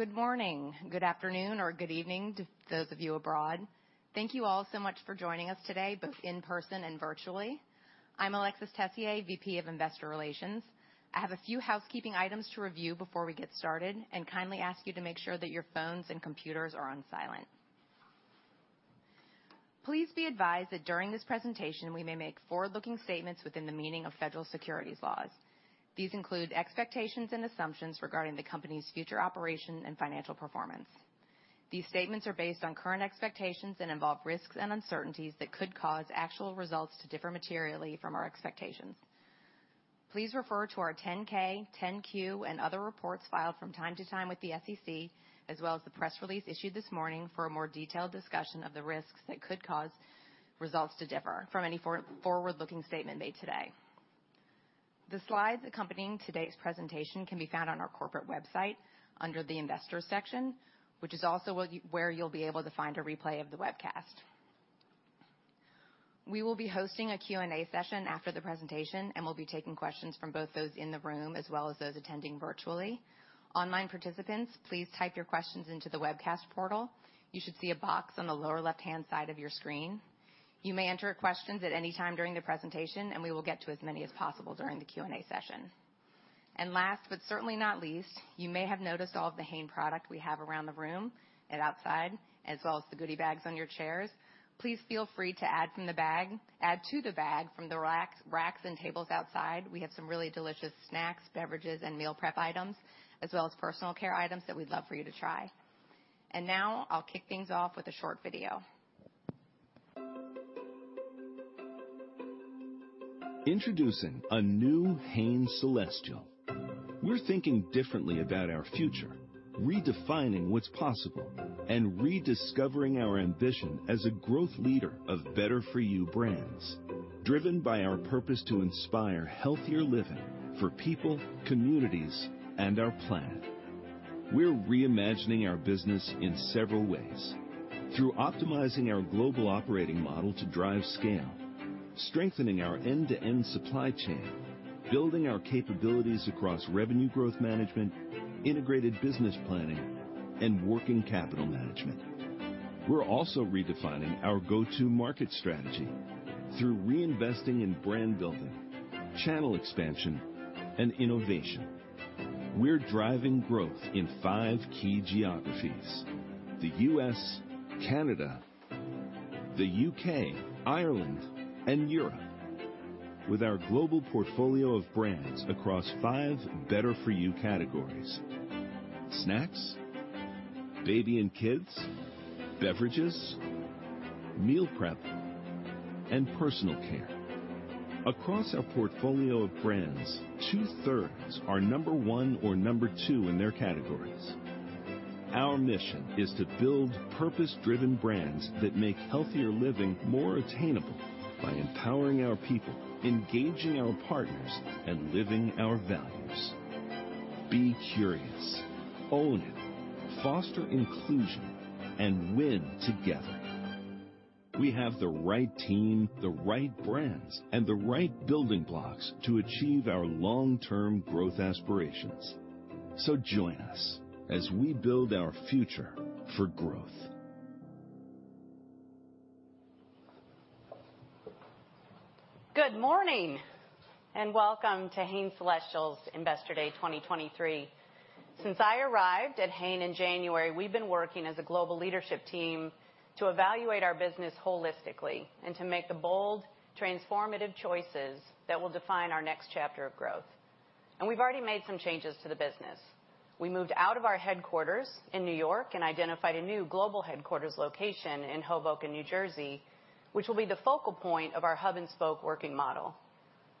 Good morning, good afternoon, or good evening to those of you abroad. Thank you all so much for joining us today, both in person and virtually. I'm Alexis Tessier, VP of Investor Relations. I have a few housekeeping items to review before we get started, and kindly ask you to make sure that your phones and computers are on silent. Please be advised that during this presentation, we may make forward-looking statements within the meaning of federal securities laws. These include expectations and assumptions regarding the company's future operation and financial performance. These statements are based on current expectations and involve risks and uncertainties that could cause actual results to differ materially from our expectations. Please refer to our 10-K, 10-Q, and other reports filed from time to time with the SEC, as well as the press release issued this morning for a more detailed discussion of the risks that could cause results to differ from any forward-looking statement made today. The slides accompanying today's presentation can be found on our corporate website under the Investors section, which is also where you'll be able to find a replay of the webcast. We will be hosting a Q&A session after the presentation, and we'll be taking questions from both those in the room as well as those attending virtually. Online participants, please type your questions into the webcast portal. You should see a box on the lower left-hand side of your screen. You may enter questions at any time during the presentation, and we will get to as many as possible during the Q&A session. Last, but certainly not least, you may have noticed all of the Hain product we have around the room and outside, as well as the goodie bags on your chairs. Please feel free to add to the bag from the racks and tables outside. We have some really delicious snacks, beverages, and meal prep items, as well as personal care items that we'd love for you to try. Now I'll kick things off with a short video. Introducing a new Hain Celestial. We're thinking differently about our future, redefining what's possible, and rediscovering our ambition as a growth leader of better-for-you brands. Driven by our purpose to inspire healthier living for people, communities, and our planet. We're reimagining our business in several ways: through optimizing our global operating model to drive scale, strengthening our end-to-end supply chain, building our capabilities across revenue growth management, integrated business planning, and working capital management. We're also redefining our go-to-market strategy through reinvesting in brand building, channel expansion, and innovation. We're driving growth in five key geographies: the U.S., Canada, the U.K., Ireland, and Europe. With our global portfolio of brands across five better-for-you categories: snacks, baby and kids, beverages, meal prep, and personal care. Across our portfolio of brands, two-thirds are number one or number two in their categories. Our mission is to build purpose-driven brands that make healthier living more attainable by empowering our people, engaging our partners, and living our values. Be curious, own it, foster inclusion, and win together. We have the right team, the right brands, and the right building blocks to achieve our long-term growth aspirations. So join us as we build our future for growth. Good morning, and welcome to Hain Celestial's Investor Day 2023. Since I arrived at Hain in January, we've been working as a global leadership team to evaluate our business holistically and to make the bold, transformative choices that will define our next chapter of growth. We've already made some changes to the business. We moved out of our headquarters in New York and identified a new global headquarters location in Hoboken, New Jersey, which will be the focal point of our hub and spoke working model.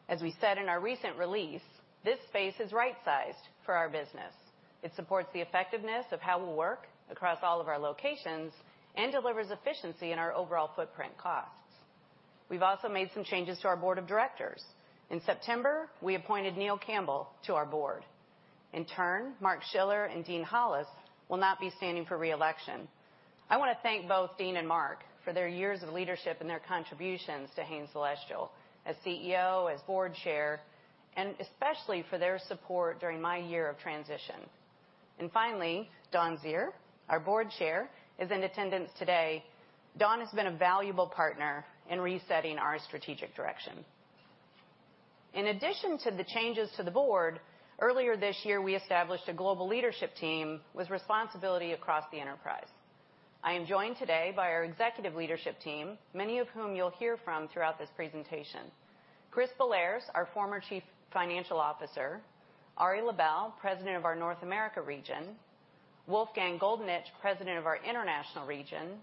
As we said in our recent release, this space is right-sized for our business. It supports the effectiveness of how we work across all of our locations and delivers efficiency in our overall footprint costs. We've also made some changes to our board of directors. In September, we appointed Neil Campbell to our board. In turn, Mark Schiller and Dean Hollis will not be standing for re-election. I want to thank both Dean and Mark for their years of leadership and their contributions to Hain Celestial as CEO, as board chair, and especially for their support during my year of transition. And finally, Dawn Zier, our board chair, is in attendance today. Dawn has been a valuable partner in resetting our strategic direction. In addition to the changes to the board, earlier this year, we established a global leadership team with responsibility across the enterprise. I am joined today by our executive leadership team, many of whom you'll hear from throughout this presentation. Chris Bellairs, our former Chief Financial Officer. Ari Labell, President of our North America region. Wolfgang Goldenitsch, President of our international region.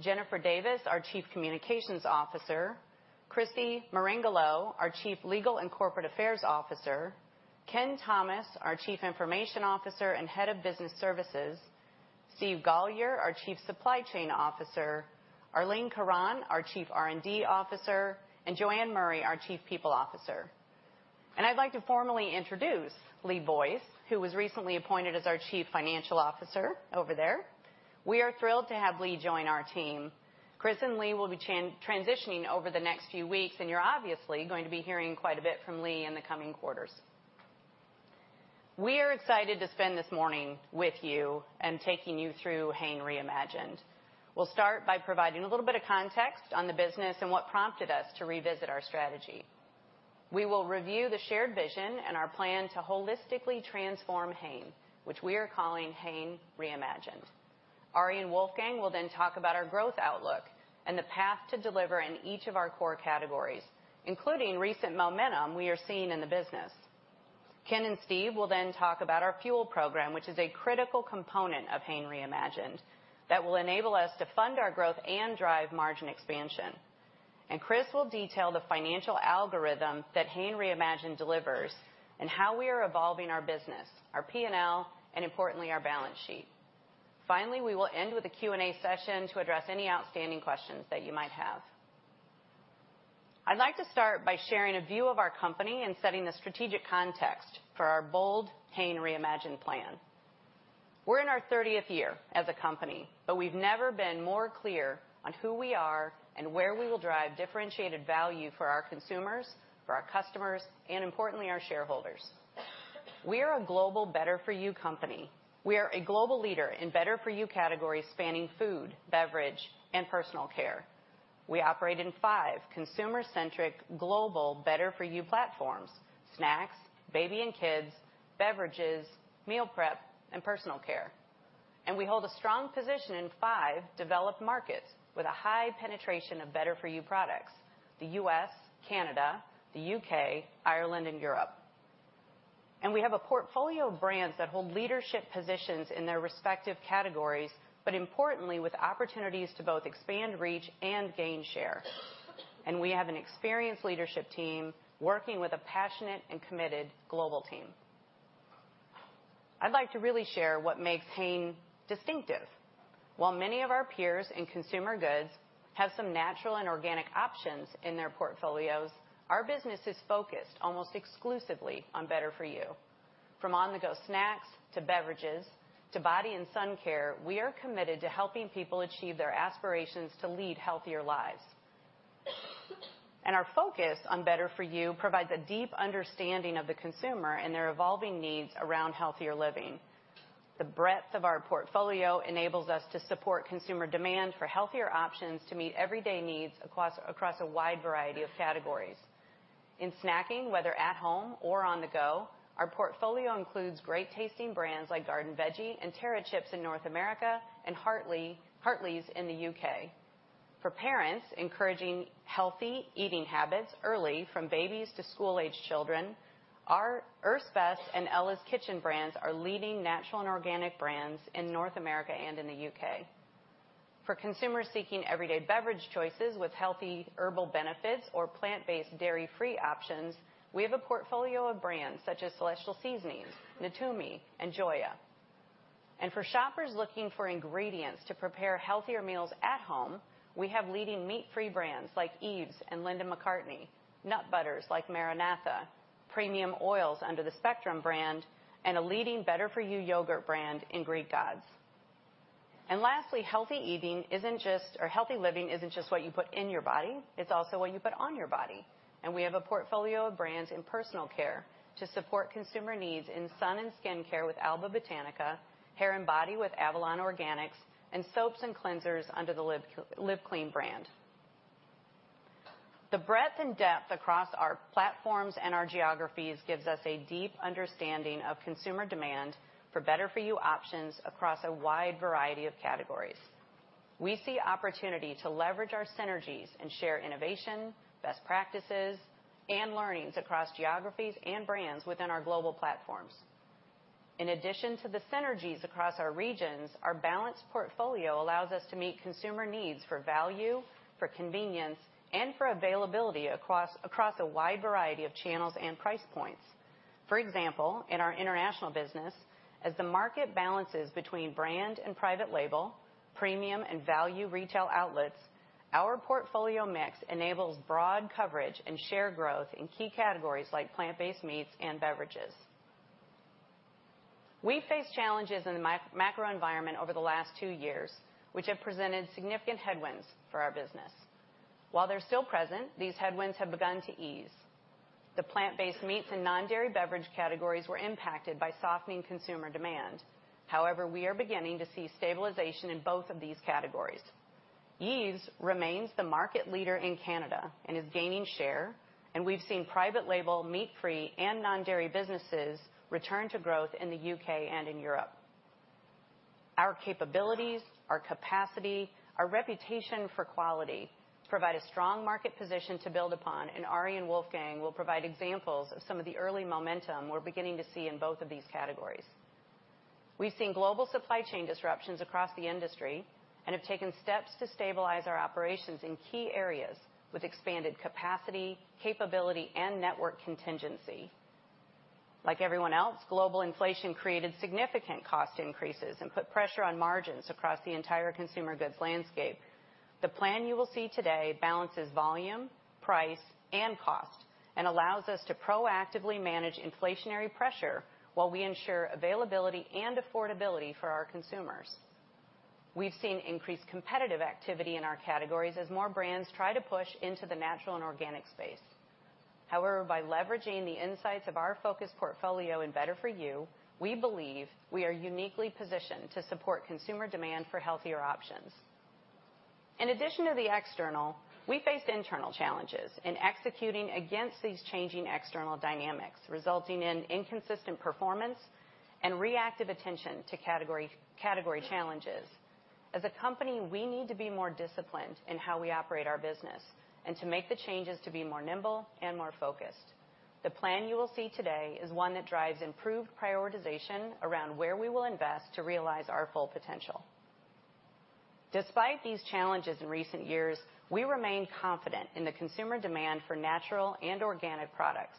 Jennifer Davis, our Chief Communications Officer. Kristy Meringolo, our Chief Legal and Corporate Affairs Officer. Ken Thomas, our Chief Information Officer and Head of Business Services. Steve Golliher, our Chief Supply Chain Officer. Arlene Karram, our Chief R&D Officer, and Joanne Murray, our Chief People Officer. I'd like to formally introduce Lee Boyce, who was recently appointed as our Chief Financial Officer over there. We are thrilled to have Lee join our team. Chris and Lee will be transitioning over the next few weeks, and you're obviously going to be hearing quite a bit from Lee in the coming quarters. We are excited to spend this morning with you and taking you through Hain Reimagined. We'll start by providing a little bit of context on the business and what prompted us to revisit our strategy. We will review the shared vision and our plan to holistically transform Hain, which we are calling Hain Reimagined. Ari and Wolfgang will then talk about our growth outlook and the path to deliver in each of our core categories, including recent momentum we are seeing in the business. Ken and Steve will then talk about our Fuel Program, which is a critical component of Hain Reimagined that will enable us to fund our growth and drive margin expansion. Chris will detail the financial algorithm that Hain Reimagined delivers and how we are evolving our business, our P&L, and importantly, our balance sheet. Finally, we will end with a Q&A session to address any outstanding questions that you might have. I'd like to start by sharing a view of our company and setting the strategic context for our bold Hain Reimagined plan. We're in our thirtieth year as a company, but we've never been more clear on who we are and where we will drive differentiated value for our consumers, for our customers, and importantly, our shareholders. We are a global better-for-you company. We are a global leader in better-for-you categories spanning food, beverage, and personal care. We operate in five consumer-centric, global, better-for-you platforms: snacks, baby and kids, beverages, meal prep, and personal care. We hold a strong position in five developed markets with a high penetration of better-for-you products, the U.S., Canada, the U.K., Ireland, and Europe. We have a portfolio of brands that hold leadership positions in their respective categories, but importantly, with opportunities to both expand, reach, and gain share. We have an experienced leadership team working with a passionate and committed global team. I'd like to really share what makes Hain distinctive. While many of our peers in consumer goods have some natural and organic options in their portfolios, our business is focused almost exclusively on better-for-you. From on-the-go snacks to beverages to body and sun care, we are committed to helping people achieve their aspirations to lead healthier lives. Our focus on better-for-you provides a deep understanding of the consumer and their evolving needs around healthier living. The breadth of our portfolio enables us to support consumer demand for healthier options to meet everyday needs across a wide variety of categories. In snacking, whether at home or on the go, our portfolio includes great-tasting brands like Garden Veggie and Terra chips in North America and Hartley's in the UK. For parents, encouraging healthy eating habits early, from babies to school-aged children, our Earth's Best and Ella's Kitchen brands are leading natural and organic brands in North America and in the UK. For consumers seeking everyday beverage choices with healthy herbal benefits or plant-based, dairy-free options, we have a portfolio of brands such as Celestial Seasonings, Natumi, and Joya. For shoppers looking for ingredients to prepare healthier meals at home, we have leading meat-free brands like Yves and Linda McCartney, nut butters like MaraNatha, premium oils under the Spectrum brand, and a leading better-for-you yogurt brand in Greek Gods. Lastly, healthy eating isn't just, or healthy living isn't just what you put in your body, it's also what you put on your body, and we have a portfolio of brands in personal care to support consumer needs in sun and skin care with Alba Botanica, Hair and Body with Avalon Organics, and soaps and cleansers under the Live Clean brand. The breadth and depth across our platforms and our geographies gives us a deep understanding of consumer demand for better-for-you options across a wide variety of categories. We see opportunity to leverage our synergies and share innovation, best practices, and learnings across geographies and brands within our global platforms. In addition to the synergies across our regions, our balanced portfolio allows us to meet consumer needs for value, for convenience, and for availability across, across a wide variety of channels and price points. For example, in our international business, as the market balances between brand and private label, premium and value retail outlets, our portfolio mix enables broad coverage and share growth in key categories like plant-based meats and beverages. We face challenges in the macro environment over the last two years, which have presented significant headwinds for our business. While they're still present, these headwinds have begun to ease. The plant-based meats and non-dairy beverage categories were impacted by softening consumer demand. However, we are beginning to see stabilization in both of these categories. Yves remains the market leader in Canada and is gaining share, and we've seen private label, meat-free, and non-dairy businesses return to growth in the UK and in Europe. Our capabilities, our capacity, our reputation for quality provide a strong market position to build upon, and Ari and Wolfgang will provide examples of some of the early momentum we're beginning to see in both of these categories. We've seen global supply chain disruptions across the industry and have taken steps to stabilize our operations in key areas with expanded capacity, capability, and network contingency. Like everyone else, global inflation created significant cost increases and put pressure on margins across the entire consumer goods landscape. The plan you will see today balances volume, price, and cost, and allows us to proactively manage inflationary pressure while we ensure availability and affordability for our consumers. We've seen increased competitive activity in our categories as more brands try to push into the natural and organic space. However, by leveraging the insights of our focused portfolio in better-for-you, we believe we are uniquely positioned to support consumer demand for healthier options. In addition to the external, we faced internal challenges in executing against these changing external dynamics, resulting in inconsistent performance and reactive attention to category challenges. As a company, we need to be more disciplined in how we operate our business and to make the changes to be more nimble and more focused. The plan you will see today is one that drives improved prioritization around where we will invest to realize our full potential. Despite these challenges in recent years, we remain confident in the consumer demand for natural and organic products.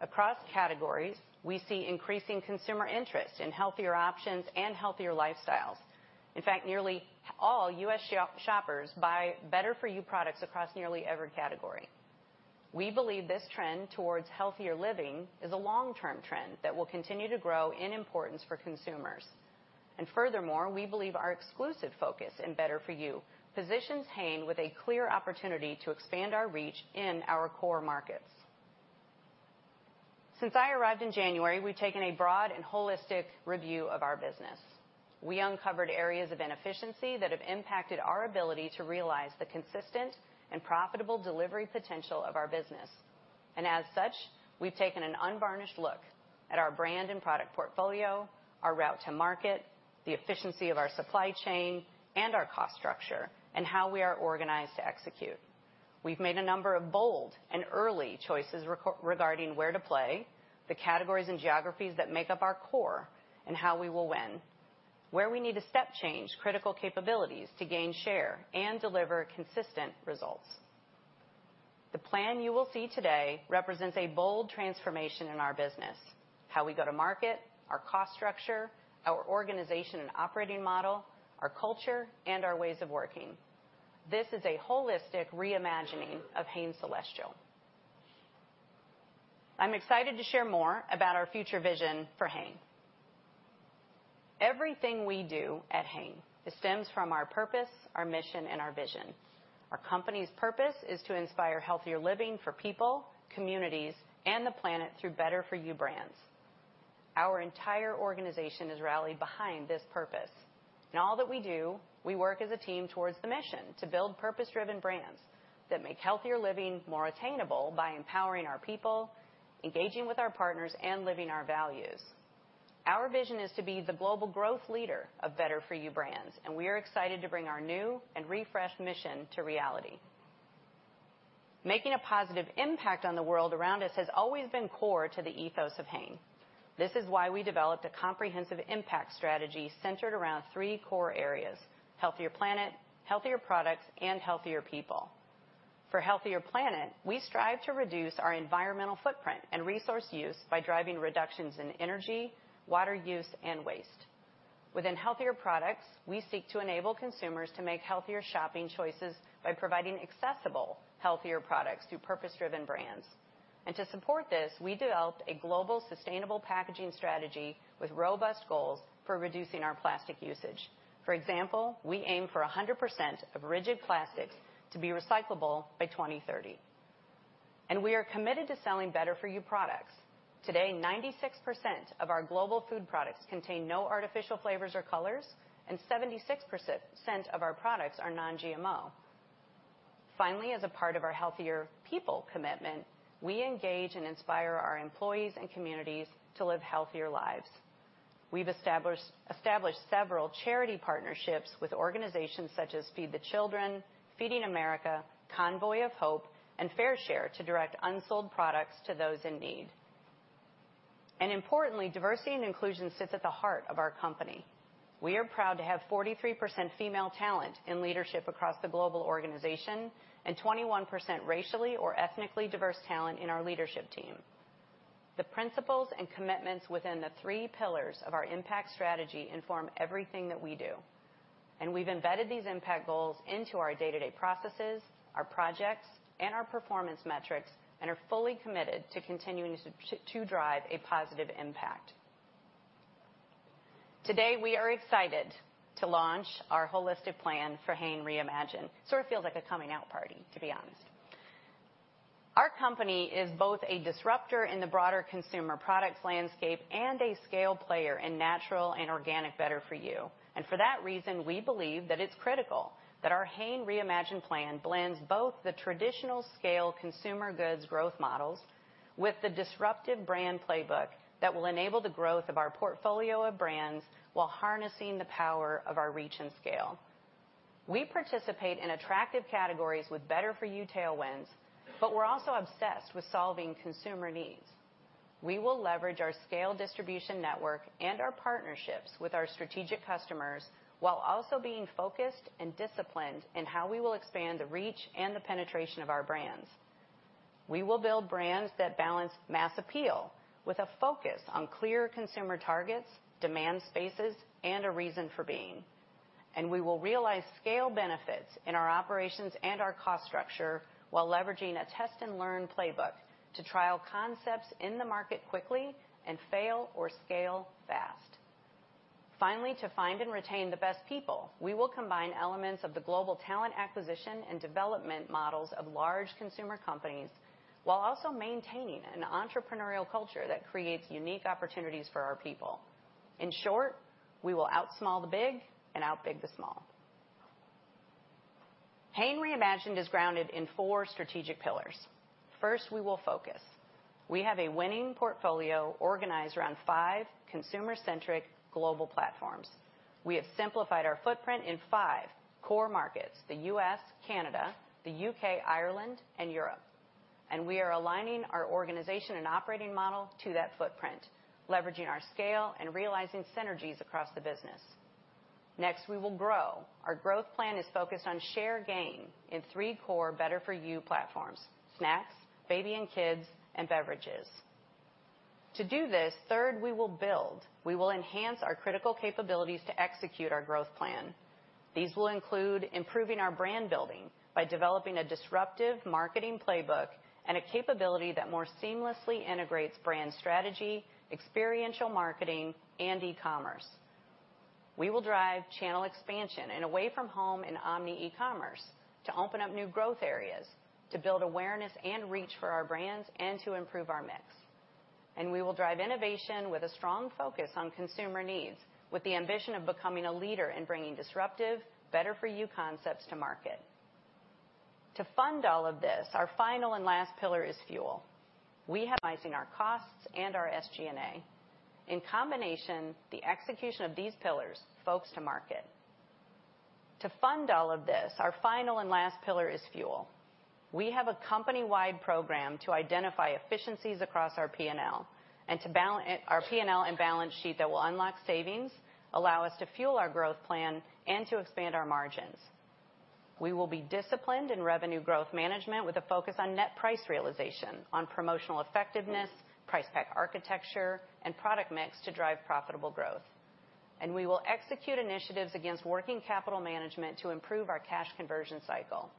Across categories, we see increasing consumer interest in healthier options and healthier lifestyles. In fact, nearly all U.S. shoppers buy better-for-you products across nearly every category. We believe this trend towards healthier living is a long-term trend that will continue to grow in importance for consumers. And furthermore, we believe our exclusive focus in better-for-you positions Hain with a clear opportunity to expand our reach in our core markets. Since I arrived in January, we've taken a broad and holistic review of our business. We uncovered areas of inefficiency that have impacted our ability to realize the consistent and profitable delivery potential of our business. As such, we've taken an unvarnished look at our brand and product portfolio, our route to market, the efficiency of our supply chain, and our cost structure, and how we are organized to execute. We've made a number of bold and early choices regarding where to play, the categories and geographies that make up our core, and how we will win, where we need to step change critical capabilities to gain share and deliver consistent results. The plan you will see today represents a bold transformation in our business, how we go to market, our cost structure, our organization and operating model, our culture, and our ways of working. This is a holistic reimagining of Hain Celestial. I'm excited to share more about our future vision for Hain. Everything we do at Hain stems from our purpose, our mission, and our vision. Our company's purpose is to inspire healthier living for people, communities, and the planet through better-for-you brands. Our entire organization is rallied behind this purpose. In all that we do, we work as a team towards the mission to build purpose-driven brands that make healthier living more attainable by empowering our people, engaging with our partners, and living our values. Our vision is to be the global growth leader of better-for-you brands, and we are excited to bring our new and refreshed mission to reality. Making a positive impact on the world around us has always been core to the ethos of Hain. This is why we developed a comprehensive impact strategy centered around three core areas: healthier planet, healthier products, and healthier people. For healthier planet, we strive to reduce our environmental footprint and resource use by driving reductions in energy, water use, and waste. Within healthier products, we seek to enable consumers to make healthier shopping choices by providing accessible, healthier products through purpose-driven brands. And to support this, we developed a global sustainable packaging strategy with robust goals for reducing our plastic usage. For example, we aim for 100% of rigid plastics to be recyclable by 2030, and we are committed to selling better-for-you products. Today, 96% of our global food products contain no artificial flavors or colors, and 76% of our products are non-GMO. Finally, as a part of our healthier people commitment, we engage and inspire our employees and communities to live healthier lives. We've established several charity partnerships with organizations such as Feed the Children, Feeding America, Convoy of Hope, and FareShare to direct unsold products to those in need. Importantly, diversity and inclusion sits at the heart of our company. We are proud to have 43% female talent in leadership across the global organization and 21% racially or ethnically diverse talent in our leadership team. The principles and commitments within the three pillars of our impact strategy inform everything that we do, and we've embedded these impact goals into our day-to-day processes, our projects, and our performance metrics, and are fully committed to continuing to drive a positive impact. Today, we are excited to launch our holistic plan for Hain Reimagined. Sort of feels like a coming out party, to be honest. Our company is both a disruptor in the broader consumer products landscape and a scale player in natural and organic better-for-you. For that reason, we believe that it's critical that our Hain Reimagined plan blends both the traditional scale consumer goods growth models with the disruptive brand playbook that will enable the growth of our portfolio of brands while harnessing the power of our reach and scale. We participate in attractive categories with better-for-you tailwinds, but we're also obsessed with solving consumer needs. We will leverage our scale distribution network and our partnerships with our strategic customers, while also being focused and disciplined in how we will expand the reach and the penetration of our brands. We will build brands that balance mass appeal with a focus on clear consumer targets, demand spaces, and a reason for being. We will realize scale benefits in our operations and our cost structure while leveraging a test and learn playbook to trial concepts in the market quickly and fail or scale fast. Finally, to find and retain the best people, we will combine elements of the global talent acquisition and development models of large consumer companies, while also maintaining an entrepreneurial culture that creates unique opportunities for our people. In short, we will out small the big and out big the small. Hain Reimagined is grounded in four strategic pillars. First, we will focus. We have a winning portfolio organized around five consumer-centric global platforms. We have simplified our footprint in five core markets, the U.S., Canada, the U.K., Ireland, and Europe, and we are aligning our organization and operating model to that footprint, leveraging our scale and realizing synergies across the business. Next, we will grow. Our growth plan is focused on share gain in three core better-for-you platforms, snacks, baby and kids, and beverages. To do this, third, we will build. We will enhance our critical capabilities to execute our growth plan. These will include improving our brand building by developing a disruptive marketing playbook and a capability that more seamlessly integrates brand strategy, experiential marketing, and e-commerce. We will drive channel expansion and away-from-home and omni e-commerce to open up new growth areas, to build awareness and reach for our brands, and to improve our mix. And we will drive innovation with a strong focus on consumer needs, with the ambition of becoming a leader in bringing disruptive, better-for-you concepts to market. To fund all of this, our final and last pillar is Fuel. We have our costs and our SG&A. In combination, the execution of these pillars, go-to-market. To fund all of this, our final and last pillar is Fuel. We have a company-wide program to identify efficiencies across our P&L, and to balance our P&L and balance sheet that will unlock savings, allow us to Fuel our growth plan, and to expand our margins. We will be disciplined in revenue growth management with a focus on net price realization, on promotional effectiveness, price pack architecture, and product mix to drive profitable growth. We will execute initiatives against working capital management to improve our cash conversion cycle.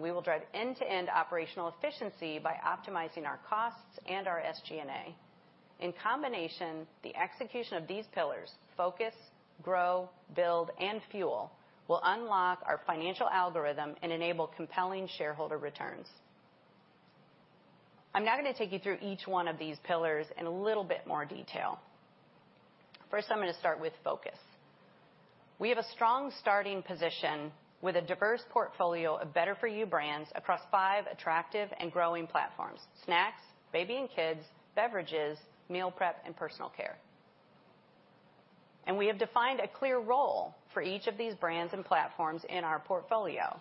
We will drive end-to-end operational efficiency by optimizing our costs and our SG&A. In combination, the execution of these pillars, Focus, Grow, Build, and Fuel, will unlock our financial algorithm and enable compelling shareholder returns. I'm now going to take you through each one of these pillars in a little bit more detail. First, I'm going to start with focus. We have a strong starting position with a diverse portfolio of better-for-you brands across five attractive and growing platforms, snacks, baby and kids, beverages, meal prep, and personal care. We have defined a clear role for each of these brands and platforms in our portfolio.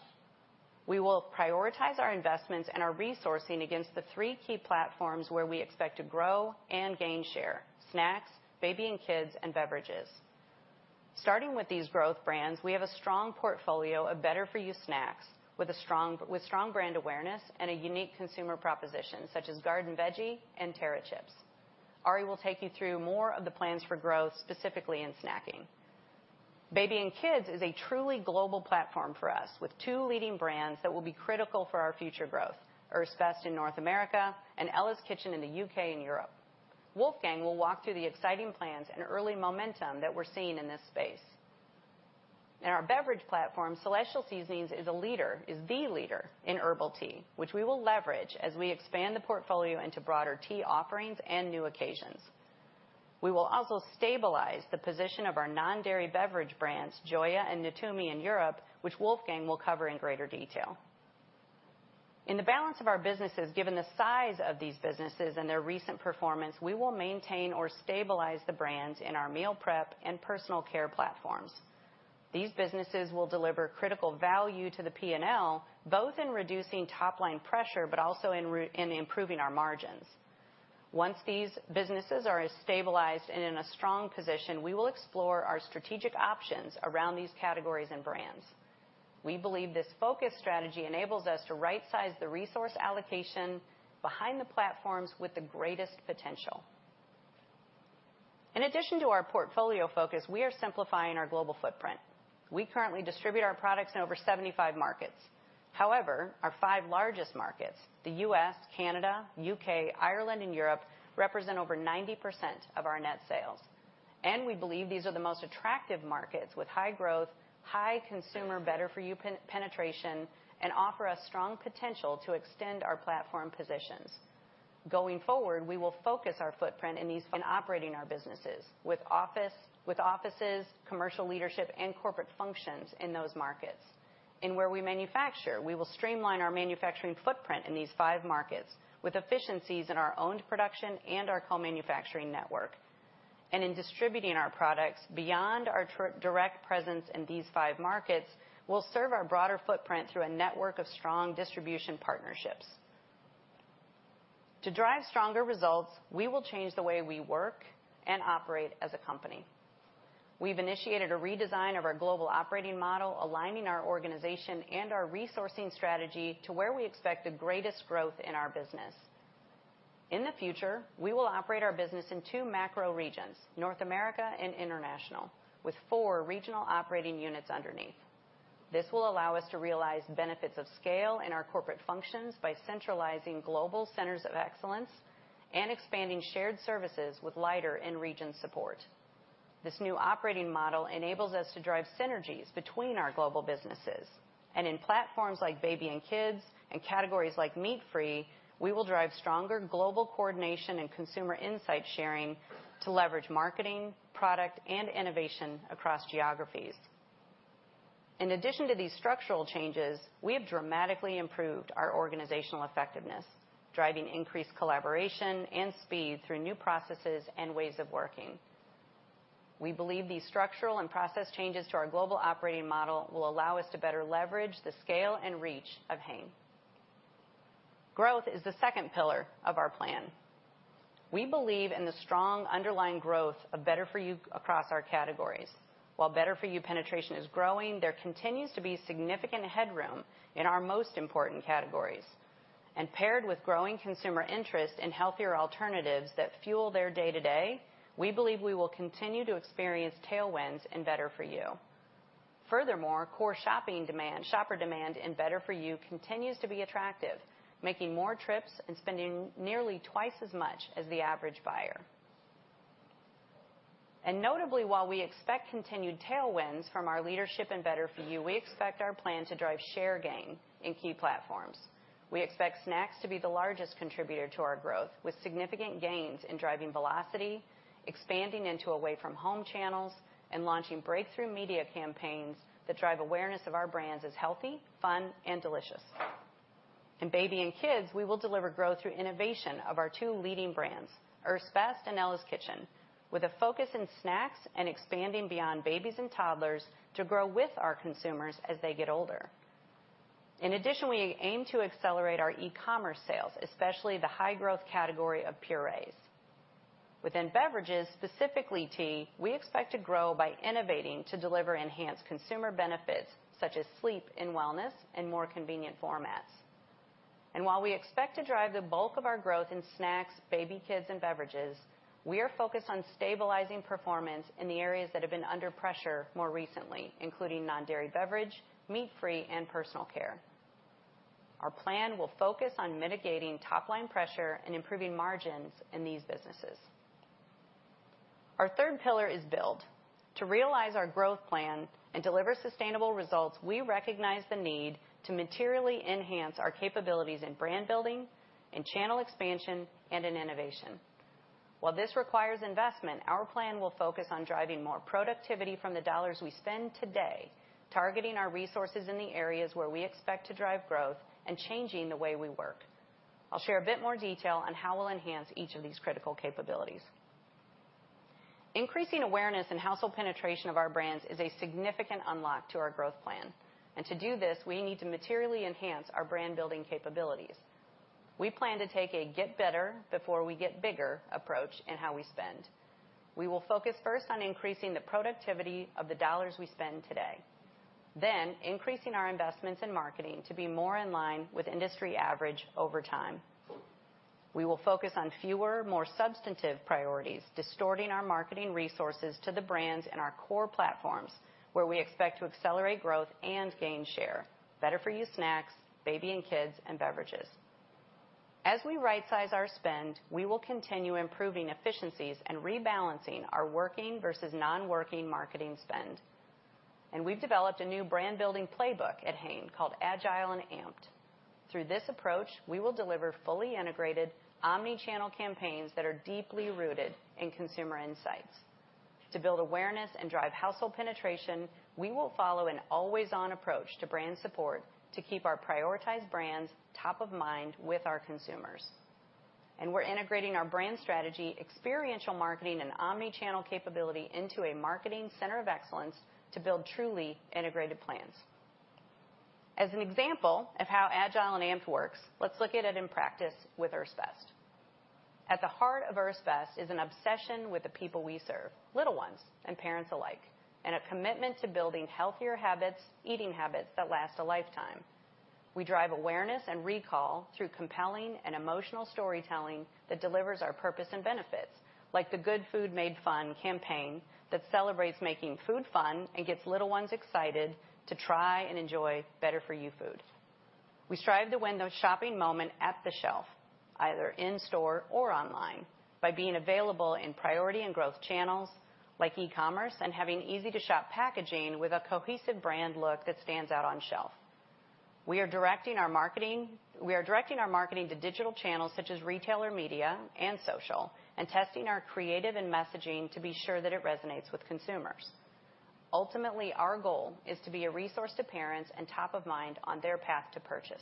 We will prioritize our investments and our resourcing against the three key platforms where we expect to grow and gain share, snacks, baby and kids, and beverages. Starting with these growth brands, we have a strong portfolio of better-for-you snacks with strong brand awareness and a unique consumer proposition, such as Garden Veggie and TERRA chips. Ari will take you through more of the plans for growth, specifically in snacking. Baby and kids is a truly global platform for us, with two leading brands that will be critical for our future growth, Earth's Best in North America and Ella's Kitchen in the U.K. and Europe. Wolfgang will walk through the exciting plans and early momentum that we're seeing in this space. In our beverage platform, Celestial Seasonings is a leader, is the leader in herbal tea, which we will leverage as we expand the portfolio into broader tea offerings and new occasions. We will also stabilize the position of our non-dairy beverage brands, Joya and Natumi in Europe, which Wolfgang will cover in greater detail. In the balance of our businesses, given the size of these businesses and their recent performance, we will maintain or stabilize the brands in our meal prep and personal care platforms. These businesses will deliver critical value to the P&L, both in reducing top-line pressure, but also in improving our margins. Once these businesses are stabilized and in a strong position, we will explore our strategic options around these categories and brands. We believe this focus strategy enables us to rightsize the resource allocation behind the platforms with the greatest potential. In addition to our portfolio focus, we are simplifying our global footprint. We currently distribute our products in over 75 markets. However, our five largest markets, the US, Canada, UK, Ireland, and Europe, represent over 90% of our net sales. We believe these are the most attractive markets with high growth, high consumer better-for-you penetration, and offer us strong potential to extend our platform positions. Going forward, we will focus our footprint in these in operating our businesses with offices, commercial leadership, and corporate functions in those markets. Where we manufacture, we will streamline our manufacturing footprint in these five markets with efficiencies in our owned production and our co-manufacturing network. In distributing our products beyond our direct presence in these five markets, we'll serve our broader footprint through a network of strong distribution partnerships. To drive stronger results, we will change the way we work and operate as a company. We've initiated a redesign of our global operating model, aligning our organization and our resourcing strategy to where we expect the greatest growth in our business. In the future, we will operate our business in two macro regions, North America and International, with four regional operating units underneath. This will allow us to realize benefits of scale in our corporate functions by centralizing global centers of excellence and expanding shared services with lighter regional support. This new operating model enables us to drive synergies between our global businesses, and in platforms like baby and kids and categories like meat-free, we will drive stronger global coordination and consumer insight sharing to leverage marketing, product, and innovation across geographies. In addition to these structural changes, we have dramatically improved our organizational effectiveness, driving increased collaboration and speed through new processes and ways of working. We believe these structural and process changes to our global operating model will allow us to better leverage the scale and reach of Hain. Growth is the second pillar of our plan. We believe in the strong underlying growth of better-for-you across our categories. While better-for-you penetration is growing, there continues to be significant headroom in our most important categories, and paired with growing consumer interest in healthier alternatives that Fuel their day-to-day, we believe we will continue to experience tailwinds in better-for-you. Furthermore, shopper demand in better-for-you continues to be attractive, making more trips and spending nearly twice as much as the average buyer. Notably, while we expect continued tailwinds from our leadership in better-for-you, we expect our plan to drive share gain in key platforms. We expect snacks to be the largest contributor to our growth, with significant gains in driving velocity, expanding into away-from-home channels, and launching breakthrough media campaigns that drive awareness of our brands as healthy, fun, and delicious. In baby and kids, we will deliver growth through innovation of our two leading brands, Earth's Best and Ella's Kitchen, with a focus in snacks and expanding beyond babies and toddlers to grow with our consumers as they get older. In addition, we aim to accelerate our e-commerce sales, especially the high-growth category of purees. Within beverages, specifically tea, we expect to grow by innovating to deliver enhanced consumer benefits, such as sleep and wellness, and more convenient formats. And while we expect to drive the bulk of our growth in snacks, baby, kids, and beverages, we are focused on stabilizing performance in the areas that have been under pressure more recently, including non-dairy beverage, meat-free, and personal care. Our plan will focus on mitigating top-line pressure and improving margins in these businesses. Our third pillar is build. To realize our growth plan and deliver sustainable results, we recognize the need to materially enhance our capabilities in brand building, in channel expansion, and in innovation. While this requires investment, our plan will focus on driving more productivity from the dollars we spend today, targeting our resources in the areas where we expect to drive growth and changing the way we work. I'll share a bit more detail on how we'll enhance each of these critical capabilities. Increasing awareness and household penetration of our brands is a significant unlock to our growth plan, and to do this, we need to materially enhance our brand-building capabilities. We plan to take a get better before we get bigger approach in how we spend. We will focus first on increasing the productivity of the dollars we spend today, then increasing our investments in marketing to be more in line with industry average over time. We will focus on fewer, more substantive priorities, distorting our marketing resources to the brands in our core platforms, where we expect to accelerate growth and gain share, better-for-you snacks, baby and kids, and beverages. As we rightsize our spend, we will continue improving efficiencies and rebalancing our working versus non-working marketing spend. And we've developed a new brand-building playbook at Hain called Agile & Amped. Through this approach, we will deliver fully integrated omni-channel campaigns that are deeply rooted in consumer insights. To build awareness and drive household penetration, we will follow an always-on approach to brand support to keep our prioritized brands top of mind with our consumers. We're integrating our brand strategy, experiential marketing, and omni-channel capability into a marketing center of excellence to build truly integrated plans. As an example of how Agile & Amped works, let's look at it in practice with Earth's Best. At the heart of Earth's Best is an obsession with the people we serve, little ones and parents alike, and a commitment to building healthier habits, eating habits that last a lifetime. We drive awareness and recall through compelling and emotional storytelling that delivers our purpose and benefits, like the Good Food Made Fun campaign that celebrates making food fun and gets little ones excited to try and enjoy better-for-you food. We strive to win the shopping moment at the shelf, either in-store or online, by being available in priority and growth channels like e-commerce and having easy-to-shop packaging with a cohesive brand look that stands out on shelf. We are directing our marketing, we are directing our marketing to digital channels such as retailer media and social, and testing our creative and messaging to be sure that it resonates with consumers. Ultimately, our goal is to be a resource to parents and top of mind on their path to purchase.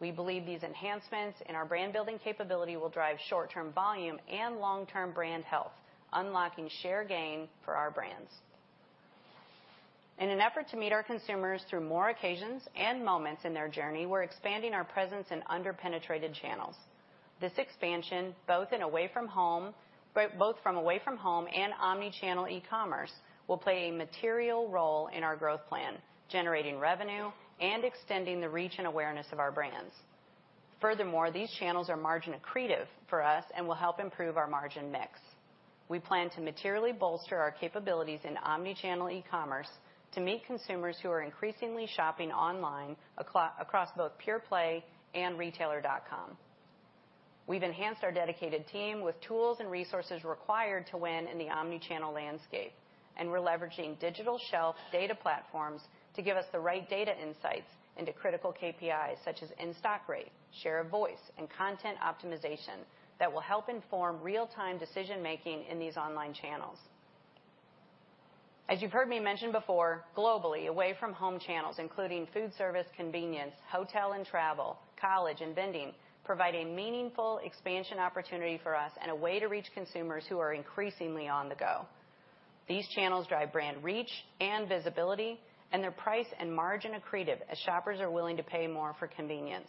We believe these enhancements and our brand-building capability will drive short-term volume and long-term brand health, unlocking share gain for our brands. In an effort to meet our consumers through more occasions and moments in their journey, we're expanding our presence in under-penetrated channels. This expansion, both in away-from-home and omni-channel e-commerce, will play a material role in our growth plan, generating revenue and extending the reach and awareness of our brands. Furthermore, these channels are margin accretive for us and will help improve our margin mix. We plan to materially bolster our capabilities in omni-channel e-commerce to meet consumers who are increasingly shopping online across both pure play and retailer.com. We've enhanced our dedicated team with tools and resources required to win in the omni-channel landscape, and we're leveraging digital shelf data platforms to give us the right data insights into critical KPIs, such as in-stock rate, share of voice, and content optimization, that will help inform real-time decision making in these online channels. As you've heard me mention before, globally, away-from-home channels, including food service, convenience, hotel and travel, college and vending, provide a meaningful expansion opportunity for us and a way to reach consumers who are increasingly on the go. These channels drive brand reach and visibility, and they're price and margin accretive as shoppers are willing to pay more for convenience.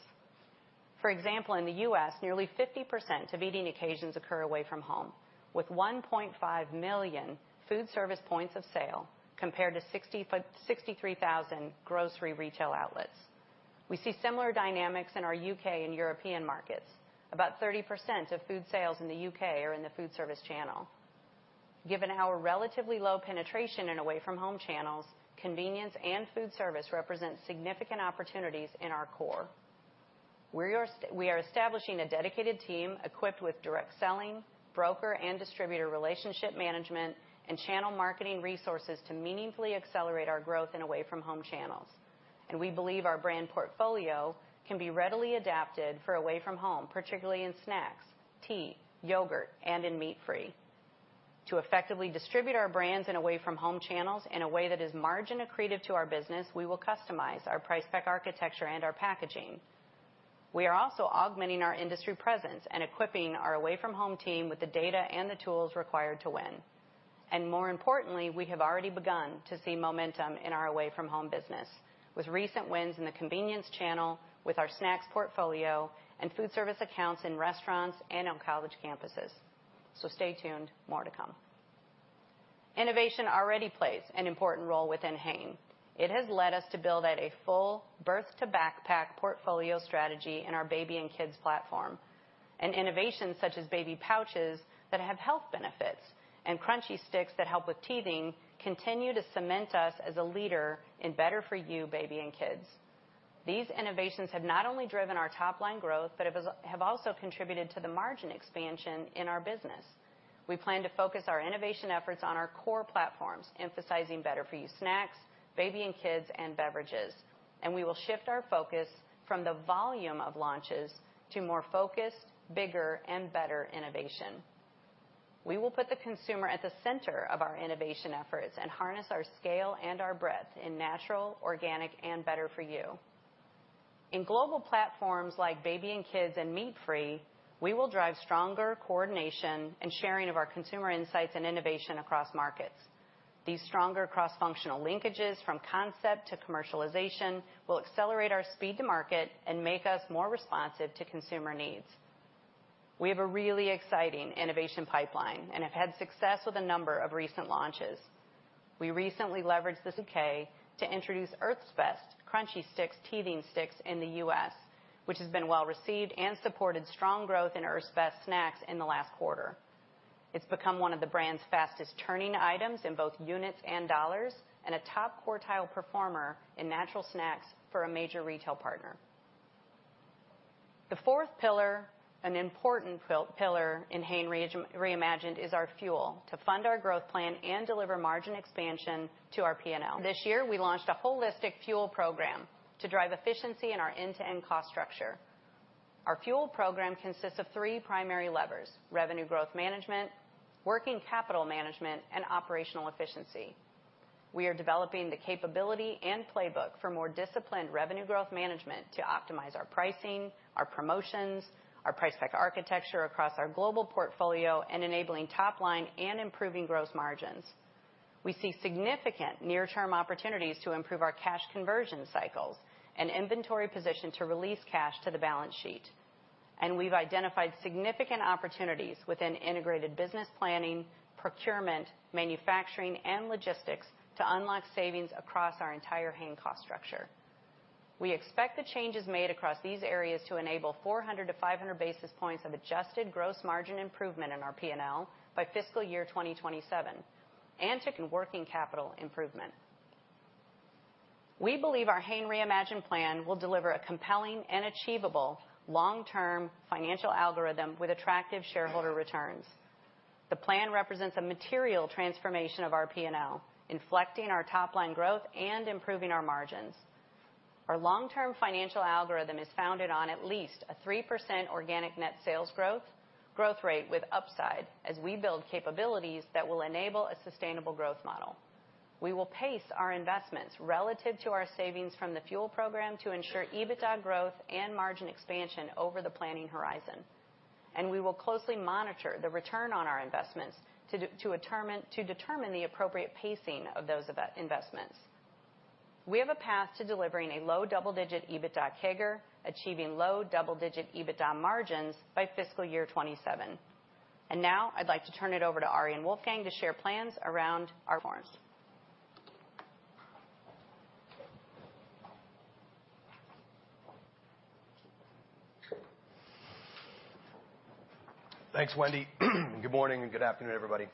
For example, in the U.S., nearly 50% of eating occasions occur away-from-home, with 1.5 million food service points of sale, compared to 63,000 grocery retail outlets. We see similar dynamics in our U.K. and European markets. About 30% of food sales in the U.K. are in the food service channel. Given our relatively low penetration in away-from-home channels, convenience and food service represent significant opportunities in our core. We are establishing a dedicated team equipped with direct selling, broker and distributor relationship management, and channel marketing resources to meaningfully accelerate our growth in away-from-home channels. We believe our brand portfolio can be readily adapted for away-from-home, particularly in snacks, tea, yogurt, and in meat-free. To effectively distribute our brands in away-from-home channels in a way that is margin accretive to our business, we will customize our price pack architecture and our packaging. We are also augmenting our industry presence and equipping our away-from-home team with the data and the tools required to win. More importantly, we have already begun to see momentum in our away-from-home business, with recent wins in the convenience channel, with our snacks portfolio and foodservice accounts in restaurants and on college campuses. Stay tuned, more to come. Innovation already plays an important role within Hain. It has led us to build out a full Birth to Backpack portfolio strategy in our baby and kids platform. Innovations such as baby pouches that have health benefits and crunchy sticks that help with teething continue to cement us as a leader in better-for-you, baby and kids. These innovations have not only driven our top-line growth, but have also contributed to the margin expansion in our business. We plan to focus our innovation efforts on our core platforms, emphasizing better-for-you snacks, baby and kids, and beverages. We will shift our focus from the volume of launches to more focused, bigger, and better innovation. We will put the consumer at the center of our innovation efforts and harness our scale and our breadth in natural, organic, and better-for-you. In global platforms like baby and kids and meat-free, we will drive stronger coordination and sharing of our consumer insights and innovation across markets. These stronger cross-functional linkages from concept to commercialization will accelerate our speed to market and make us more responsive to consumer needs. We have a really exciting innovation pipeline and have had success with a number of recent launches. We recently leveraged the U.K. to introduce Earth's Best Crunchy Sticks teething sticks in the U.S., which has been well-received and supported strong growth in Earth's Best snacks in the last quarter. It's become one of the brand's fastest-turning items in both units and dollars, and a top quartile performer in natural snacks for a major retail partner. The fourth pillar, an important pillar in Hain Reimagined, is our Fuel, to fund our growth plan and deliver margin expansion to our P&L. This year, we launched a holistic Fuel Program to drive efficiency in our end-to-end cost structure. Our Fuel Program consists of three primary levers: revenue growth management, working capital management, and operational efficiency. We are developing the capability and playbook for more disciplined revenue growth management to optimize our pricing, our promotions, our price pack architecture across our global portfolio, and enabling top line and improving gross margins. We see significant near-term opportunities to improve our cash conversion cycles and inventory position to release cash to the balance sheet. We've identified significant opportunities within integrated business planning, procurement, manufacturing, and logistics to unlock savings across our entire Hain cost structure. We expect the changes made across these areas to enable 400-500 basis points of adjusted gross margin improvement in our P&L by FY27 and to working capital improvement. We believe our Hain Reimagined plan will deliver a compelling and achievable long-term financial algorithm with attractive shareholder returns. The plan represents a material transformation of our P&L, inflecting our top line growth and improving our margins. Our long-term financial algorithm is founded on at least a 3% organic net sales growth rate with upside as we build capabilities that will enable a sustainable growth model. We will pace our investments relative to our savings from the Fuel program to ensure EBITDA growth and margin expansion over the planning horizon, and we will closely monitor the return on our investments to determine the appropriate pacing of those investments. We have a path to delivering a low double-digit EBITDA CAGR, achieving low double-digit EBITDA margins by FY27. Now I'd like to turn it over to Ari and Wolfgang to share plans around our forms. Thanks, Wendy. Good morning and good afternoon, everybody.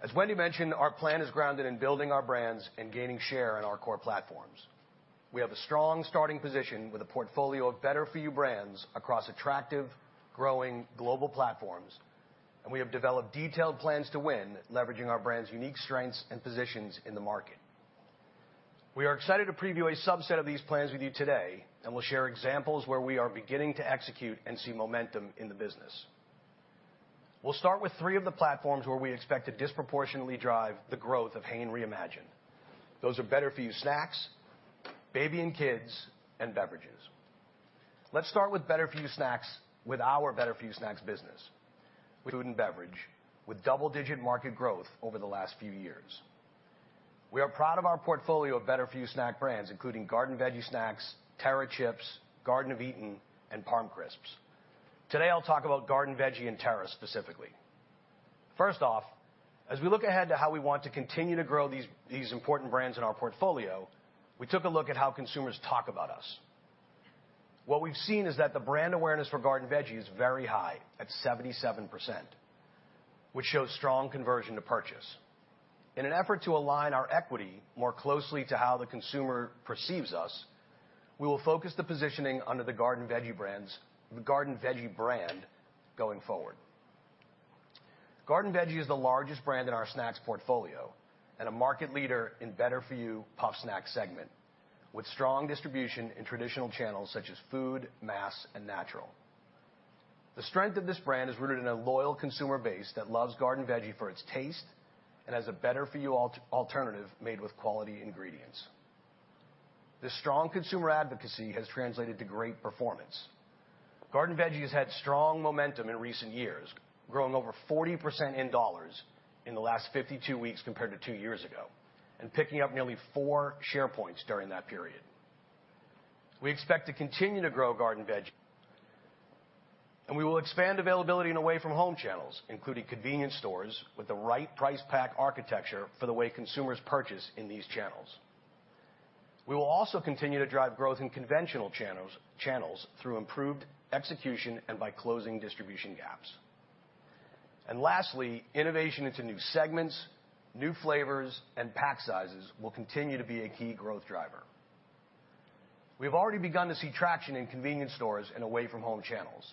As Wendy mentioned, our plan is grounded in building our brands and gaining share in our core platforms. We have a strong starting position with a portfolio of better-for-you brands across attractive, growing global platforms, and we have developed detailed plans to win, leveraging our brands' unique strengths and positions in the market. We are excited to preview a subset of these plans with you today, and we'll share examples where we are beginning to execute and see momentum in the business. We'll start with three of the platforms where we expect to disproportionately drive the growth of Hain Reimagined. Those are better-for-you snacks, baby and kids, and beverages. Let's start with better-for-you snacks, with our better-for-you snacks business, food and beverage, with double-digit market growth over the last few years. We are proud of our portfolio of better-for-you snack brands, including Garden Veggie Snacks, Terra chips, Garden of Eatin', and ParmCrisps. Today, I'll talk about Garden Veggie and Terra specifically. First off, as we look ahead to how we want to continue to grow these, these important brands in our portfolio, we took a look at how consumers talk about us. What we've seen is that the brand awareness for Garden Veggie is very high, at 77%, which shows strong conversion to purchase. In an effort to align our equity more closely to how the consumer perceives us, we will focus the positioning under the Garden Veggie brands, the Garden Veggie brand, going forward. Garden Veggie is the largest brand in our snacks portfolio and a market leader in better-for-you puff snack segment, with strong distribution in traditional channels such as food, mass, and natural. The strength of this brand is rooted in a loyal consumer base that loves Garden Veggie for its taste and as a better-for-you alternative made with quality ingredients. This strong consumer advocacy has translated to great performance. Garden Veggie has had strong momentum in recent years, growing over 40% in dollars in the last 52 weeks compared to two years ago, and picking up nearly 4 share points during that period. We expect to continue to grow Garden Veggie, and we will expand availability in away-from-home channels, including convenience stores, with the right price-pack architecture for the way consumers purchase in these channels. We will also continue to drive growth in conventional channels through improved execution and by closing distribution gaps. And lastly, innovation into new segments, new flavors, and pack sizes will continue to be a key growth driver. We have already begun to see traction in convenience stores and away-from-home channels.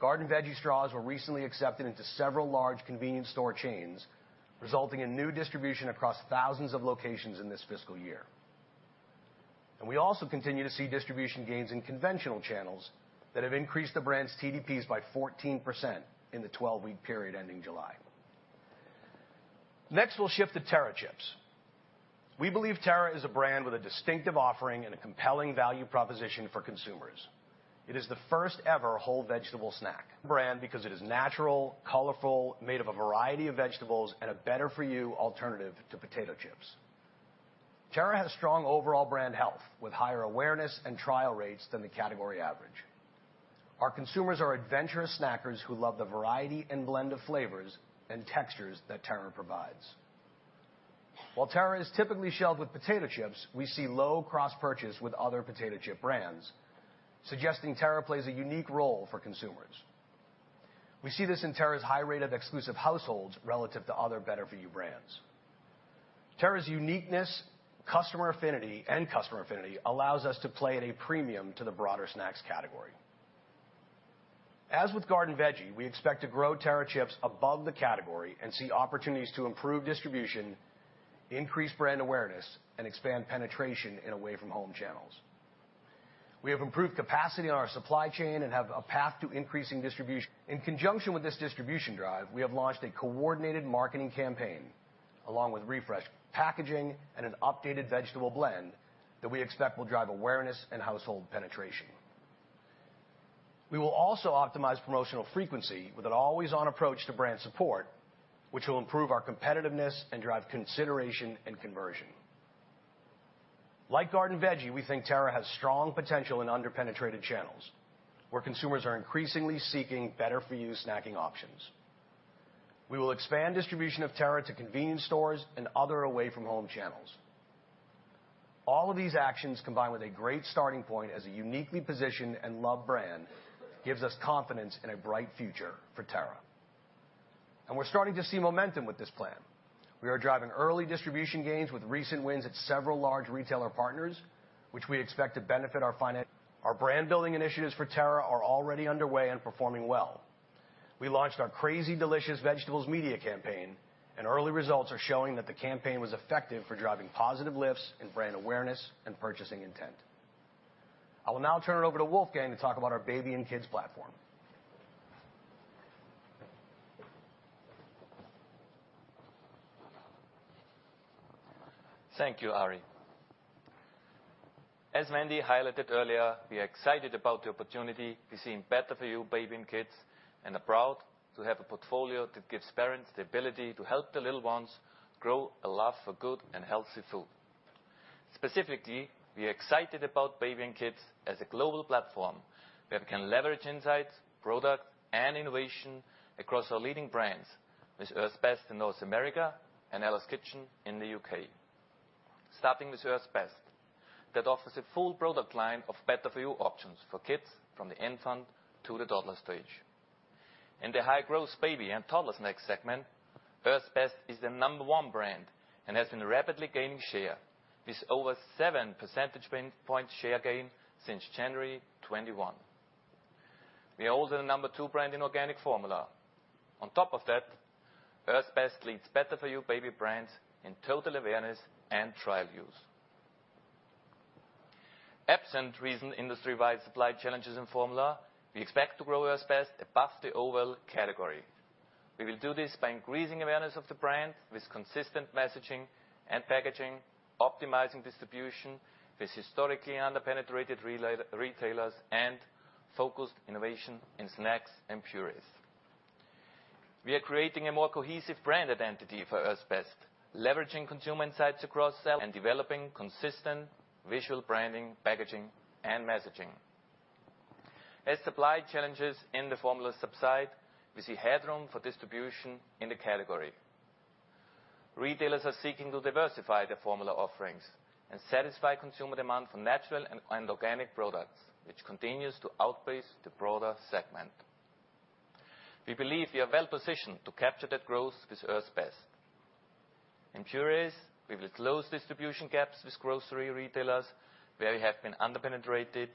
Garden Veggie Straws were recently accepted into several large convenience store chains, resulting in new distribution across thousands of locations in this fiscal year. We also continue to see distribution gains in conventional channels that have increased the brand's TDPs by 14% in the 12-week period ending July. Next, we'll shift to Terra chips. We believe Terra is a brand with a distinctive offering and a compelling value proposition for consumers. It is the first ever whole vegetable snack brand because it is natural, colorful, made of a variety of vegetables, and a better-for-you alternative to potato chips. Terra has strong overall brand health, with higher awareness and trial rates than the category average. Our consumers are adventurous snackers who love the variety and blend of flavors and textures that Terra provides. While Terra is typically shelved with potato chips, we see low cross-purchase with other potato chip brands, suggesting Terra plays a unique role for consumers. We see this in Terra's high rate of exclusive households relative to other better-for-you brands. Terra's uniqueness and customer affinity allows us to play at a premium to the broader snacks category. As with Garden Veggie, we expect to grow Terra chips above the category and see opportunities to improve distribution, increase brand awareness, and expand penetration in away-from-home channels. We have improved capacity on our supply chain and have a path to increasing distribution. In conjunction with this distribution drive, we have launched a coordinated marketing campaign, along with refreshed packaging and an updated vegetable blend that we expect will drive awareness and household penetration. We will also optimize promotional frequency with an always-on approach to brand support, which will improve our competitiveness and drive consideration and conversion. Like Garden Veggie, we think Terra has strong potential in underpenetrated channels, where consumers are increasingly seeking better-for-you snacking options. We will expand distribution of Terra to convenience stores and other away-from-home channels. All of these actions, combined with a great starting point as a uniquely positioned and loved brand, gives us confidence in a bright future for Terra. And we're starting to see momentum with this plan. We are driving early distribution gains with recent wins at several large retailer partners, which we expect to benefit our financials. Our brand-building initiatives for Terra are already underway and performing well. We launched our Crazy Delicious Vegetables media campaign, and early results are showing that the campaign was effective for driving positive lifts in brand awareness and purchasing intent. I will now turn it over to Wolfgang to talk about our baby and kids platform. Thank you, Ari. As Wendy highlighted earlier, we are excited about the opportunity we see in better-for-you baby and kids, and are proud to have a portfolio that gives parents the ability to help their little ones grow a love for good and healthy food. Specifically, we are excited about baby and kids as a global platform, where we can leverage insights, product, and innovation across our leading brands, with Earth's Best in North America and Ella's Kitchen in the UK. Starting with Earth's Best, that offers a full product line of better-for-you options for kids from the infant to the toddler stage. In the high-growth baby and toddler snack segment, Earth's Best is the number one brand and has been rapidly gaining share, with over 7 percentage point share gain since January 2021. We are also the number two brand in organic formula. On top of that, Earth's Best leads better-for-you baby brands in total awareness and trial use. Absent recent industry-wide supply challenges in formula, we expect to grow Earth's Best above the overall category. We will do this by increasing awareness of the brand with consistent messaging and packaging, optimizing distribution with historically under-penetrated retailers, and focused innovation in snacks and purees. We are creating a more cohesive brand identity for Earth's Best, leveraging consumer insights across shelf and developing consistent visual branding, packaging, and messaging. As supply challenges in the formula subside, we see headroom for distribution in the category. Retailers are seeking to diversify their formula offerings and satisfy consumer demand for natural and organic products, which continues to outpace the broader segment. We believe we are well positioned to capture that growth with Earth's Best. In purees, we will close distribution gaps with grocery retailers, where we have been under-penetrated,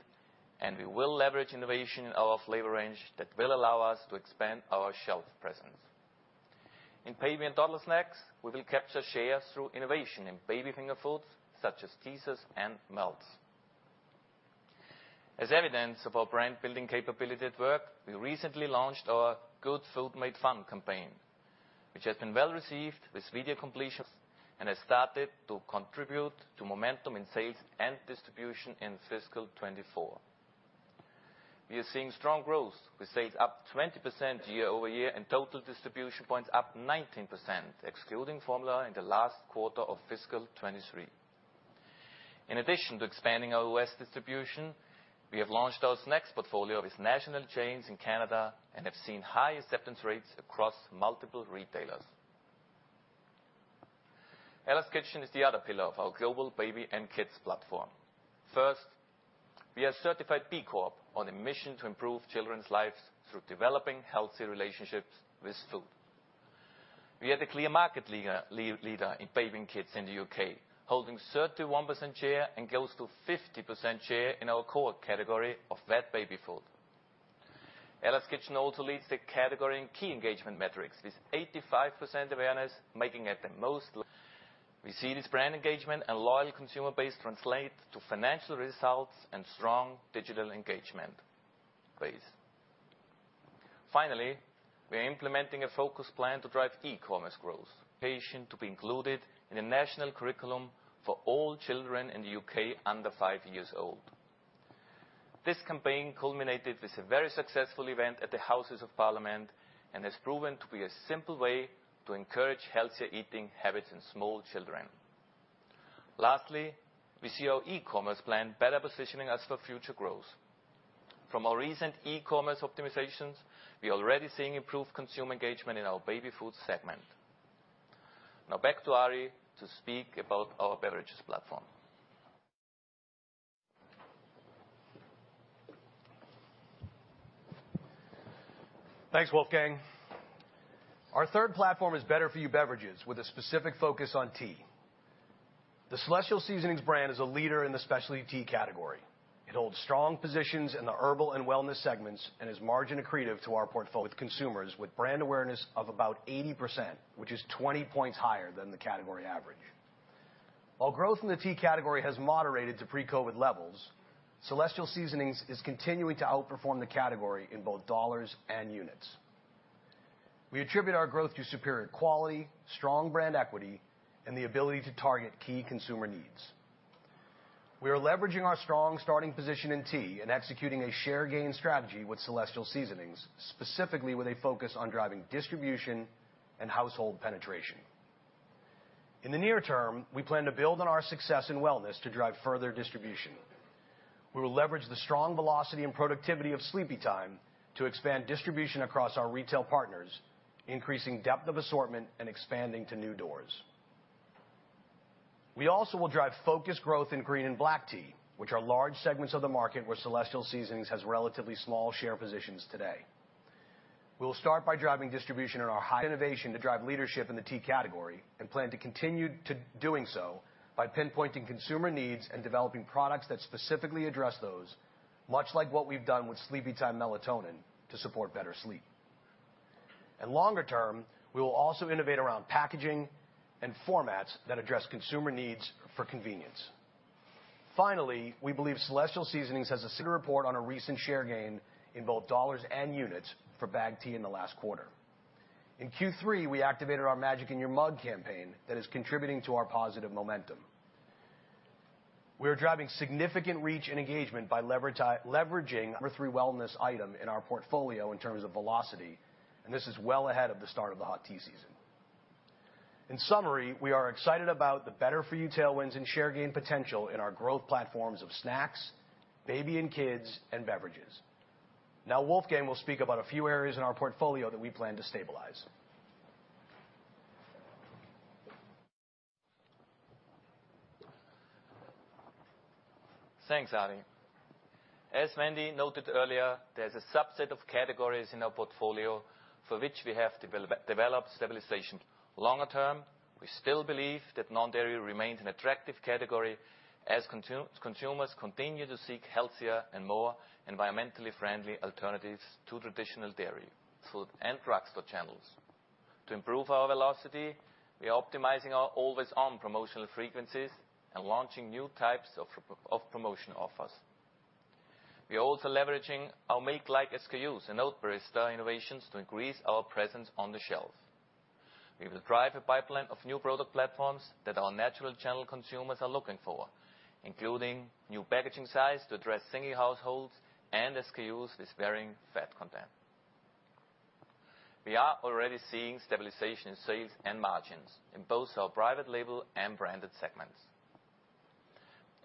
and we will leverage innovation in our flavor range that will allow us to expand our shelf presence. In baby and toddler snacks, we will capture shares through innovation in baby finger foods, such as teethers and melts. As evidence of our brand-building capability at work, we recently launched our Good Food Made Fun campaign, which has been well-received with video completions and has started to contribute to momentum in sales and distribution in fiscal 2024. We are seeing strong growth, with sales up 20% year-over-year, and total distribution points up 19%, excluding formula in the last quarter of fiscal 2023. In addition to expanding our U.S. distribution, we have launched our snacks portfolio with national chains in Canada and have seen high acceptance rates across multiple retailers. Ella's Kitchen is the other pillar of our global baby and kids platform. First, we are a certified B Corp on a mission to improve children's lives through developing healthy relationships with food. We are the clear market leader, leader in baby and kids in the UK, holding 31% share and close to 50% share in our core category of wet baby food. Ella's Kitchen also leads the category in key engagement metrics, with 85% awareness, making it We see this brand engagement and loyal consumer base translate to financial results and strong digital engagement base. Finally, we are implementing a focused plan to drive e-commerce growth, pivotal to be included in a national curriculum for all children in the UK under five years old. This campaign culminated with a very successful event at the Houses of Parliament and has proven to be a simple way to encourage healthier eating habits in small children. Lastly, we see our e-commerce plan better positioning us for future growth. From our recent e-commerce optimizations, we are already seeing improved consumer engagement in our baby food segment. Now back to Ari to speak about our beverages platform. Thanks, Wolfgang. Our third platform is better-for-you beverages, with a specific focus on tea. The Celestial Seasonings brand is a leader in the specialty tea category. It holds strong positions in the herbal and wellness segments and is margin accretive to our portfolio with consumers, with brand awareness of about 80%, which is 20 points higher than the category average. While growth in the tea category has moderated to pre-COVID levels, Celestial Seasonings is continuing to outperform the category in both dollars and units. We attribute our growth to superior quality, strong brand equity, and the ability to target key consumer needs. We are leveraging our strong starting position in tea and executing a share gain strategy with Celestial Seasonings, specifically with a focus on driving distribution and household penetration. In the near term, we plan to build on our success in wellness to drive further distribution. We will leverage the strong velocity and productivity of Sleepytime to expand distribution across our retail partners, increasing depth of assortment and expanding to new doors. We also will drive focused growth in green and black tea, which are large segments of the market where Celestial Seasonings has relatively small share positions today. We will start by driving distribution in our high-innovation to drive leadership in the tea category and plan to continue to doing so by pinpointing consumer needs and developing products that specifically address those, much like what we've done with Sleepytime Melatonin to support better sleep. Longer term, we will also innovate around packaging and formats that address consumer needs for convenience. Finally, we believe Celestial Seasonings has a Circana report on a recent share gain in both dollars and units for bagged tea in the last quarter. In Q3, we activated our Magic in Your Mug campaign that is contributing to our positive momentum. We are driving significant reach and engagement by leveraging our three wellness items in our portfolio in terms of velocity, and this is well ahead of the start of the hot tea season. In summary, we are excited about the better-for-you tailwinds and share gain potential in our growth platforms of snacks, baby and kids, and beverages. Now Wolfgang will speak about a few areas in our portfolio that we plan to stabilize. Thanks, Ari. As Wendy noted earlier, there's a subset of categories in our portfolio for which we have developed stabilization. Longer term, we still believe that non-dairy remains an attractive category as consumers continue to seek healthier and more environmentally friendly alternatives to traditional dairy, food, and drugstore channels. To improve our velocity, we are optimizing our always-on promotional frequencies and launching new types of promotion offers. We are also leveraging our milk-like SKUs and Oat Barista innovations to increase our presence on the shelf. We will drive a pipeline of new product platforms that our natural channel consumers are looking for, including new packaging size to address single households and SKUs with varying fat content. We are already seeing stabilization in sales and margins in both our private label and branded segments.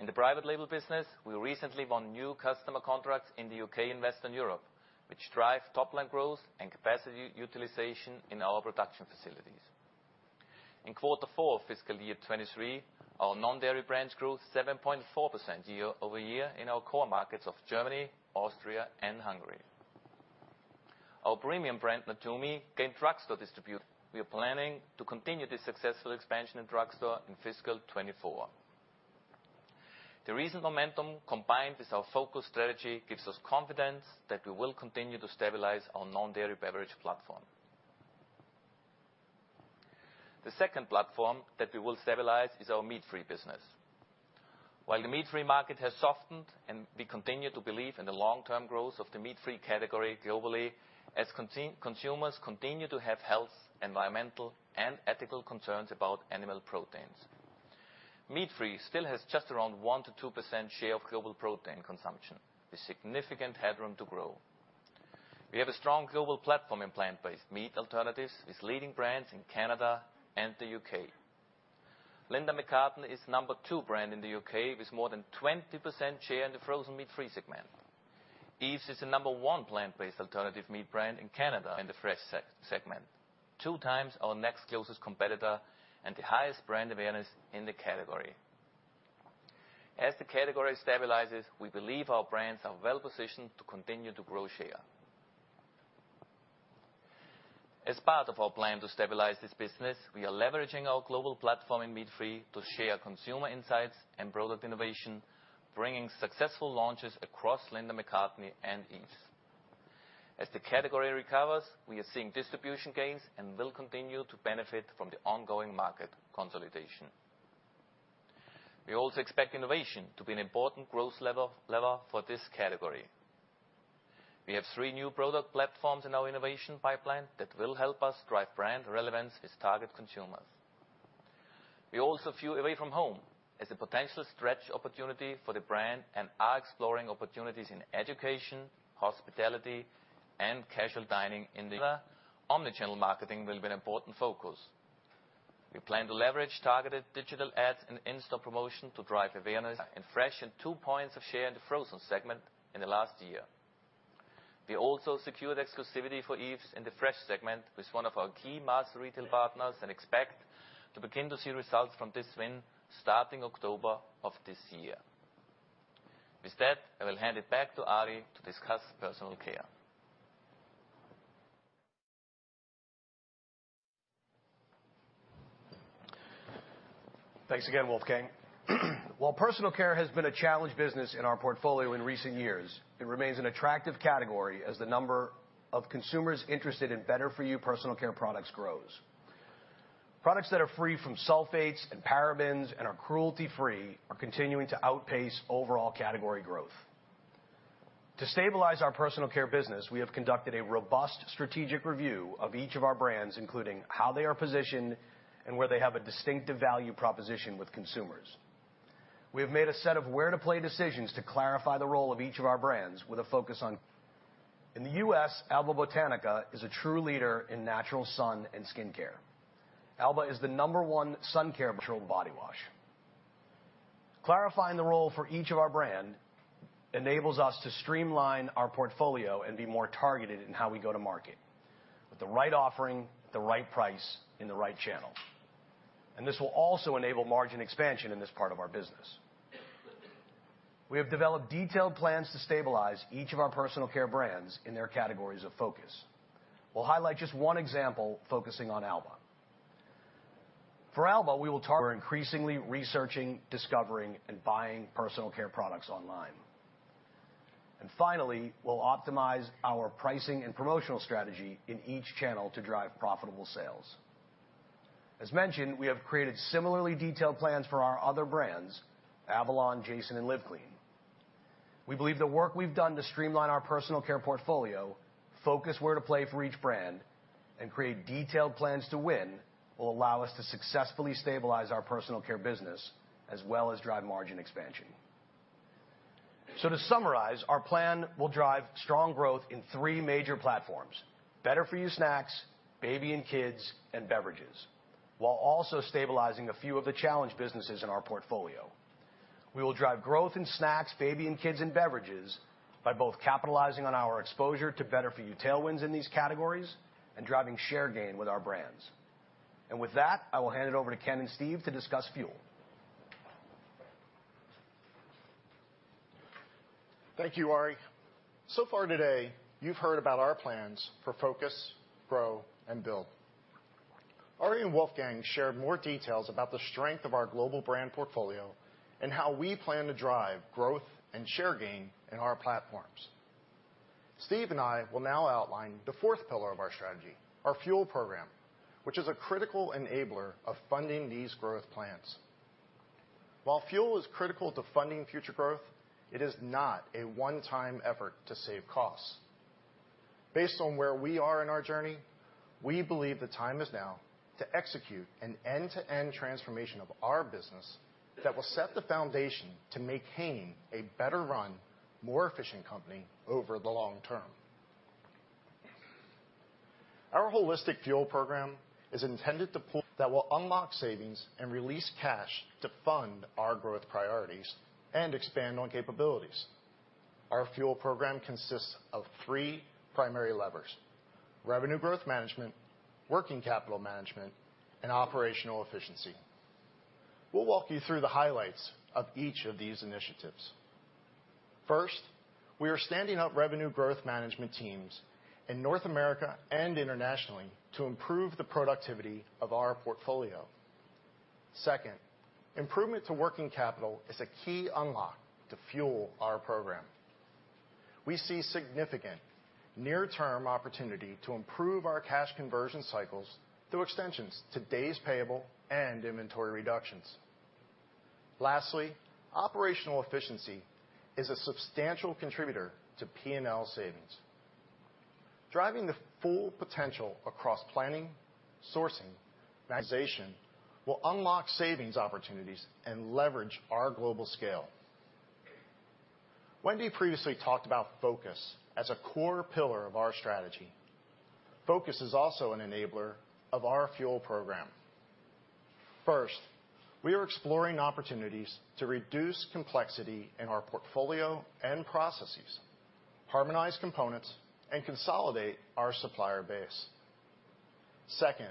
In the private label business, we recently won new customer contracts in the UK and Western Europe, which drive top-line growth and capacity utilization in our production facilities. In quarter four of FY23, our non-dairy brands grew 7.4% year-over-year in our core markets of Germany, Austria, and Hungary. Our premium brand, Natumi, gained drugstore distribution. We are planning to continue this successful expansion in drugstore in fiscal 2024. The recent momentum, combined with our focus strategy, gives us confidence that we will continue to stabilize our non-dairy beverage platform. The second platform that we will stabilize is our meat-free business. While the meat-free market has softened, and we continue to believe in the long-term growth of the meat-free category globally, as consumers continue to have health, environmental, and ethical concerns about animal proteins. Meat-free still has just around 1%-2% share of global protein consumption, with significant headroom to grow. We have a strong global platform in plant-based meat alternatives, with leading brands in Canada and the UK. Linda McCartney is number two brand in the UK, with more than 20% share in the frozen meat-free segment. Yves is the number one plant-based alternative meat brand in Canada in the fresh segment, two times our next closest competitor and the highest brand awareness in the category. As the category stabilizes, we believe our brands are well positioned to continue to grow share. As part of our plan to stabilize this business, we are leveraging our global platform in meat-free to share consumer insights and product innovation, bringing successful launches across Linda McCartney and Yves. As the category recovers, we are seeing distribution gains and will continue to benefit from the ongoing market consolidation. We also expect innovation to be an important growth lever for this category. We have three new product platforms in our innovation pipeline that will help us drive brand relevance with target consumers. We also view away-from-home as a potential stretch opportunity for the brand and are exploring opportunities in education, hospitality, and casual dining in the, Omni-channel marketing will be an important focus. We plan to leverage targeted digital ads and in-store promotion to drive awareness and fresh and two points of share in the frozen segment in the last year. We also secured exclusivity for Yves in the fresh segment with one of our key major retail partners and expect to begin to see results from this win starting October of this year. With that, I will hand it back to Ari to discuss personal care. Thanks again, Wolfgang. While personal care has been a challenged business in our portfolio in recent years, it remains an attractive category as the number of consumers interested in better-for-you personal care products grows. Products that are free from sulfates and parabens and are cruelty-free are continuing to outpace overall category growth. To stabilize our personal care business, we have conducted a robust strategic review of each of our brands, including how they are positioned and where they have a distinctive value proposition with consumers. We have made a set of where to play decisions to clarify the role of each of our brands with a focus on in the U.S., Alba Botanica is a true leader in natural sun and skincare. Alba is the number one sun care natural body wash. Clarifying the role for each of our brands enables us to streamline our portfolio and be more targeted in how we go to market, with the right offering, at the right price, in the right channel. This will also enable margin expansion in this part of our business. We have developed detailed plans to stabilize each of our personal care brands in their categories of focus. We'll highlight just one example, focusing on Alba. For Alba, we will target. We're increasingly researching, discovering, and buying personal care products online. And finally, we'll optimize our pricing and promotional strategy in each channel to drive profitable sales. As mentioned, we have created similarly detailed plans for our other brands, Avalon, JASON, and Live Clean. We believe the work we've done to streamline our personal care portfolio, focus where to play for each brand, and create detailed plans to win, will allow us to successfully stabilize our personal care business, as well as drive margin expansion. To summarize, our plan will drive strong growth in three major platforms: better-for-you snacks, baby and kids, and beverages, while also stabilizing a few of the challenged businesses in our portfolio. We will drive growth in snacks, baby and kids, and beverages by both capitalizing on our exposure to better-for-you tailwinds in these categories and driving share gain with our brands. With that, I will hand it over to Ken and Steve to discuss Fuel. Thank you, Ari. So far today, you've heard about our plans for focus, grow, and build. Ari and Wolfgang shared more details about the strength of our global brand portfolio and how we plan to drive growth and share gain in our platforms. Steve and I will now outline the fourth pillar of our strategy, our Fuel Program, which is a critical enabler of funding these growth plans. While Fuel is critical to funding future growth, it is not a one-time effort to save costs. Based on where we are in our journey, we believe the time is now to execute an end-to-end transformation of our business that will set the foundation to maintain a better-run, more efficient company over the long term. Our holistic Fuel Program is intended to pull, that will unlock savings and release cash to fund our growth priorities and expand on capabilities. Our Fuel Program consists of three primary levers: revenue growth management, working capital management, and operational efficiency. We'll walk you through the highlights of each of these initiatives. First, we are standing up revenue growth management teams in North America and internationally to improve the productivity of our portfolio. Second, improvement to working capital is a key unlock to Fuel our program. We see significant near-term opportunity to improve our cash conversion cycles through extensions to days payable and inventory reductions. Lastly, operational efficiency is a substantial contributor to P&L savings. Driving the full potential across planning, sourcing, organization will unlock savings opportunities and leverage our global scale. Wendy previously talked about focus as a core pillar of our strategy. Focus is also an enabler of our Fuel Program. First, we are exploring opportunities to reduce complexity in our portfolio and processes, harmonize components, and consolidate our supplier base. Second,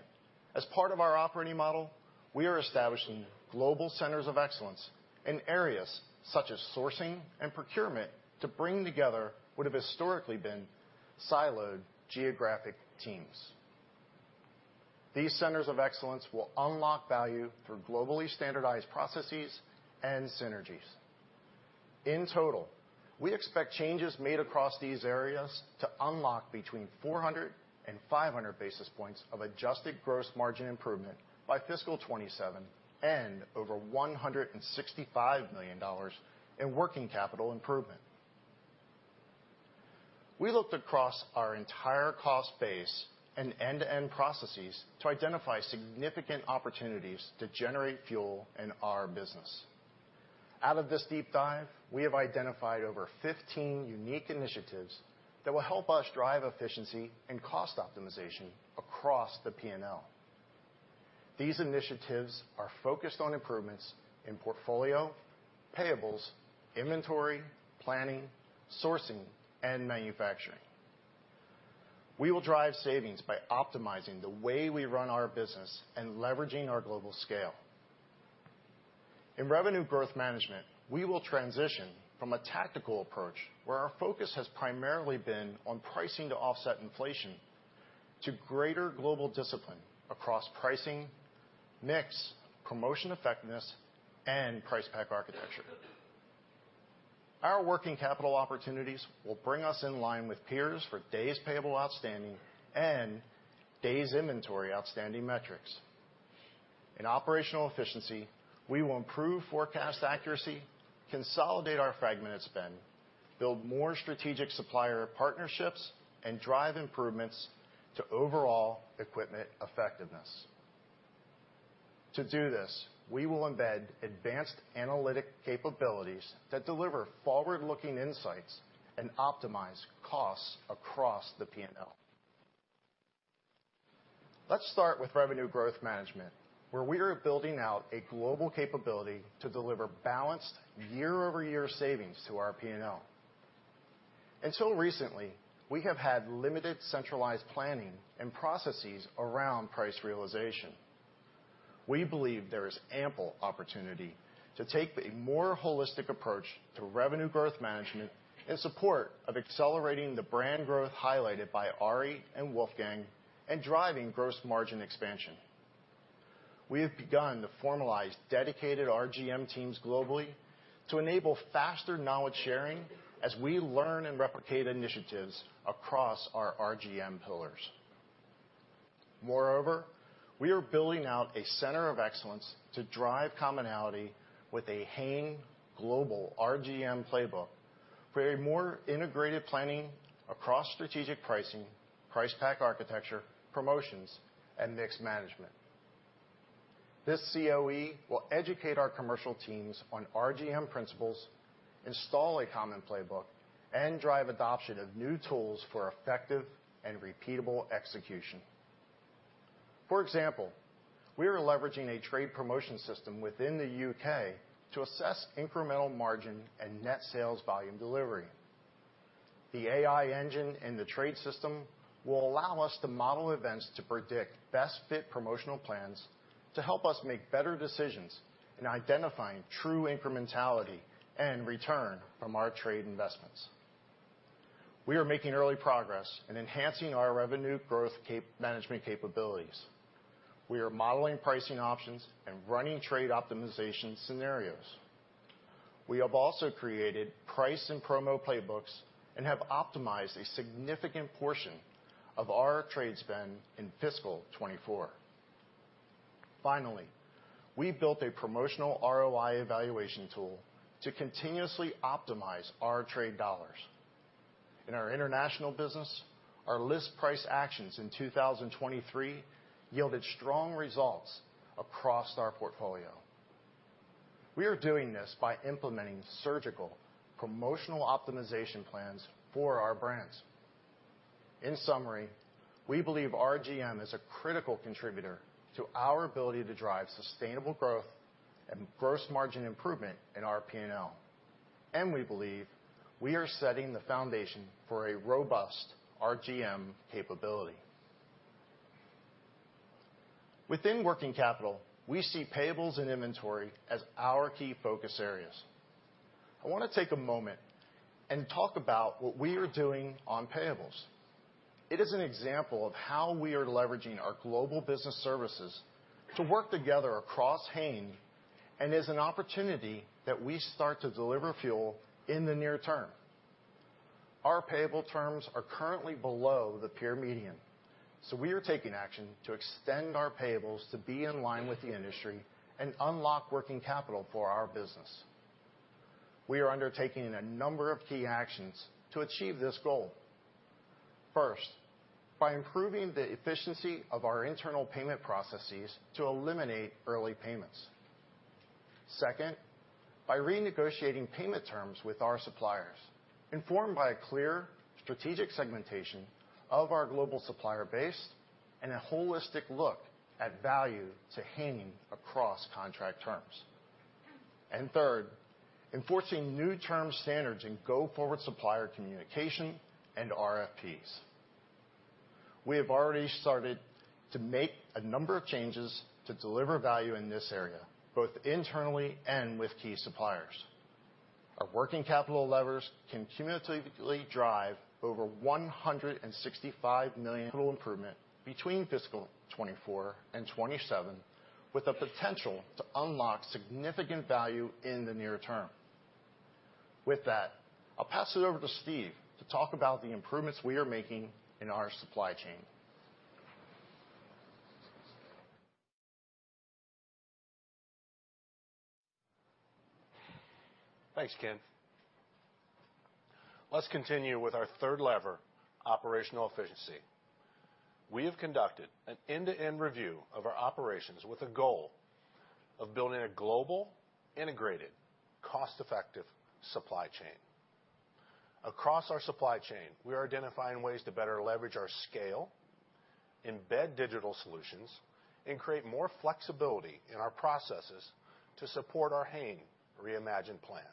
as part of our operating model, we are establishing global centers of excellence in areas such as sourcing and procurement, to bring together what have historically been siloed geographic teams. These centers of excellence will unlock value through globally standardized processes and synergies. In total, we expect changes made across these areas to unlock between 400 and 500 basis points of adjusted gross margin improvement by fiscal 2027 and over $165 million in working capital improvement. We looked across our entire cost base and end-to-end processes to identify significant opportunities to generate Fuel in our business. Out of this deep dive, we have identified over 15 unique initiatives that will help us drive efficiency and cost optimization across the P&L. These initiatives are focused on improvements in portfolio, payables, inventory, planning, sourcing, and manufacturing. We will drive savings by optimizing the way we run our business and leveraging our global scale. In revenue growth management, we will transition from a tactical approach, where our focus has primarily been on pricing to offset inflation, to greater global discipline across pricing, mix, promotion effectiveness, and price pack architecture. Our working capital opportunities will bring us in line with peers for days payable outstanding and days inventory outstanding metrics. In operational efficiency, we will improve forecast accuracy, consolidate our fragment spend, build more strategic supplier partnerships, and drive improvements to overall equipment effectiveness. To do this, we will embed advanced analytic capabilities that deliver forward-looking insights and optimize costs across the P&L. Let's start with revenue growth management, where we are building out a global capability to deliver balanced year-over-year savings to our P&L. Until recently, we have had limited centralized planning and processes around price realization. We believe there is ample opportunity to take a more holistic approach to revenue growth management in support of accelerating the brand growth highlighted by Ari and Wolfgang, and driving gross margin expansion. We have begun to formalize dedicated RGM teams globally to enable faster knowledge sharing as we learn and replicate initiatives across our RGM pillars. Moreover, we are building out a center of excellence to drive commonality with a Hain Global RGM playbook for a more integrated planning across strategic pricing, price pack architecture, promotions, and mix management. This COE will educate our commercial teams on RGM principles, install a common playbook, and drive adoption of new tools for effective and repeatable execution. For example, we are leveraging a trade promotion system within the UK to assess incremental margin and net sales volume delivery. The AI engine in the trade system will allow us to model events to predict best-fit promotional plans to help us make better decisions in identifying true incrementality and return from our trade investments. We are making early progress in enhancing our revenue growth management capabilities. We are modeling pricing options and running trade optimization scenarios. We have also created price and promo playbooks and have optimized a significant portion of our trade spend in fiscal 2024. Finally, we built a promotional ROI evaluation tool to continuously optimize our trade dollars. In our international business, our list price actions in 2023 yielded strong results across our portfolio. We are doing this by implementing surgical promotional optimization plans for our brands. In summary, we believe RGM is a critical contributor to our ability to drive sustainable growth and gross margin improvement in our P&L, and we believe we are setting the foundation for a robust RGM capability. Within working capital, we see payables and inventory as our key focus areas. I want to take a moment and talk about what we are doing on payables. It is an example of how we are leveraging our global business services to work together across Hain, and is an opportunity that we start to deliver Fuel in the near term. Our payable terms are currently below the peer median, so we are taking action to extend our payables to be in line with the industry and unlock working capital for our business. We are undertaking a number of key actions to achieve this goal. First, by improving the efficiency of our internal payment processes to eliminate early payments. Second, by renegotiating payment terms with our suppliers, informed by a clear strategic segmentation of our global supplier base and a holistic look at value to Hain across contract terms. And third, enforcing new term standards in go-forward supplier communication and RFPs. We have already started to make a number of changes to deliver value in this area, both internally and with key suppliers. Our working capital levers can cumulatively drive over $165 million total improvement between fiscal 2024 and 2027, with the potential to unlock significant value in the near term. With that, I'll pass it over to Steve to talk about the improvements we are making in our supply chain. Thanks, Ken. Let's continue with our third lever, operational efficiency. We have conducted an end-to-end review of our operations with a goal of building a global, integrated, cost-effective supply chain. Across our supply chain, we are identifying ways to better leverage our scale, embed digital solutions, and create more flexibility in our processes to support our Hain Reimagined plan.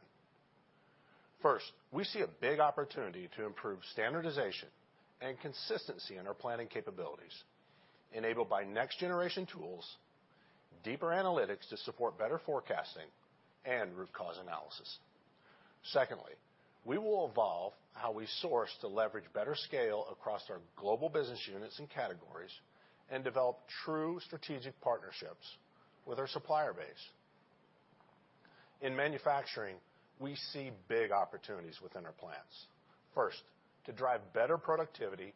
First, we see a big opportunity to improve standardization and consistency in our planning capabilities, enabled by next-generation tools, deeper analytics to support better forecasting, and root cause analysis. Secondly, we will evolve how we source to leverage better scale across our global business units and categories and develop true strategic partnerships with our supplier base. In manufacturing, we see big opportunities within our plants. First, to drive better productivity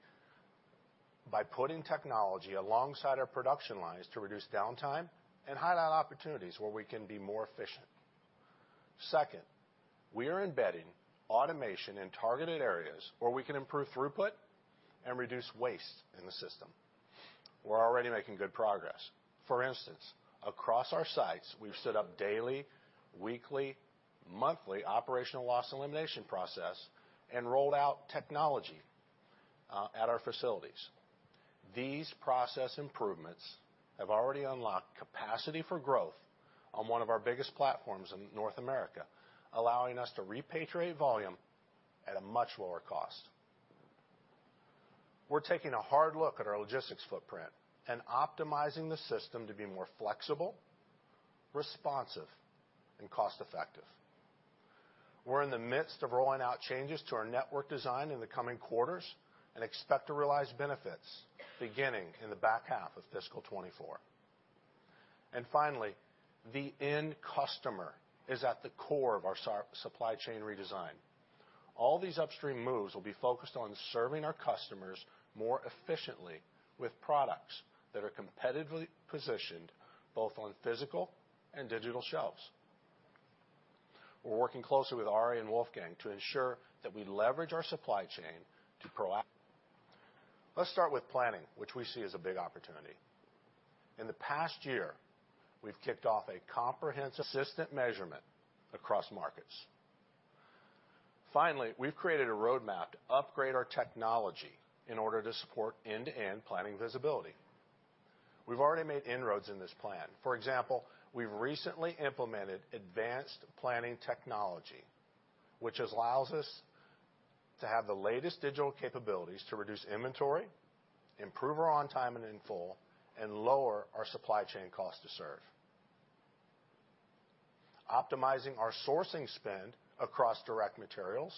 by putting technology alongside our production lines to reduce downtime and highlight opportunities where we can be more efficient. Second, we are embedding automation in targeted areas where we can improve throughput and reduce waste in the system. We're already making good progress. For instance, across our sites, we've set up daily, weekly, monthly operational loss elimination process and rolled out technology at our facilities. These process improvements have already unlocked capacity for growth on one of our biggest platforms in North America, allowing us to repatriate volume at a much lower cost. We're taking a hard look at our logistics footprint and optimizing the system to be more flexible, responsive, and cost effective. We're in the midst of rolling out changes to our network design in the coming quarters, and expect to realize benefits beginning in the back half of fiscal 2024. And finally, the end customer is at the core of our supply chain redesign. All these upstream moves will be focused on serving our customers more efficiently with products that are competitively positioned, both on physical and digital shelves. We're working closely with Ari and Wolfgang to ensure that we leverage our supply chain. Let's start with planning, which we see as a big opportunity. In the past year, we've kicked off a comprehensive assessment measurement across markets. Finally, we've created a roadmap to upgrade our technology in order to support end-to-end planning visibility. We've already made inroads in this plan. For example, we've recently implemented advanced planning technology, which allows us to have the latest digital capabilities to reduce inventory, improve our on time and in full, and lower our supply chain cost to serve. Optimizing our sourcing spend across direct materials,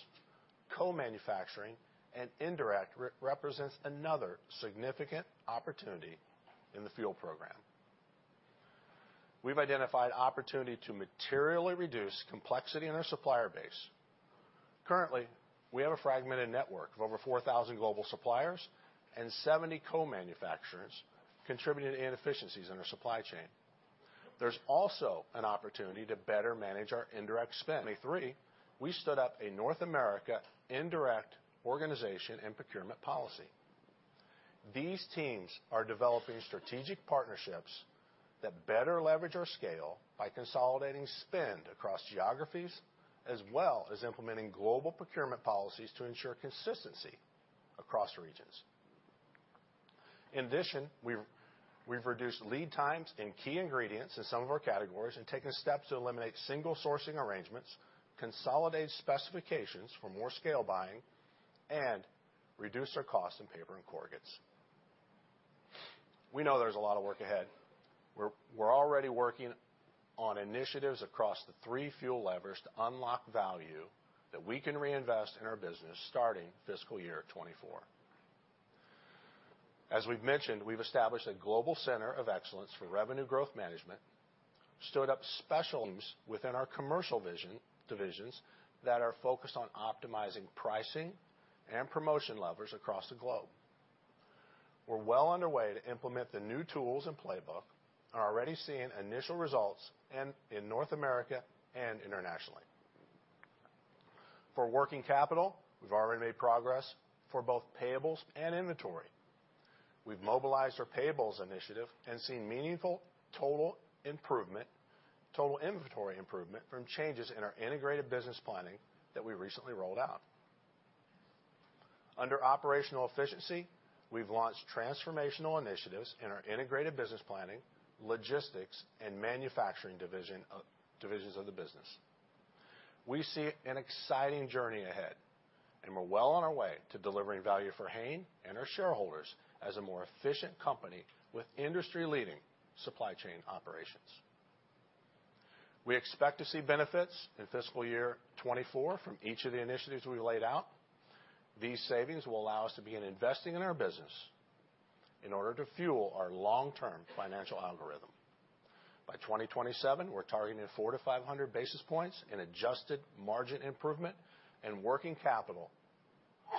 co-manufacturing, and indirect represents another significant opportunity in the Fuel Program. We've identified opportunity to materially reduce complexity in our supplier base. Currently, we have a fragmented network of over 4,000 global suppliers and 70 co-manufacturers, contributing to inefficiencies in our supply chain. There's also an opportunity to better manage our indirect spend. In 2023, we stood up a North America indirect organization and procurement policy. These teams are developing strategic partnerships that better leverage our scale by consolidating spend across geographies, as well as implementing global procurement policies to ensure consistency across regions. In addition, we've reduced lead times in key ingredients in some of our categories, and taken steps to eliminate single sourcing arrangements, consolidate specifications for more scale buying, and reduce our costs in paper and corrugates. We know there's a lot of work ahead. We're, we're already working on initiatives across the three Fuel levers to unlock value that we can reinvest in our business starting FY24. As we've mentioned, we've established a global center of excellence for revenue growth management, stood up special teams within our commercial vision divisions that are focused on optimizing pricing and promotion levers across the globe. We're well underway to implement the new tools and playbook, and are already seeing initial results in, in North America and internationally. For working capital, we've already made progress for both payables and inventory. We've mobilized our payables initiative and seen meaningful total improvement, total inventory improvement from changes in our integrated business planning that we recently rolled out. Under operational efficiency, we've launched transformational initiatives in our integrated business planning, logistics, and manufacturing divisions of the business. We see an exciting journey ahead, and we're well on our way to delivering value for Hain and our shareholders as a more efficient company with industry-leading supply chain operations. We expect to see benefits in FY24 from each of the initiatives we laid out. These savings will allow us to begin investing in our business in order to Fuel our long-term financial algorithm. By 2027, we're targeting 400-500 basis points in adjusted margin improvement and working capital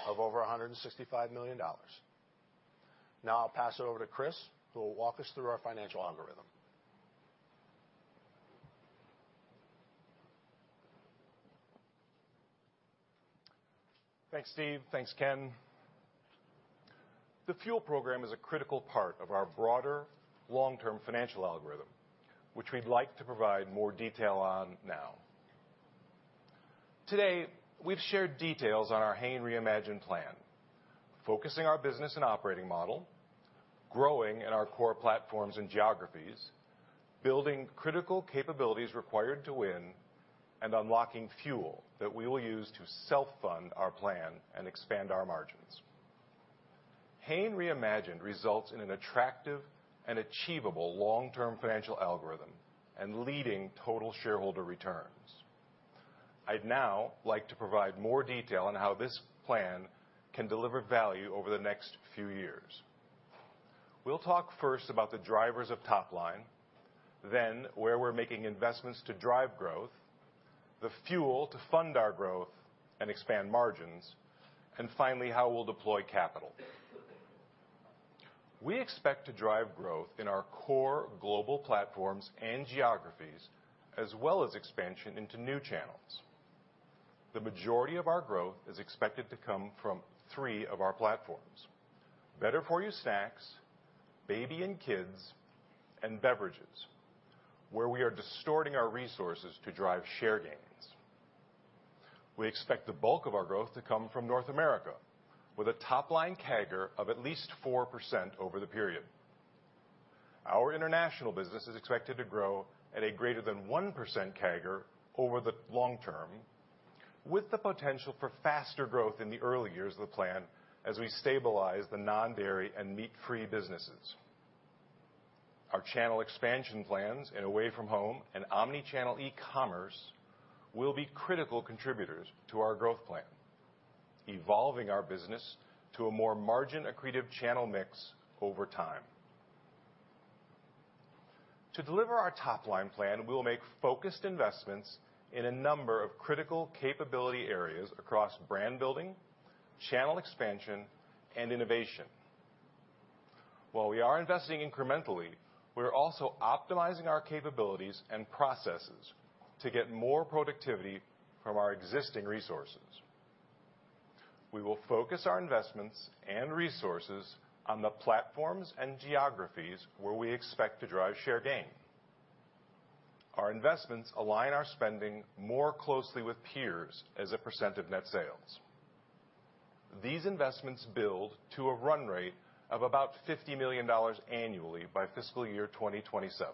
of over $165 million. Now I'll pass it over to Chris, who will walk us through our financial algorithm. Thanks, Steve. Thanks, Ken. The Fuel program is a critical part of our broader long-term financial algorithm, which we'd like to provide more detail on now. Today, we've shared details on our Hain Reimagined plan, focusing our business and operating model, growing in our core platforms and geographies, building critical capabilities required to win, and unlocking Fuel that we will use to self-fund our plan and expand our margins. Hain Reimagined results in an attractive and achievable long-term financial algorithm and leading total shareholder returns. I'd now like to provide more detail on how this plan can deliver value over the next few years. We'll talk first about the drivers of top line, then where we're making investments to drive growth, the Fuel to fund our growth and expand margins, and finally, how we'll deploy capital. We expect to drive growth in our core global platforms and geographies, as well as expansion into new channels. The majority of our growth is expected to come from three of our platforms: Better-For-You snacks, Baby and Kids, and Beverages, where we are distributing our resources to drive share gains. We expect the bulk of our growth to come from North America, with a top-line CAGR of at least 4% over the period. Our international business is expected to grow at a greater than 1% CAGR over the long term, with the potential for faster growth in the early years of the plan as we stabilize the non-dairy and meat-free businesses. Our channel expansion plans and away-from-home and omni-channel e-commerce will be critical contributors to our growth plan, evolving our business to a more margin accretive channel mix over time. To deliver our top line plan, we will make focused investments in a number of critical capability areas across brand building, channel expansion, and innovation. While we are investing incrementally, we're also optimizing our capabilities and processes to get more productivity from our existing resources. We will focus our investments and resources on the platforms and geographies where we expect to drive share gain. Our investments align our spending more closely with peers as a percent of net sales. These investments build to a run rate of about $50 million annually by FY27.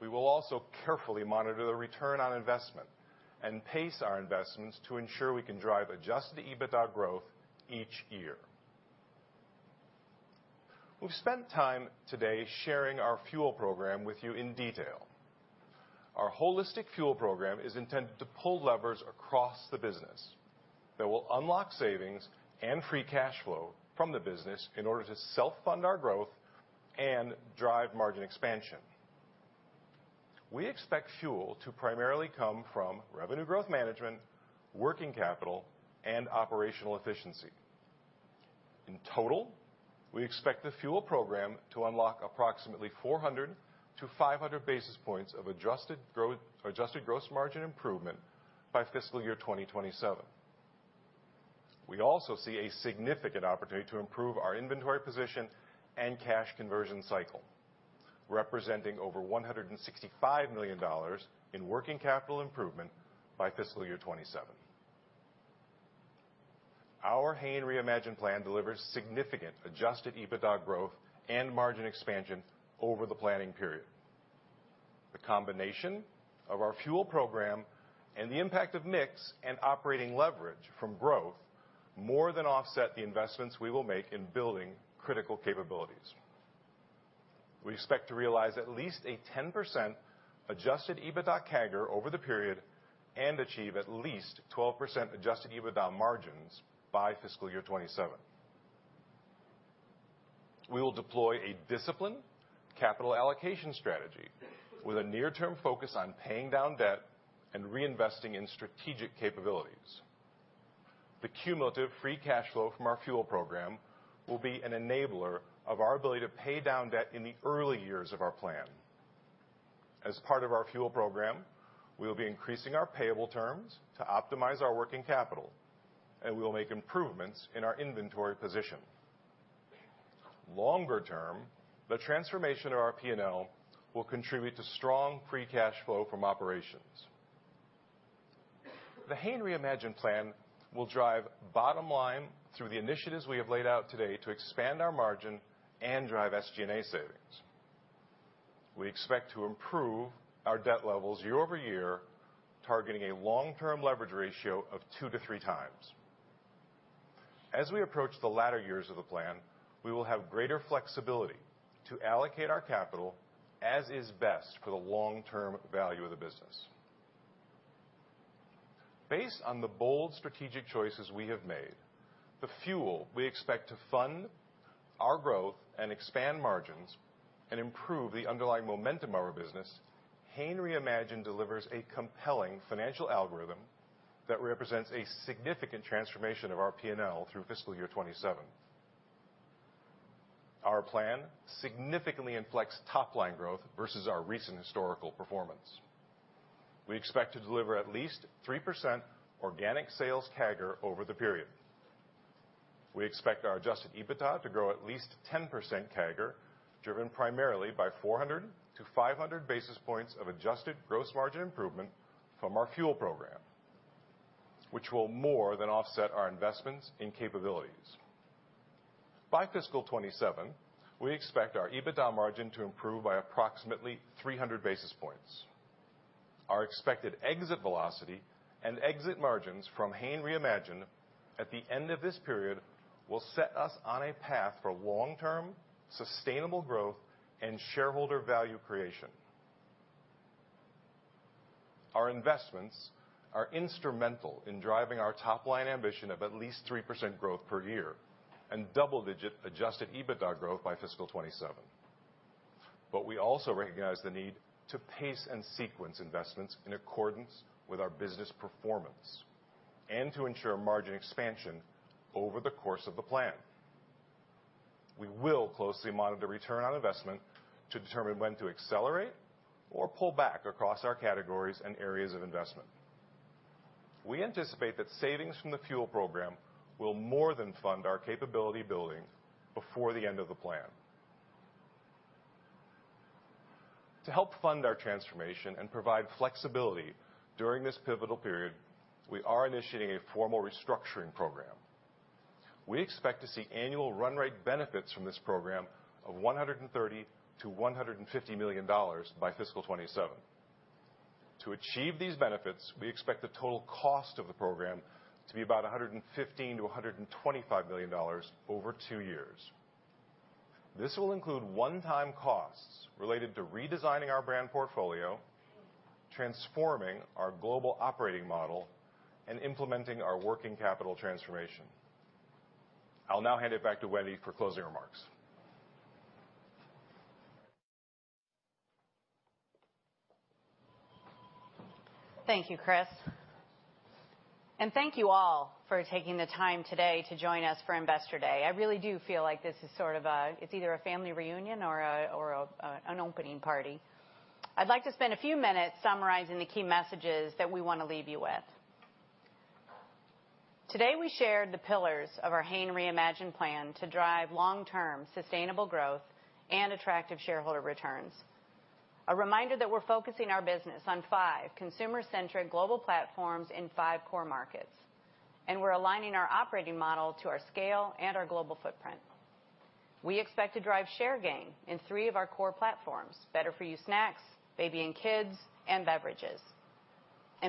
We will also carefully monitor the return on investment and pace our investments to ensure we can drive Adjusted EBITDA growth each year. We've spent time today sharing our Fuel Program with you in detail. Our holistic Fuel program is intended to pull levers across the business that will unlock savings and free cash flow from the business in order to self-fund our growth and drive margin expansion. We expect Fuel to primarily come from revenue growth management, working capital, and operational efficiency. In total, we expect the Fuel program to unlock approximately 400-500 basis points of adjusted gross margin improvement by FY27. We also see a significant opportunity to improve our inventory position and cash conversion cycle, representing over $165 million in working capital improvement by FY27. Our Hain Reimagined plan delivers significant Adjusted EBITDA growth and margin expansion over the planning period. The combination of our Fuel program and the impact of mix and operating leverage from growth more than offset the investments we will make in building critical capabilities. We expect to realize at least a 10% Adjusted EBITDA CAGR over the period and achieve at least 12% Adjusted EBITDA margins by FY27. We will deploy a disciplined capital allocation strategy with a near-term focus on paying down debt and reinvesting in strategic capabilities. The cumulative free cash flow from our Fuel program will be an enabler of our ability to pay down debt in the early years of our plan. As part of our Fuel program, we will be increasing our payable terms to optimize our working capital, and we will make improvements in our inventory position. Longer term, the transformation of our P&L will contribute to strong free cash flow from operations. The Hain Reimagined plan will drive bottom line through the initiatives we have laid out today to expand our margin and drive SG&A savings. We expect to improve our debt levels year-over-year, targeting a long-term leverage ratio of 2x-3x. As we approach the latter years of the plan, we will have greater flexibility to allocate our capital as is best for the long-term value of the business. Based on the bold strategic choices we have made, the Fuel we expect to fund our growth and expand margins and improve the underlying momentum of our business, Hain Reimagined delivers a compelling financial algorithm that represents a significant transformation of our P&L through FY27. Our plan significantly inflects top line growth versus our recent historical performance. We expect to deliver at least 3% organic sales CAGR over the period. We expect our Adjusted EBITDA to grow at least 10% CAGR, driven primarily by 400-500 basis points of adjusted gross margin improvement from our Fuel program, which will more than offset our investments in capabilities. By fiscal 2027, we expect our EBITDA margin to improve by approximately 300 basis points. Our expected exit velocity and exit margins from Hain Reimagined at the end of this period will set us on a path for long-term, sustainable growth and shareholder value creation. Our investments are instrumental in driving our top-line ambition of at least 3% growth per year and double-digit Adjusted EBITDA growth by fiscal 2027. But we also recognize the need to pace and sequence investments in accordance with our business performance and to ensure margin expansion over the course of the plan. We will closely monitor return on investment to determine when to accelerate or pull back across our categories and areas of investment. We anticipate that savings from the Fuel program will more than fund our capability building before the end of the plan. To help fund our transformation and provide flexibility during this pivotal period, we are initiating a formal restructuring program. We expect to see annual run rate benefits from this program of $130-$150 million by fiscal 2027. To achieve these benefits, we expect the total cost of the program to be about $115-$125 million over two years. This will include one-time costs related to redesigning our brand portfolio, transforming our global operating model, and implementing our working capital transformation. I'll now hand it back to Wendy for closing remarks. Thank you, Chris, and thank you all for taking the time today to join us for Investor Day. I really do feel like this is sort of a—it's either a family reunion or a, or a, an opening party. I'd like to spend a few minutes summarizing the key messages that we want to leave you with. Today, we shared the pillars of our Hain Reimagined plan to drive long-term sustainable growth and attractive shareholder returns. A reminder that we're focusing our business on five consumer-centric global platforms in five core markets, and we're aligning our operating model to our scale and our global footprint. We expect to drive share gain in three of our core platforms: better-for-you snacks, baby and kids, and beverages.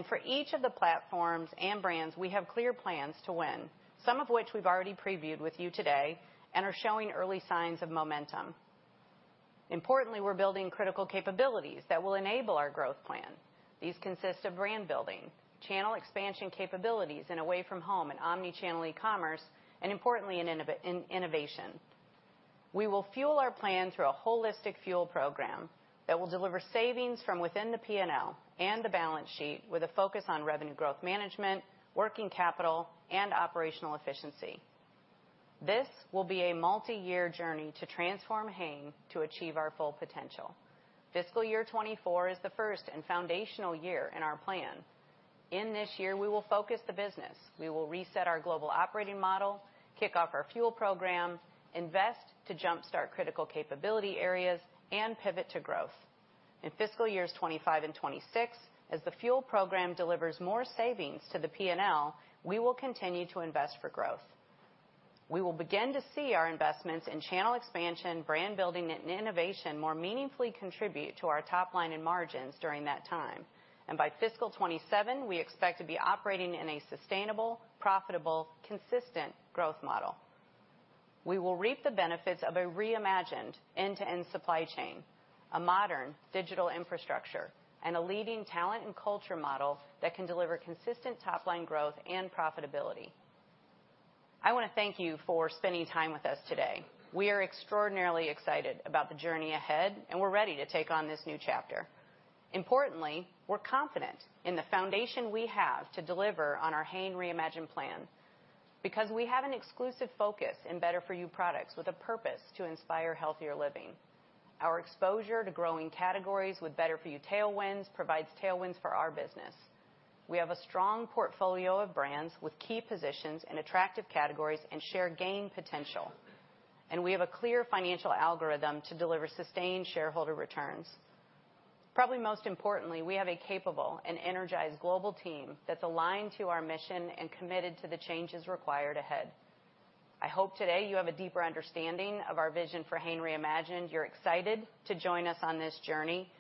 For each of the platforms and brands, we have clear plans to win, some of which we've already previewed with you today and are showing early signs of momentum. Importantly, we're building critical capabilities that will enable our growth plan. These consist of brand building, channel expansion capabilities, and away-from-home and omni-channel e-commerce, and importantly, innovation. We will Fuel our plan through a holistic Fuel program that will deliver savings from within the P&L and the balance sheet with a focus on revenue growth management, working capital, and operational efficiency. This will be a multi-year journey to transform Hain to achieve our full potential. FY24 is the first and foundational year in our plan. In this year, we will focus the business. We will reset our global operating model, kick off our Fuel program, invest to jumpstart critical capability areas, and pivot to growth. In FY25 and FY26, as the Fuel program delivers more savings to the P&L, we will continue to invest for growth. We will begin to see our investments in channel expansion, brand building, and innovation, more meaningfully contribute to our top line and margins during that time. By fiscal 2027, we expect to be operating in a sustainable, profitable, consistent growth model. We will reap the benefits of a reimagined end-to-end supply chain, a modern digital infrastructure, and a leading talent and culture model that can deliver consistent top-line growth and profitability. I want to thank you for spending time with us today. We are extraordinarily excited about the journey ahead, and we're ready to take on this new chapter. Importantly, we're confident in the foundation we have to deliver on our Hain Reimagined plan, because we have an exclusive focus in better-for-you products with a purpose to inspire healthier living. Our exposure to growing categories with better-for-you tailwinds provides tailwinds for our business. We have a strong portfolio of brands with key positions and attractive categories and share gain potential, and we have a clear financial algorithm to deliver sustained shareholder returns. Probably most importantly, we have a capable and energized global team that's aligned to our mission and committed to the changes required ahead. I hope today you have a deeper understanding of our vision for Hain Reimagined. You're excited to join us on this journey.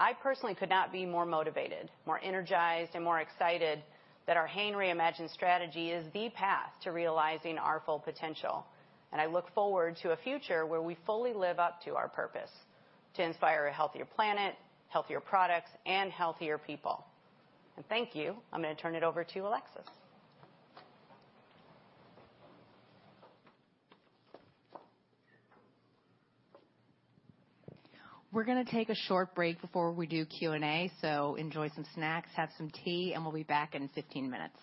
I personally could not be more motivated, more energized, and more excited that our Hain Reimagined strategy is the path to realizing our full potential, and I look forward to a future where we fully live up to our purpose: to inspire a healthier planet, healthier products, and healthier people. Thank you. I'm going to turn it over to Alexis. We're going to take a short break before we do Q&A, so enjoy some snacks, have some tea, and we'll be back in 15 minutes.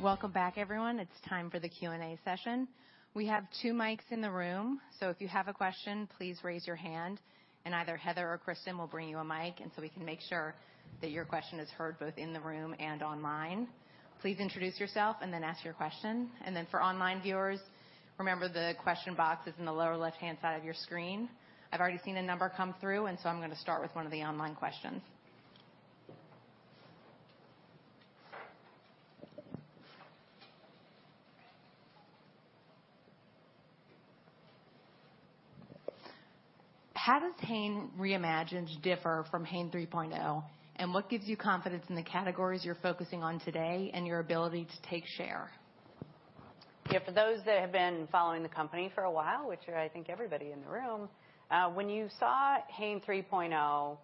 Welcome back, everyone. It's time for the Q&A session. We have two mics in the room, so if you have a question, please raise your hand, and either Heather or Kristen will bring you a mic, and so we can make sure that your question is heard both in the room and online. Please introduce yourself and then ask your question. And then for online viewers, remember, the question box is in the lower left-hand side of your screen. I've already seen a number come through, and so I'm going to start with one of the online questions. How does Hain Reimagined differ from Hain 3.0, and what gives you confidence in the categories you're focusing on today and your ability to take share? Yeah, for those that have been following the company for a while, which I think everybody in the room, when you saw Hain 3.0,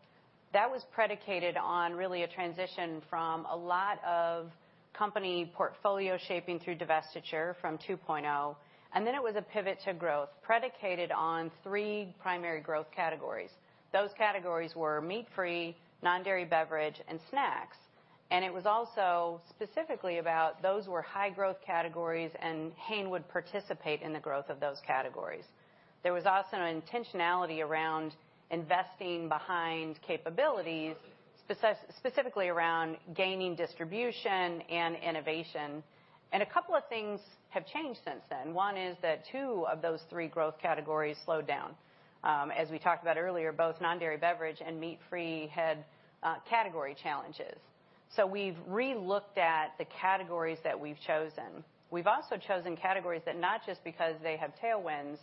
that was predicated on really a transition from a lot of company portfolio shaping through divestiture from 2.0. And then it was a pivot to growth, predicated on three primary growth categories. Those categories were meat-free, non-dairy beverage, and snacks. And it was also specifically about those were high growth categories, and Hain would participate in the growth of those categories. There was also an intentionality around investing behind capabilities, specifically around gaining distribution and innovation. And a couple of things have changed since then. One is that two of those three growth categories slowed down. As we talked about earlier, both non-dairy beverage and meat-free had category challenges. So we've relooked at the categories that we've chosen. We've also chosen categories that not just because they have tailwinds,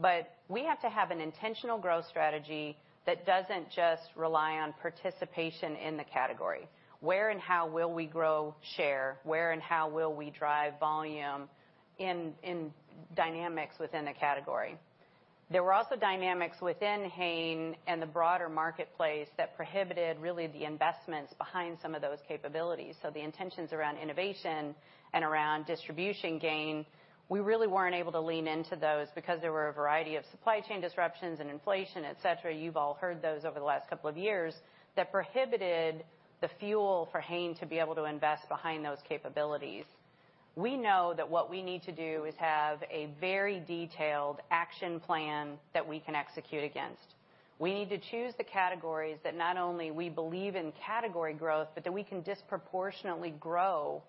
but we have to have an intentional growth strategy that doesn't just rely on participation in the category. Where and how will we grow share? Where and how will we drive volume in dynamics within the category? There were also dynamics within Hain and the broader marketplace that prohibited really the investments behind some of those capabilities. So the intentions around innovation and around distribution gain, we really weren't able to lean into those because there were a variety of supply chain disruptions and inflation, et cetera. You've all heard those over the last couple of years that prohibited the Fuel for Hain to be able to invest behind those capabilities. We know that what we need to do is have a very detailed action plan that we can execute against. We need to choose the categories that not only we believe in category growth, but that we can disproportionately grow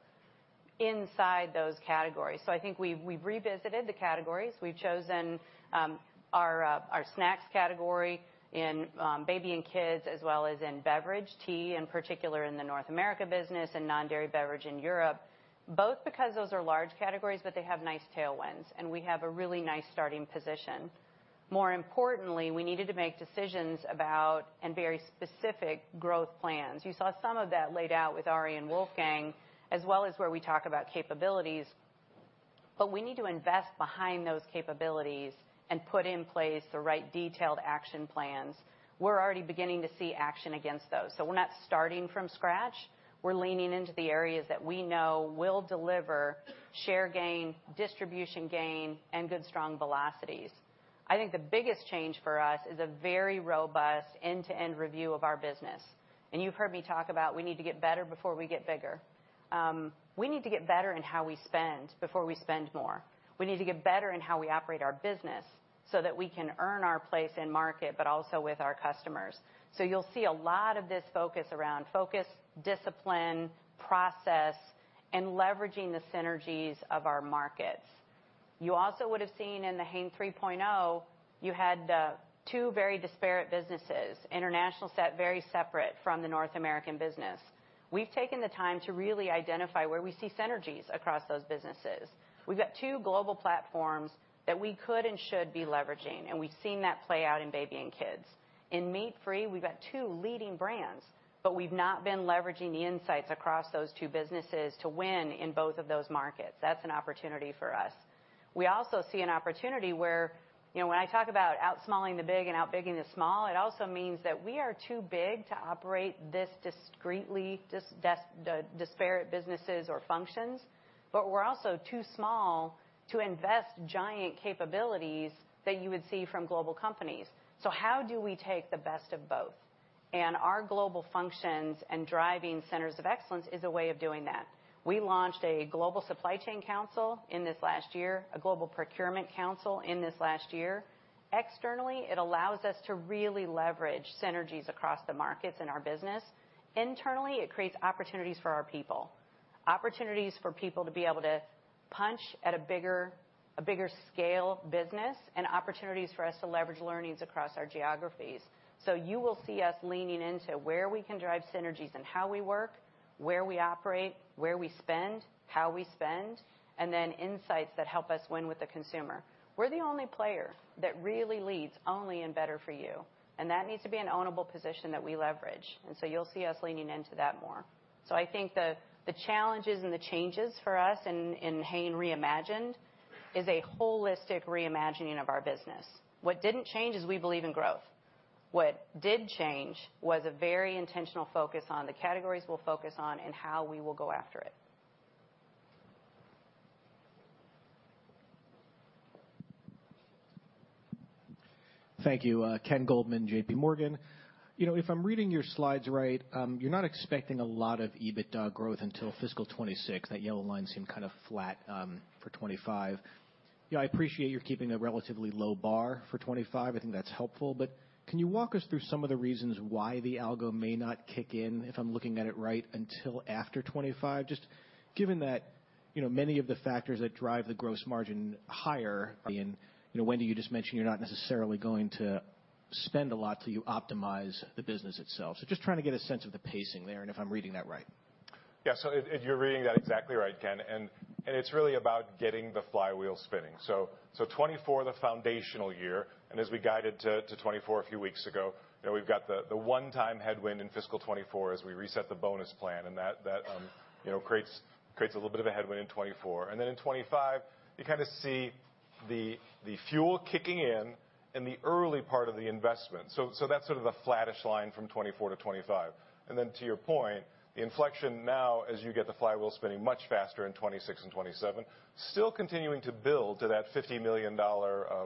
inside those categories. So I think we've revisited the categories. We've chosen our snacks category in baby and kids, as well as in beverage, tea, in particular in the North America business, and non-dairy beverage in Europe, both because those are large categories, but they have nice tailwinds, and we have a really nice starting position. More importantly, we needed to make decisions about and very specific growth plans. You saw some of that laid out with Ari and Wolfgang, as well as where we talk about capabilities, but we need to invest behind those capabilities and put in place the right detailed action plans. We're already beginning to see action against those, so we're not starting from scratch. We're leaning into the areas that we know will deliver share gain, distribution gain, and good, strong velocities. I think the biggest change for us is a very robust end-to-end review of our business. And you've heard me talk about we need to get better before we get bigger. We need to get better in how we spend before we spend more. We need to get better in how we operate our business so that we can earn our place in market, but also with our customers. So you'll see a lot of this focus around focus, discipline, process, and leveraging the synergies of our markets. You also would have seen in the Hain 3.0, you had two very disparate businesses, international set, very separate from the North American business. We've taken the time to really identify where we see synergies across those businesses. We've got two global platforms that we could and should be leveraging, and we've seen that play out in baby and kids. In meat-free, we've got two leading brands, but we've not been leveraging the insights across those two businesses to win in both of those markets. That's an opportunity for us. We also see an opportunity where, you know, when I talk about outsmalling the big and outbigging the small, it also means that we are too big to operate this discreetly, disparate businesses or functions, but we're also too small to invest giant capabilities that you would see from global companies. So how do we take the best of both? And our global functions and driving centers of excellence is a way of doing that. We launched a global supply chain council in this last year, a global procurement council in this last year. Externally, it allows us to really leverage synergies across the markets in our business. Internally, it creates opportunities for our people, opportunities for people to be able to punch at a bigger, a bigger scale business, and opportunities for us to leverage learnings across our geographies. So you will see us leaning into where we can drive synergies and how we work, where we operate, where we spend, how we spend, and then insights that help us win with the consumer. We're the only player that really leads only in better-for-you, and that needs to be an ownable position that we leverage, and so you'll see us leaning into that more. So I think the challenges and the changes for us in Hain Reimagined is a holistic reimagining of our business. What didn't change is we believe in growth. What did change was a very intentional focus on the categories we'll focus on and how we will go after it. Thank you. Ken Goldman, JP Morgan. You know, if I'm reading your slides right, you're not expecting a lot of EBITDA growth until fiscal 2026. That yellow line seems kind of flat for 2025. Yeah, I appreciate you're keeping a relatively low bar for 2025. I think that's helpful, but can you walk us through some of the reasons why the algo may not kick in, if I'm looking at it right, until after 2025? Just given that, you know, many of the factors that drive the gross margin higher and, you know, Wendy, you just mentioned you're not necessarily going to spend a lot till you optimize the business itself. So just trying to get a sense of the pacing there, and if I'm reading that right. Yeah. So it, and you're reading that exactly right, Ken, and, and it's really about getting the flywheel spinning. So, 2024, the foundational year, and as we guided to 2024 a few weeks ago, you know, we've got the one-time headwind in fiscal 2024 as we reset the bonus plan, and that, that, you know, creates, creates a little bit of a headwind in 2024. And then in 2025, you kind of see the Fuel kicking in, in the early part of the investment. So, that's sort of the flattish line from 2024 to 2025. And then, to your point, the inflection now, as you get the flywheel spinning much faster in 2026 and 2027, still continuing to build to that $50 million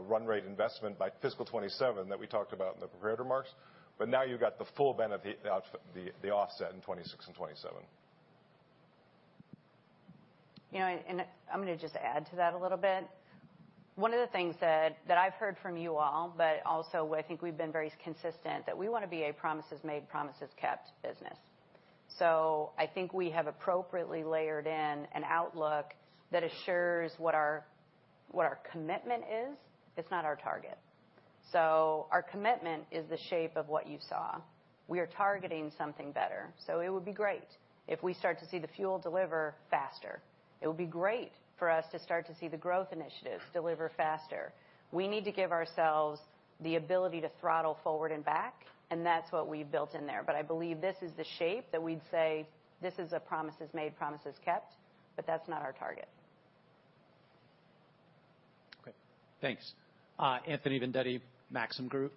run rate investment by fiscal 2027 that we talked about in the prepared remarks, but now you've got the full benefit, the output, the offset in 2026 and 2027. You know, and I'm gonna just add to that a little bit. One of the things that, that I've heard from you all, but also I think we've been very consistent, that we wanna be a promises made, promises kept business. So I think we have appropriately layered in an outlook that assures what our, what our commitment is. It's not our target. So our commitment is the shape of what you saw. We are targeting something better, so it would be great if we start to see the Fuel deliver faster. It would be great for us to start to see the growth initiatives deliver faster. We need to give ourselves the ability to throttle forward and back, and that's what we've built in there. But I believe this is the shape that we'd say this is a promises made, promises kept, but that's not our target. Okay, thanks. Anthony Vendetti, Maxim Group.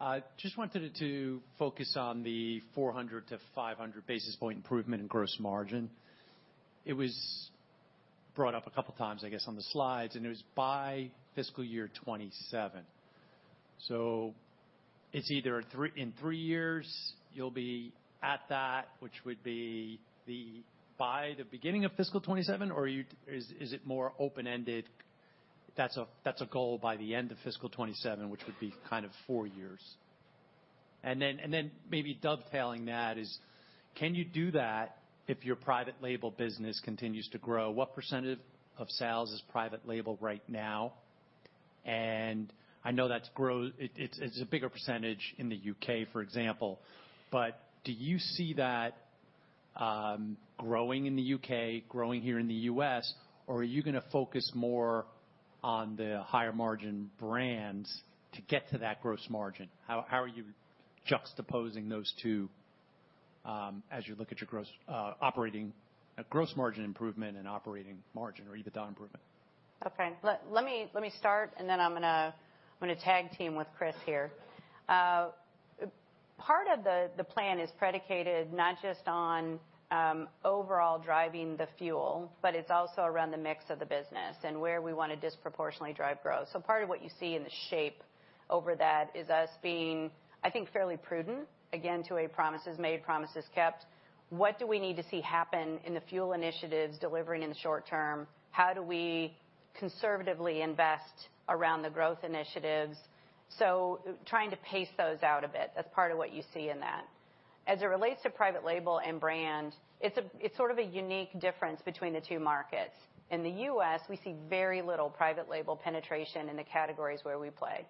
I just wanted to focus on the 400-500 basis point improvement in gross margin. It was brought up a couple times, I guess, on the slides, and it was by FY27. So it's either in three years, you'll be at that, which would be the, by the beginning of fiscal 2027, or you, Is, is it more open-ended? That's a, that's a goal by the end of fiscal 2027, which would be kind of four years. And then, and then maybe dovetailing that is, can you do that if your private label business continues to grow? What percentage of sales is private label right now? I know that's it, it's a bigger percentage in the U.K., for example, but do you see that growing in the U.K., growing here in the U.S., or are you gonna focus more on the higher margin brands to get to that gross margin? How, how are you juxtaposing those two, as you look at your gross operating gross margin improvement and operating margin or EBITDA improvement? Okay, let me start, and then I'm gonna tag team with Chris here. Part of the plan is predicated not just on overall driving the Fuel, but it's also around the mix of the business and where we want to disproportionately drive growth. So part of what you see in the shape over that is us being, I think, fairly prudent, again, to a promises made, promises kept. What do we need to see happen in the Fuel initiatives delivering in the short term? How do we conservatively invest around the growth initiatives? So trying to pace those out a bit, that's part of what you see in that. As it relates to private label and brand, it's sort of a unique difference between the two markets. In the US, we see very little private label penetration in the categories where we play.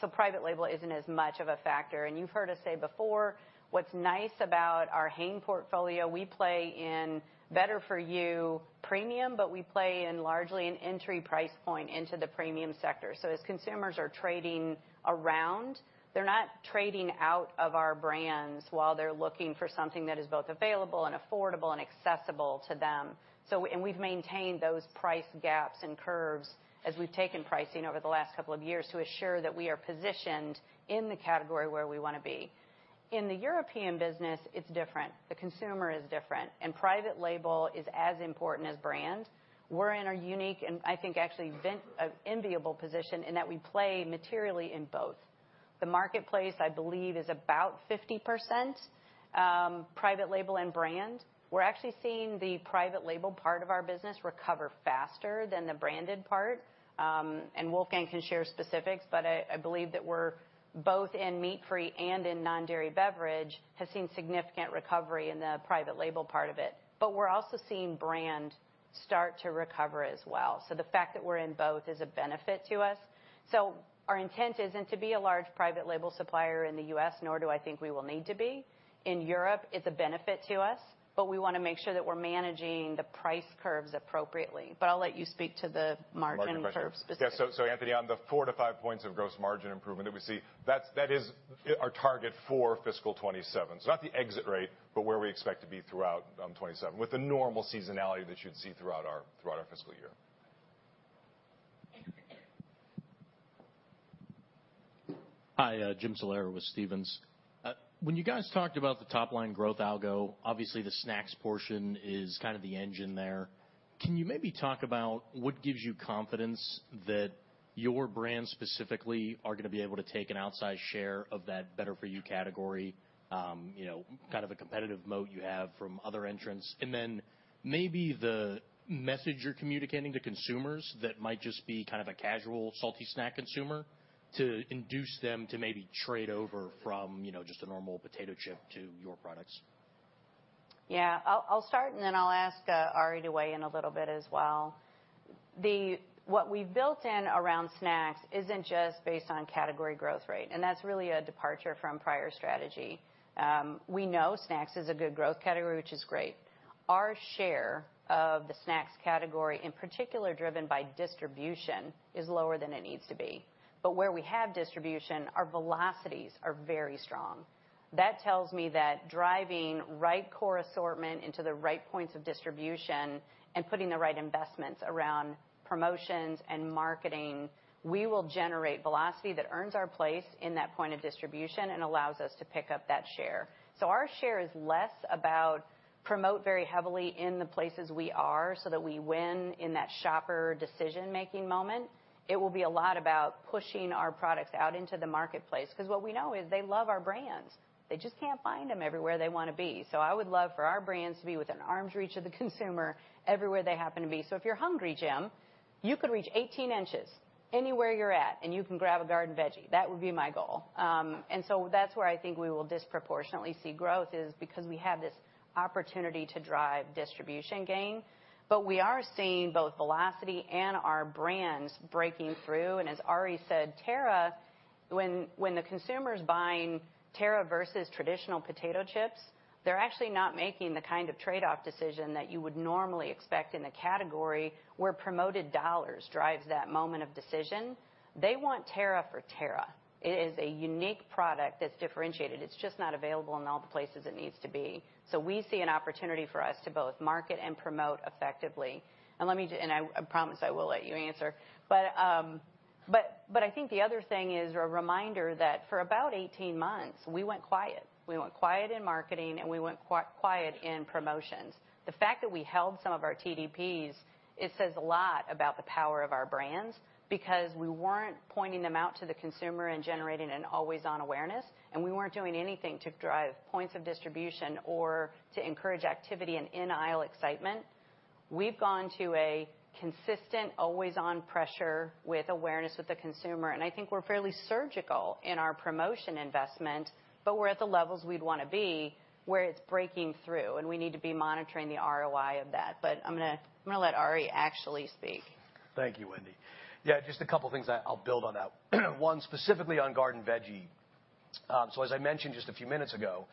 So private label isn't as much of a factor, and you've heard us say before, what's nice about our Hain portfolio, we play in better-for-you premium, but we play in largely an entry price point into the premium sector. So as consumers are trading around, they're not trading out of our brands while they're looking for something that is both available and affordable and accessible to them. So and we've maintained those price gaps and curves as we've taken pricing over the last couple of years to assure that we are positioned in the category where we want to be. In the European business, it's different. The consumer is different, and private label is as important as brand. We're in a unique, and I think actually, an enviable position in that we play materially in both. The marketplace, I believe, is about 50%, private label and brand. We're actually seeing the private label part of our business recover faster than the branded part. And Wolfgang can share specifics, but I, I believe that we're both in meat-free and in non-dairy beverage, have seen significant recovery in the private label part of it. But we're also seeing brand start to recover as well. So the fact that we're in both is a benefit to us. So our intent isn't to be a large private label supplier in the U.S., nor do I think we will need to be. In Europe, it's a benefit to us, but we want to make sure that we're managing the price curves appropriately. But I'll let you speak to the margin curve specifically. Margin curve. Yeah, so, so, Anthony, on the 4-5 points of gross margin improvement that we see, that's, that is our target for fiscal 2027. It's not the exit rate, but where we expect to be throughout, 2027, with the normal seasonality that you'd see throughout our, throughout our fiscal year. Hi, Jim Salera with Stephens. When you guys talked about the top line growth algo, obviously, the snacks portion is kind of the engine there. Can you maybe talk about what gives you confidence that your brand specifically are going to be able to take an outsized share of that better-for-you category? You know, kind of a competitive moat you have from other entrants, and then maybe the message you're communicating to consumers that might just be kind of a casual, salty snack consumer to induce them to maybe trade over from, you know, just a normal potato chip to your products. Yeah. I'll, I'll start, and then I'll ask Ari to weigh in a little bit as well. The what we've built in around snacks isn't just based on category growth rate, and that's really a departure from prior strategy. We know snacks is a good growth category, which is great. Our share of the snacks category, in particular, driven by distribution, is lower than it needs to be. But where we have distribution, our velocities are very strong. That tells me that driving right core assortment into the right points of distribution and putting the right investments around promotions and marketing, we will generate velocity that earns our place in that point of distribution and allows us to pick up that share. So our share is less about promote very heavily in the places we are so that we win in that shopper decision-making moment. It will be a lot about pushing our products out into the marketplace, because what we know is they love our brands. They just can't find them everywhere they want to be. So I would love for our brands to be within arm's reach of the consumer everywhere they happen to be. So if you're hungry, Jim, you could reach 18 inches anywhere you're at, and you can grab a Garden Veggie. That would be my goal. And so that's where I think we will disproportionately see growth is because we have this opportunity to drive distribution gain, but we are seeing both velocity and our brands breaking through. And as Ari said, Terra, when the consumer's buying Terra versus traditional potato chips, they're actually not making the kind of trade-off decision that you would normally expect in a category where promoted dollars drives that moment of decision. They want TERRA for TERRA. It is a unique product that's differentiated. It's just not available in all the places it needs to be. So we see an opportunity for us to both market and promote effectively. And let me just, and I promise I will let you answer. But, but, but I think the other thing is a reminder that for about 18 months, we went quiet. We went quiet in marketing, and we went quiet in promotions. The fact that we held some of our TDPs, it says a lot about the power of our brands, because we weren't pointing them out to the consumer and generating an always-on awareness, and we weren't doing anything to drive points of distribution or to encourage activity and in-aisle excitement. We've gone to a consistent, always-on pressure with awareness with the consumer, and I think we're fairly surgical in our promotion investment, but we're at the levels we'd want to be, where it's breaking through, and we need to be monitoring the ROI of that. But I'm gonna, I'm gonna let Ari actually speak. Thank you, Wendy. Yeah, just a couple of things I, I'll build on that. One, specifically on Garden Veggie. So as I mentioned just a few minutes ago,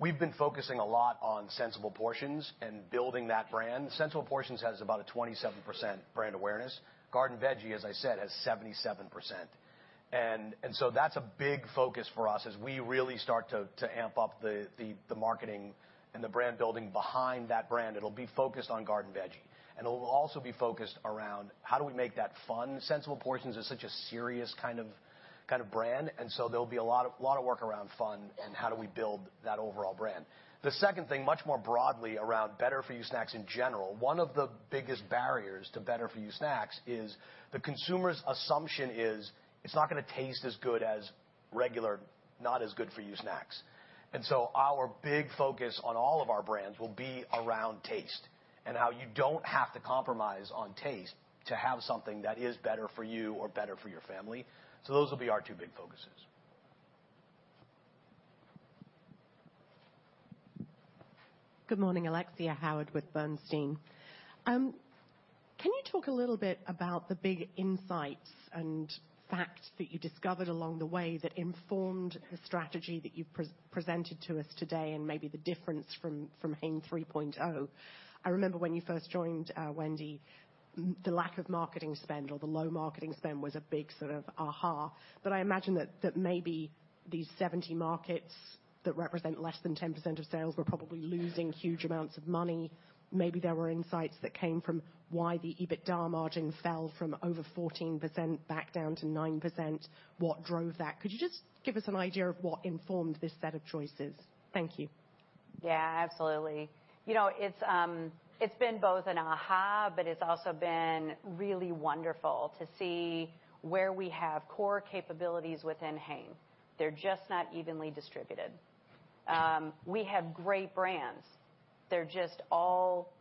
we've been focusing a lot on Sensible Portions and building that brand. Sensible Portions has about a 27% brand awareness. Garden Veggie, as I said, has 77%, and so that's a big focus for us as we really start to amp up the marketing and the brand building behind that brand. It'll be focused on Garden Veggie, and it'll also be focused around how do we make that fun? Sensible Portions is such a serious kind of brand, and so there'll be a lot of work around fun and how do we build that overall brand. The second thing, much more broadly around better-for-you snacks in general, one of the biggest barriers to better-for-you snacks is the consumer's assumption is it's not going to taste as good as regular, not as good for you snacks. And so our big focus on all of our brands will be around taste and how you don't have to compromise on taste to have something that is better-for-you or better-for-your family. So those will be our two big focuses. Good morning, Alexia Howard with Bernstein. Can you talk a little bit about the big insights and facts that you discovered along the way that informed the strategy that you presented to us today, and maybe the difference from Hain 3.0? I remember when you first joined, Wendy, the lack of marketing spend or the low marketing spend was a big sort of aha, but I imagine that maybe these 70 markets that represent less than 10% of sales were probably losing huge amounts of money. Maybe there were insights that came from why the EBITDA margin fell from over 14% back down to 9%. What drove that? Could you just give us an idea of what informed this set of choices? Thank you. Yeah, absolutely. You know, it's been both an aha, but it's also been really wonderful to see where we have core capabilities within Hain. They're just not evenly distributed. We have great brands. They're just all,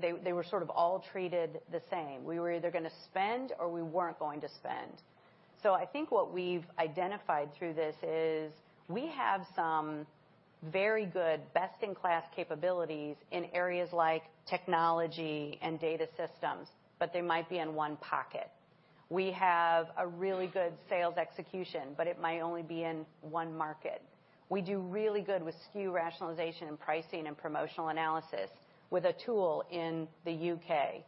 they, they were sort of all treated the same. We were either gonna spend or we weren't going to spend. So I think what we've identified through this is, we have some very good best-in-class capabilities in areas like technology and data systems, but they might be in one pocket. We have a really good sales execution, but it might only be in one market. We do really good with SKU rationalization and pricing and promotional analysis with a tool in the U.K.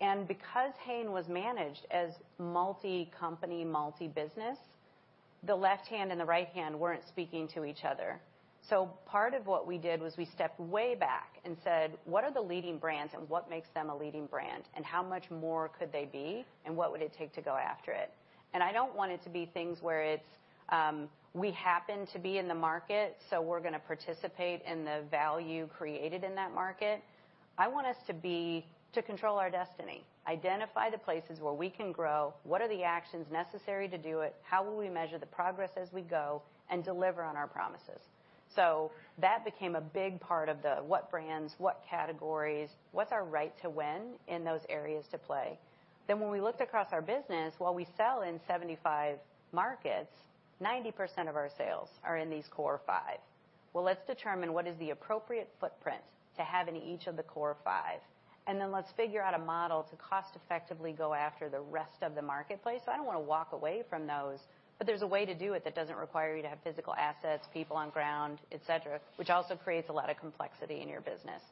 And because Hain was managed as multi-company, multi-business, the left hand and the right hand weren't speaking to each other. So part of what we did was we stepped way back and said: What are the leading brands and what makes them a leading brand? And how much more could they be, and what would it take to go after it? And I don't want it to be things where it's, we happen to be in the market, so we're gonna participate in the value created in that market. I want us to be, to control our destiny, identify the places where we can grow, what are the actions necessary to do it, how will we measure the progress as we go, and deliver on our promises. So that became a big part of the what brands, what categories, what's our right to win in those areas to play? Then, when we looked across our business, while we sell in 75 markets, 90% of our sales are in these core five. Well, let's determine what is the appropriate footprint to have in each of the core five, and then let's figure out a model to cost effectively go after the rest of the marketplace. I don't want to walk away from those, but there's a way to do it that doesn't require you to have physical assets, people on ground, et cetera, which also creates a lot of complexity in your business.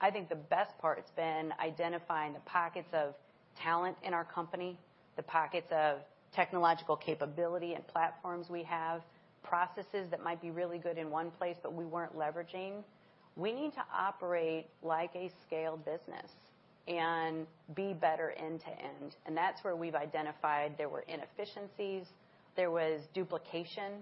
I think the best part's been identifying the pockets of talent in our company, the pockets of technological capability and platforms we have, processes that might be really good in one place, but we weren't leveraging. We need to operate like a scaled business and be better end to end, and that's where we've identified there were inefficiencies, there was duplication,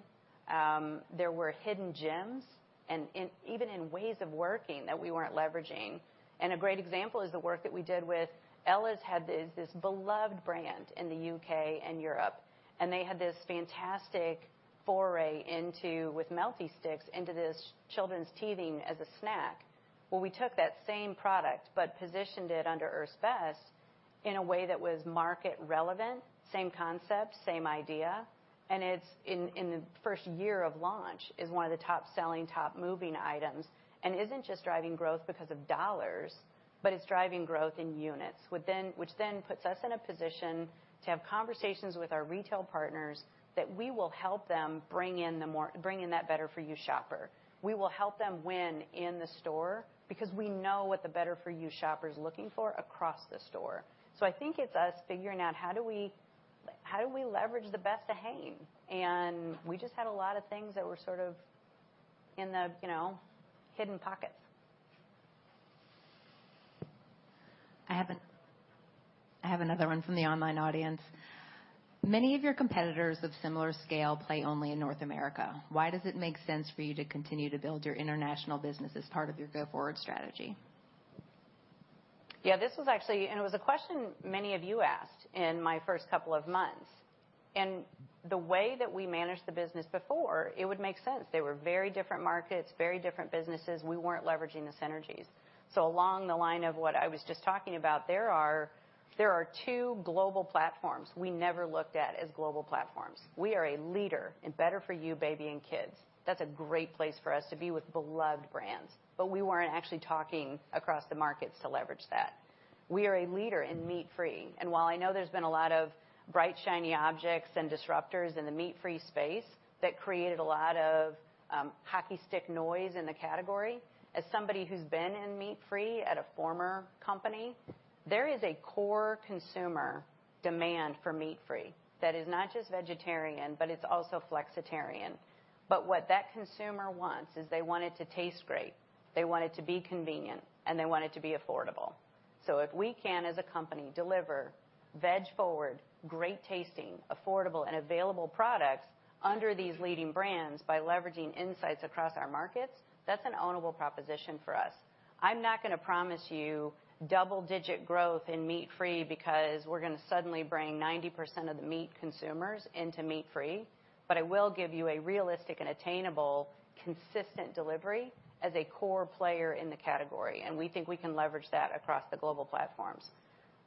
there were hidden gems, and even in ways of working that we weren't leveraging. And a great example is the work that we did with Ella's, had this, this beloved brand in the UK and Europe, and they had this fantastic foray into with Melty Sticks into this children's teething as a snack. Well, we took that same product but positioned it under Earth's Best in a way that was market relevant, same concept, same idea, and it's in the first year of launch one of the top-selling, top-moving items. And isn't just driving growth because of dollars, but it's driving growth in units, within—which then puts us in a position to have conversations with our retail partners that we will help them bring in the more, bring in that better-for-you, shopper. We will help them win in the store because we know what the better-for-you shopper is looking for across the store. So I think it's us figuring out how do we, how do we leverage the best of Hain? And we just had a lot of things that were sort of in the, you know, hidden pockets. I have another one from the online audience. Many of your competitors of similar scale play only in North America. Why does it make sense for you to continue to build your international business as part of your go-forward strategy? Yeah, this was actually. It was a question many of you asked in my first couple of months. The way that we managed the business before, it would make sense. They were very different markets, very different businesses. We weren't leveraging the synergies. Along the line of what I was just talking about, there are, there are two global platforms we never looked at as global platforms. We are a leader in better-for-you, baby and kids. That's a great place for us to be with beloved brands, but we weren't actually talking across the markets to leverage that. We are a leader in meat-free, and while I know there's been a lot of bright, shiny objects and disruptors in the meat-free space, that created a lot of hockey stick noise in the category. As somebody who's been in meat-free at a former company, there is a core consumer demand for meat-free that is not just vegetarian, but it's also flexitarian. But what that consumer wants is they want it to taste great, they want it to be convenient, and they want it to be affordable. So if we can, as a company, deliver veg forward, great tasting, affordable, and available products under these leading brands by leveraging insights across our markets, that's an ownable proposition for us. I'm not gonna promise you double-digit growth in meat-free because we're gonna suddenly bring 90% of the meat consumers into meat-free, but I will give you a realistic and attainable, consistent delivery as a core player in the category, and we think we can leverage that across the global platforms.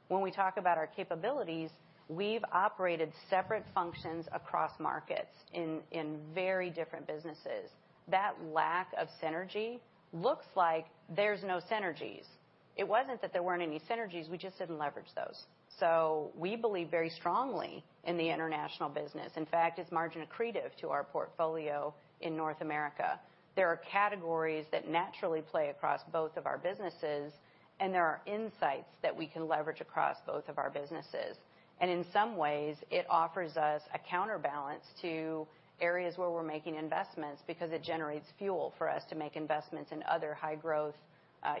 When we talk about our capabilities, we've operated separate functions across markets in very different businesses. That lack of synergy looks like there's no synergies. It wasn't that there weren't any synergies, we just didn't leverage those. So we believe very strongly in the international business. In fact, it's margin accretive to our portfolio in North America. There are categories that naturally play across both of our businesses, and there are insights that we can leverage across both of our businesses. And in some ways, it offers us a counterbalance to areas where we're making investments because it generates Fuel for us to make investments in other high-growth,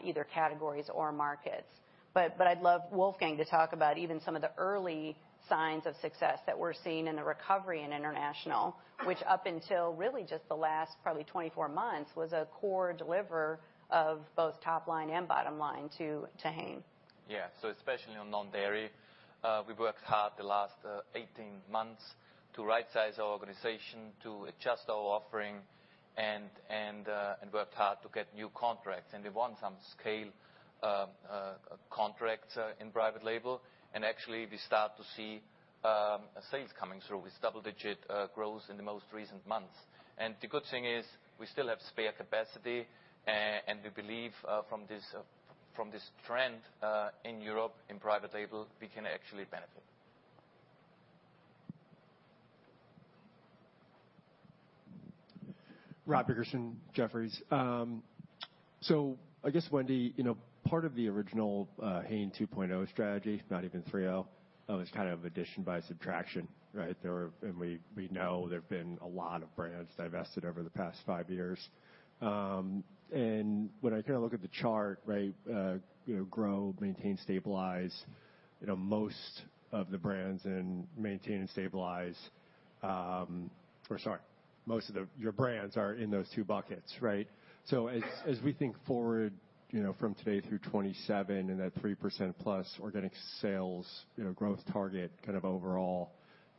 either categories or markets. But I'd love Wolfgang to talk about even some of the early signs of success that we're seeing in the recovery in international, which up until really just the last probably 24 months, was a core deliverer of both top line and bottom line to Hain. Yeah. So especially on non-dairy. We worked hard the last 18 months to rightsize our organization, to adjust our offering, and worked hard to get new contracts. And we won some scale contracts in private label, and actually we start to see sales coming through with double-digit growth in the most recent months. And the good thing is we still have spare capacity, and we believe from this trend in Europe, in private label, we can actually benefit. Rob Dickerson, Jefferies. So I guess, Wendy, you know, part of the original Hain 2.0 strategy, not even 3.0, was kind of addition by subtraction, right? There were, and we know there have been a lot of brands divested over the past five years. And when I kind of look at the chart, right, you know, grow, maintain, stabilize, you know, most of the brands in maintain and stabilize, or sorry, most of your brands are in those two buckets, right? So as we think forward, you know, from today through 2027 and that 3%+ organic sales, you know, growth target kind of overall,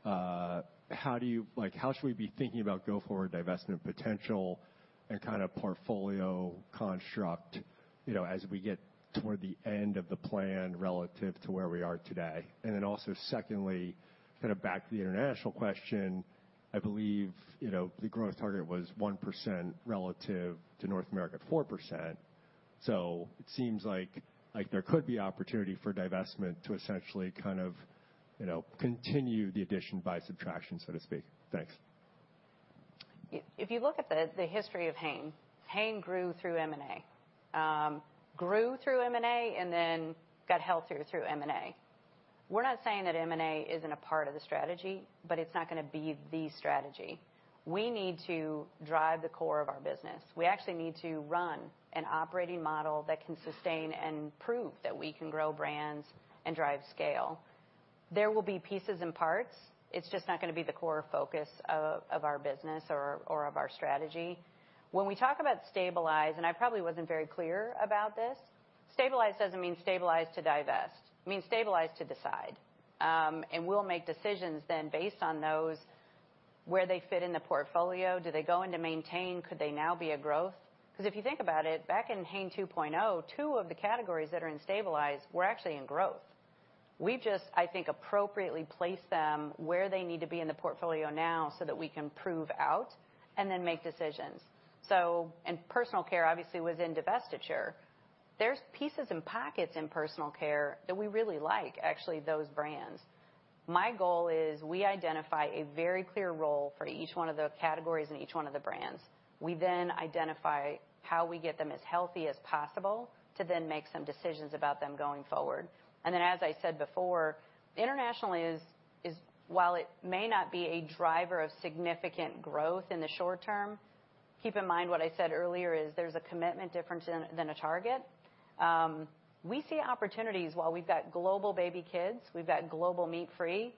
how do you—like, how should we be thinking about go-forward divestment potential and kind of portfolio construct, you know, as we get toward the end of the plan relative to where we are today? And then also, secondly, kind of back to the international question, I believe, you know, the growth target was 1% relative to North America, 4%. So it seems like, like there could be opportunity for divestment to essentially kind of, you know, continue the addition by subtraction, so to speak. Thanks. If you look at the history of Hain, Hain grew through M&A. Grew through M&A and then got healthier through M&A. We're not saying that M&A isn't a part of the strategy, but it's not gonna be the strategy. We need to drive the core of our business. We actually need to run an operating model that can sustain and prove that we can grow brands and drive scale. There will be pieces and parts. It's just not gonna be the core focus of our business or of our strategy. When we talk about stabilize, and I probably wasn't very clear about this, stabilize doesn't mean stabilize to divest, it means stabilize to decide. And we'll make decisions then based on those, where they fit in the portfolio. Do they go into maintain? Could they now be a growth? Because if you think about it, back in Hain 2.0, two of the categories that are in stabilize were actually in growth. We've just, I think, appropriately placed them where they need to be in the portfolio now, so that we can prove out and then make decisions. So, and personal care obviously was in divestiture. There's pieces and pockets in personal care that we really like, actually, those brands. My goal is we identify a very clear role for each one of the categories and each one of the brands. We then identify how we get them as healthy as possible to then make some decisions about them going forward. And then, as I said before, internationally is while it may not be a driver of significant growth in the short term, keep in mind what I said earlier is there's a commitment difference than a target. We see opportunities while we've got global baby kids, we've got global meat-free.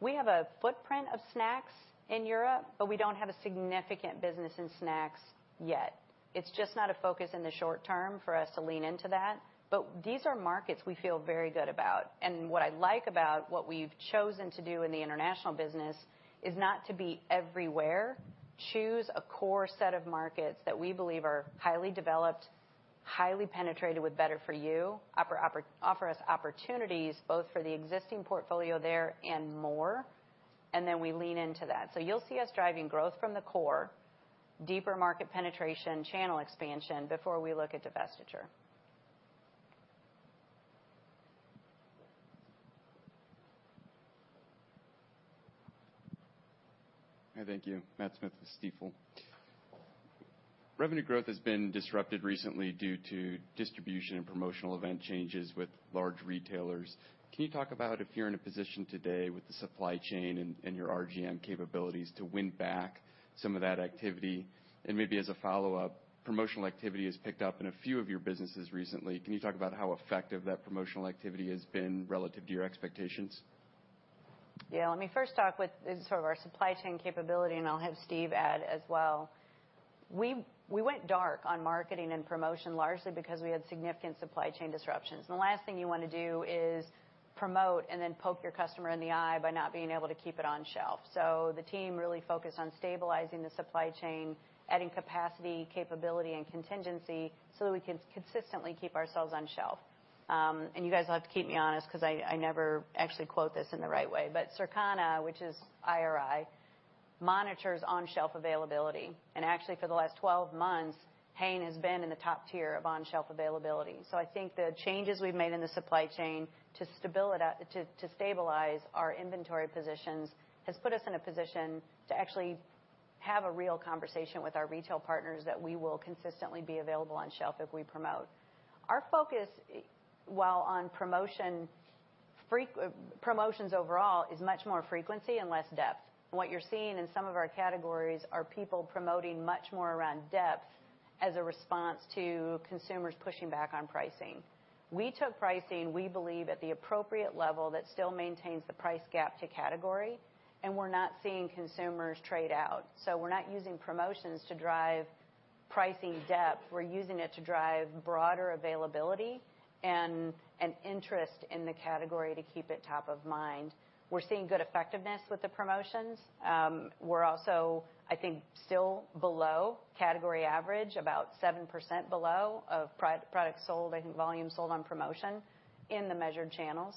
We have a footprint of snacks in Europe, but we don't have a significant business in snacks yet. It's just not a focus in the short term for us to lean into that, but these are markets we feel very good about. And what I like about what we've chosen to do in the international business is not to be everywhere. Choose a core set of markets that we believe are highly developed, highly penetrated with better-for-you, offer us opportunities both for the existing portfolio there and more, and then we lean into that. So you'll see us driving growth from the core, deeper market penetration, channel expansion before we look at divestiture. Hi, thank you. Matt Smith with Stifel. Revenue growth has been disrupted recently due to distribution and promotional event changes with large retailers. Can you talk about if you're in a position today with the supply chain and your RGM capabilities to win back some of that activity? And maybe as a follow-up, promotional activity has picked up in a few of your businesses recently. Can you talk about how effective that promotional activity has been relative to your expectations? Yeah, let me first talk with sort of our supply chain capability, and I'll have Steve add as well. We went dark on marketing and promotion largely because we had significant supply chain disruptions. The last thing you want to do is promote and then poke your customer in the eye by not being able to keep it on shelf. So the team really focused on stabilizing the supply chain, adding capacity, capability, and contingency, so that we can consistently keep ourselves on shelf. And you guys will have to keep me honest, because I never actually quote this in the right way, but Circana, which is IRI, monitors on-shelf availability, and actually, for the last 12 months, Hain has been in the top tier of on-shelf availability. So I think the changes we've made in the supply chain to stabilize our inventory positions has put us in a position to actually have a real conversation with our retail partners that we will consistently be available on shelf if we promote. Our focus, while on promotion, frequency, promotions overall, is much more frequency and less depth. What you're seeing in some of our categories are people promoting much more around depth as a response to consumers pushing back on pricing. We took pricing, we believe, at the appropriate level that still maintains the price gap to category, and we're not seeing consumers trade out, so we're not using promotions to drive pricing depth, we're using it to drive broader availability and an interest in the category to keep it top of mind. We're seeing good effectiveness with the promotions. We're also, I think, still below category average, about 7% below of products sold, I think, volume sold on promotion in the measured channels.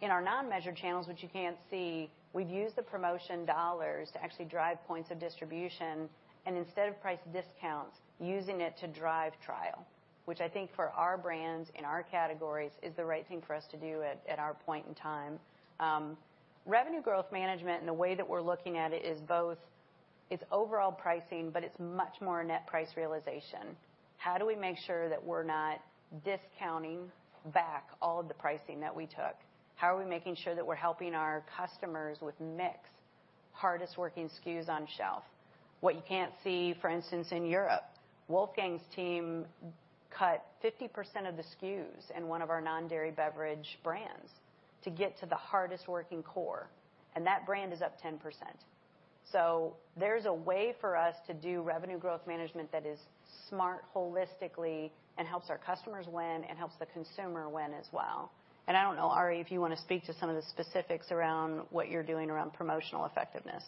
In our non-measured channels, which you can't see, we've used the promotion dollars to actually drive points of distribution, and instead of price discounts, using it to drive trial, which I think for our brands and our categories, is the right thing for us to do at our point in time. Revenue growth management, and the way that we're looking at it, is both, it's overall pricing, but it's much more net price realization. How do we make sure that we're not discounting back all of the pricing that we took? How are we making sure that we're helping our customers with mix, hardest working SKUs on shelf? What you can't see, for instance, in Europe, Wolfgang's team cut 50% of the SKUs in one of our non-dairy beverage brands to get to the hardest working core, and that brand is up 10%. So there's a way for us to do revenue growth management that is smart holistically and helps our customers win and helps the consumer win as well. I don't know, Ari, if you want to speak to some of the specifics around what you're doing around promotional effectiveness.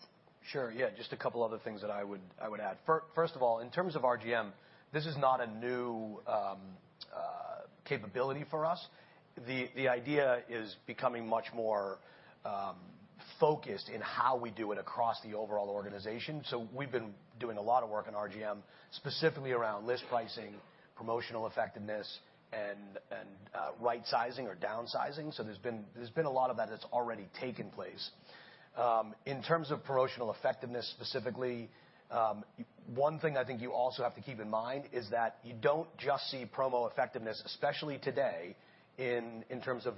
Sure, yeah. Just a couple other things that I would, I would add. First of all, in terms of RGM, this is not a new capability for us. The idea is becoming much more focused in how we do it across the overall organization. So we've been doing a lot of work on RGM, specifically around list pricing, promotional effectiveness, and right sizing or downsizing. So there's been a lot of that that's already taken place. In terms of promotional effectiveness, specifically, one thing I think you also have to keep in mind is that you don't just see promo effectiveness, especially today, in terms of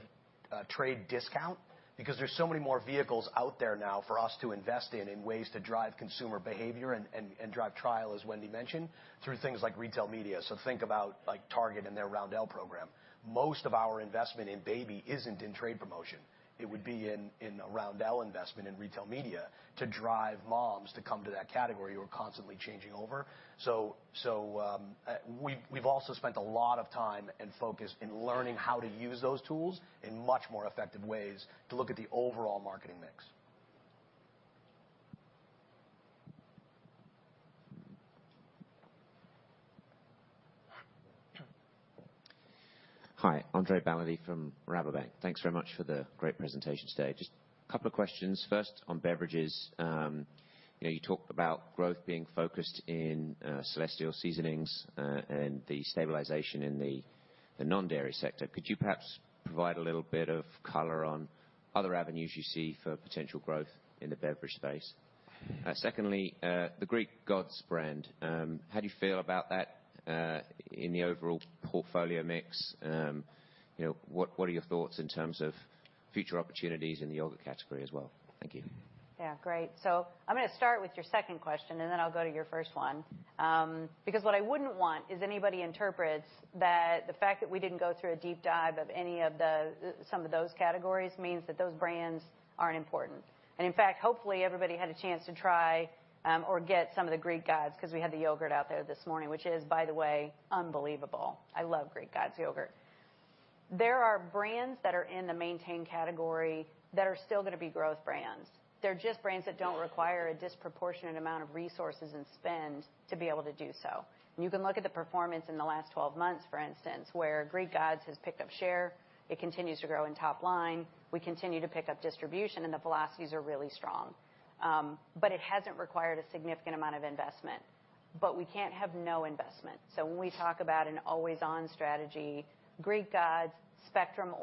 trade discount, because there's so many more vehicles out there now for us to invest in ways to drive consumer behavior and drive trial, as Wendy mentioned, through things like retail media. So think about, like, Target and their Roundel program. Most of our investment in baby isn't in trade promotion. It would be in a Roundel investment in retail media to drive moms to come to that category. We're constantly changing over. So, we've also spent a lot of time and focus in learning how to use those tools in much more effective ways to look at the overall marketing mix. Hi, André Baladi from Rabobank. Thanks very much for the great presentation today. Just a couple of questions. First, on beverages, you know, you talked about growth being focused in Celestial Seasonings and the stabilization in the non-dairy sector. Could you perhaps provide a little bit of color on other avenues you see for potential growth in the beverage space? Secondly, the Greek Gods brand, how do you feel about that in the overall portfolio mix? You know, what are your thoughts in terms of future opportunities in the yogurt category as well? Thank you. Yeah, great. So I'm gonna start with your second question, and then I'll go to your first one. Because what I wouldn't want is anybody interprets that the fact that we didn't go through a deep dive of any of the, some of those categories means that those brands aren't important. And in fact, hopefully, everybody had a chance to try, or get some of the Greek Gods, 'cause we had the yogurt out there this morning, which is, by the way, unbelievable. I love Greek Gods yogurt. There are brands that are in the maintain category that are still gonna be growth brands. They're just brands that don't require a disproportionate amount of resources and spend to be able to do so. You can look at the performance in the last 12 months, for instance, where Greek Gods has picked up share. It continues to grow in top line. We continue to pick up distribution, and the velocities are really strong. But it hasn't required a significant amount of investment, but we can't have no investment. So when we talk about an always-on strategy, Greek Gods, Spectrum,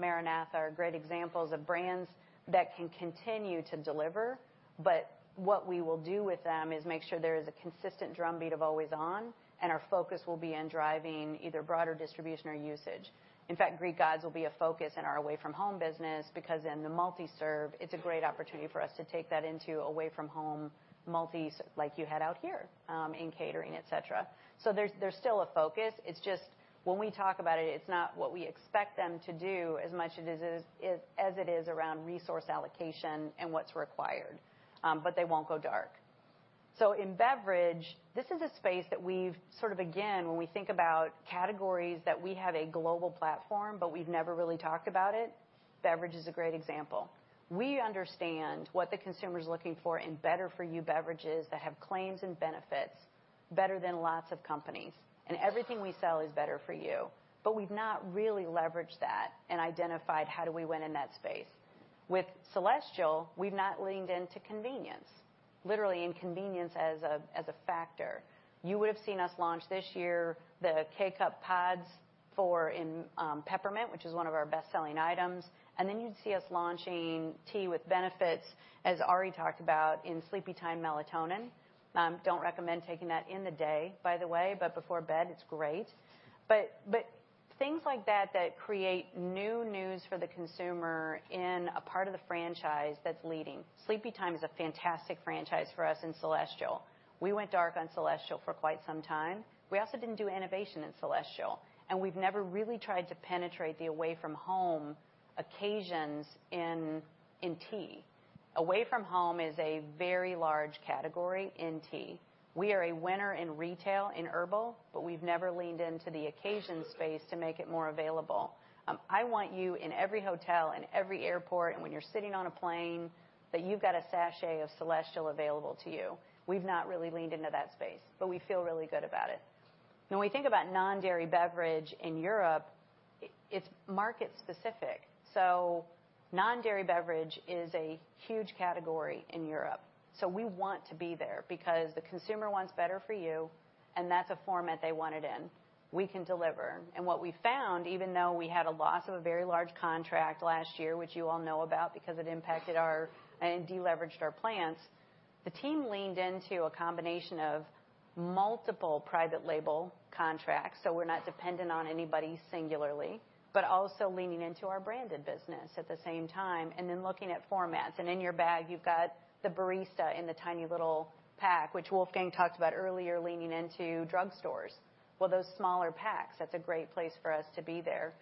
MaraNatha are great examples of brands that can continue to deliver, but what we will do with them is make sure there is a consistent drumbeat of always on, and our focus will be on driving either broader distribution or usage. In fact, Greek Gods will be a focus in our away-from-home business because in the multi-serve, it's a great opportunity for us to take that into away-from-home multis, like you had out here, in catering, et cetera. So there's still a focus. It's just when we talk about it, it's not what we expect them to do as much as it is as it is around resource allocation and what's required, but they won't go dark. So in beverage, this is a space that we've sort of again, when we think about categories, that we have a global platform, but we've never really talked about it. Beverage is a great example. We understand what the consumer is looking for in better-for-you beverages that have claims and benefits better than lots of companies, and everything we sell is better-for-you, but we've not really leveraged that and identified how do we win in that space. With Celestial, we've not leaned into convenience, literally in convenience as a factor. You would have seen us launch this year the K-Cup pods for peppermint, which is one of our best-selling items, and then you'd see us launching tea with benefits, as Ari talked about, in Sleepytime Melatonin. Don't recommend taking that in the day, by the way, but before bed, it's great. But, but things like that, that create new news for the consumer in a part of the franchise that's leading. Sleepytime is a fantastic franchise for us in Celestial. We went dark on Celestial for quite some time. We also didn't do innovation in Celestial, and we've never really tried to penetrate the away-from-home occasions in tea. away-from-home is a very large category in tea. We are a winner in retail, in herbal, but we've never leaned into the occasion space to make it more available. I want you in every hotel and every airport, and when you're sitting on a plane, that you've got a sachet of Celestial available to you. We've not really leaned into that space, but we feel really good about it. When we think about non-dairy beverage in Europe, it's market specific. So non-dairy beverage is a huge category in Europe, so we want to be there because the consumer wants better-for-you, and that's a format they want it in. We can deliver. And what we found, even though we had a loss of a very large contract last year, which you all know about because it impacted our, and deleveraged our plants, the team leaned into a combination of multiple private label contracts, so we're not dependent on anybody singularly, but also leaning into our branded business at the same time, and then looking at formats. In your bag, you've got the barista in the tiny little pack, which Wolfgang talked about earlier, leaning into drugstores. Well, those smaller packs, that's a great place for us to be there.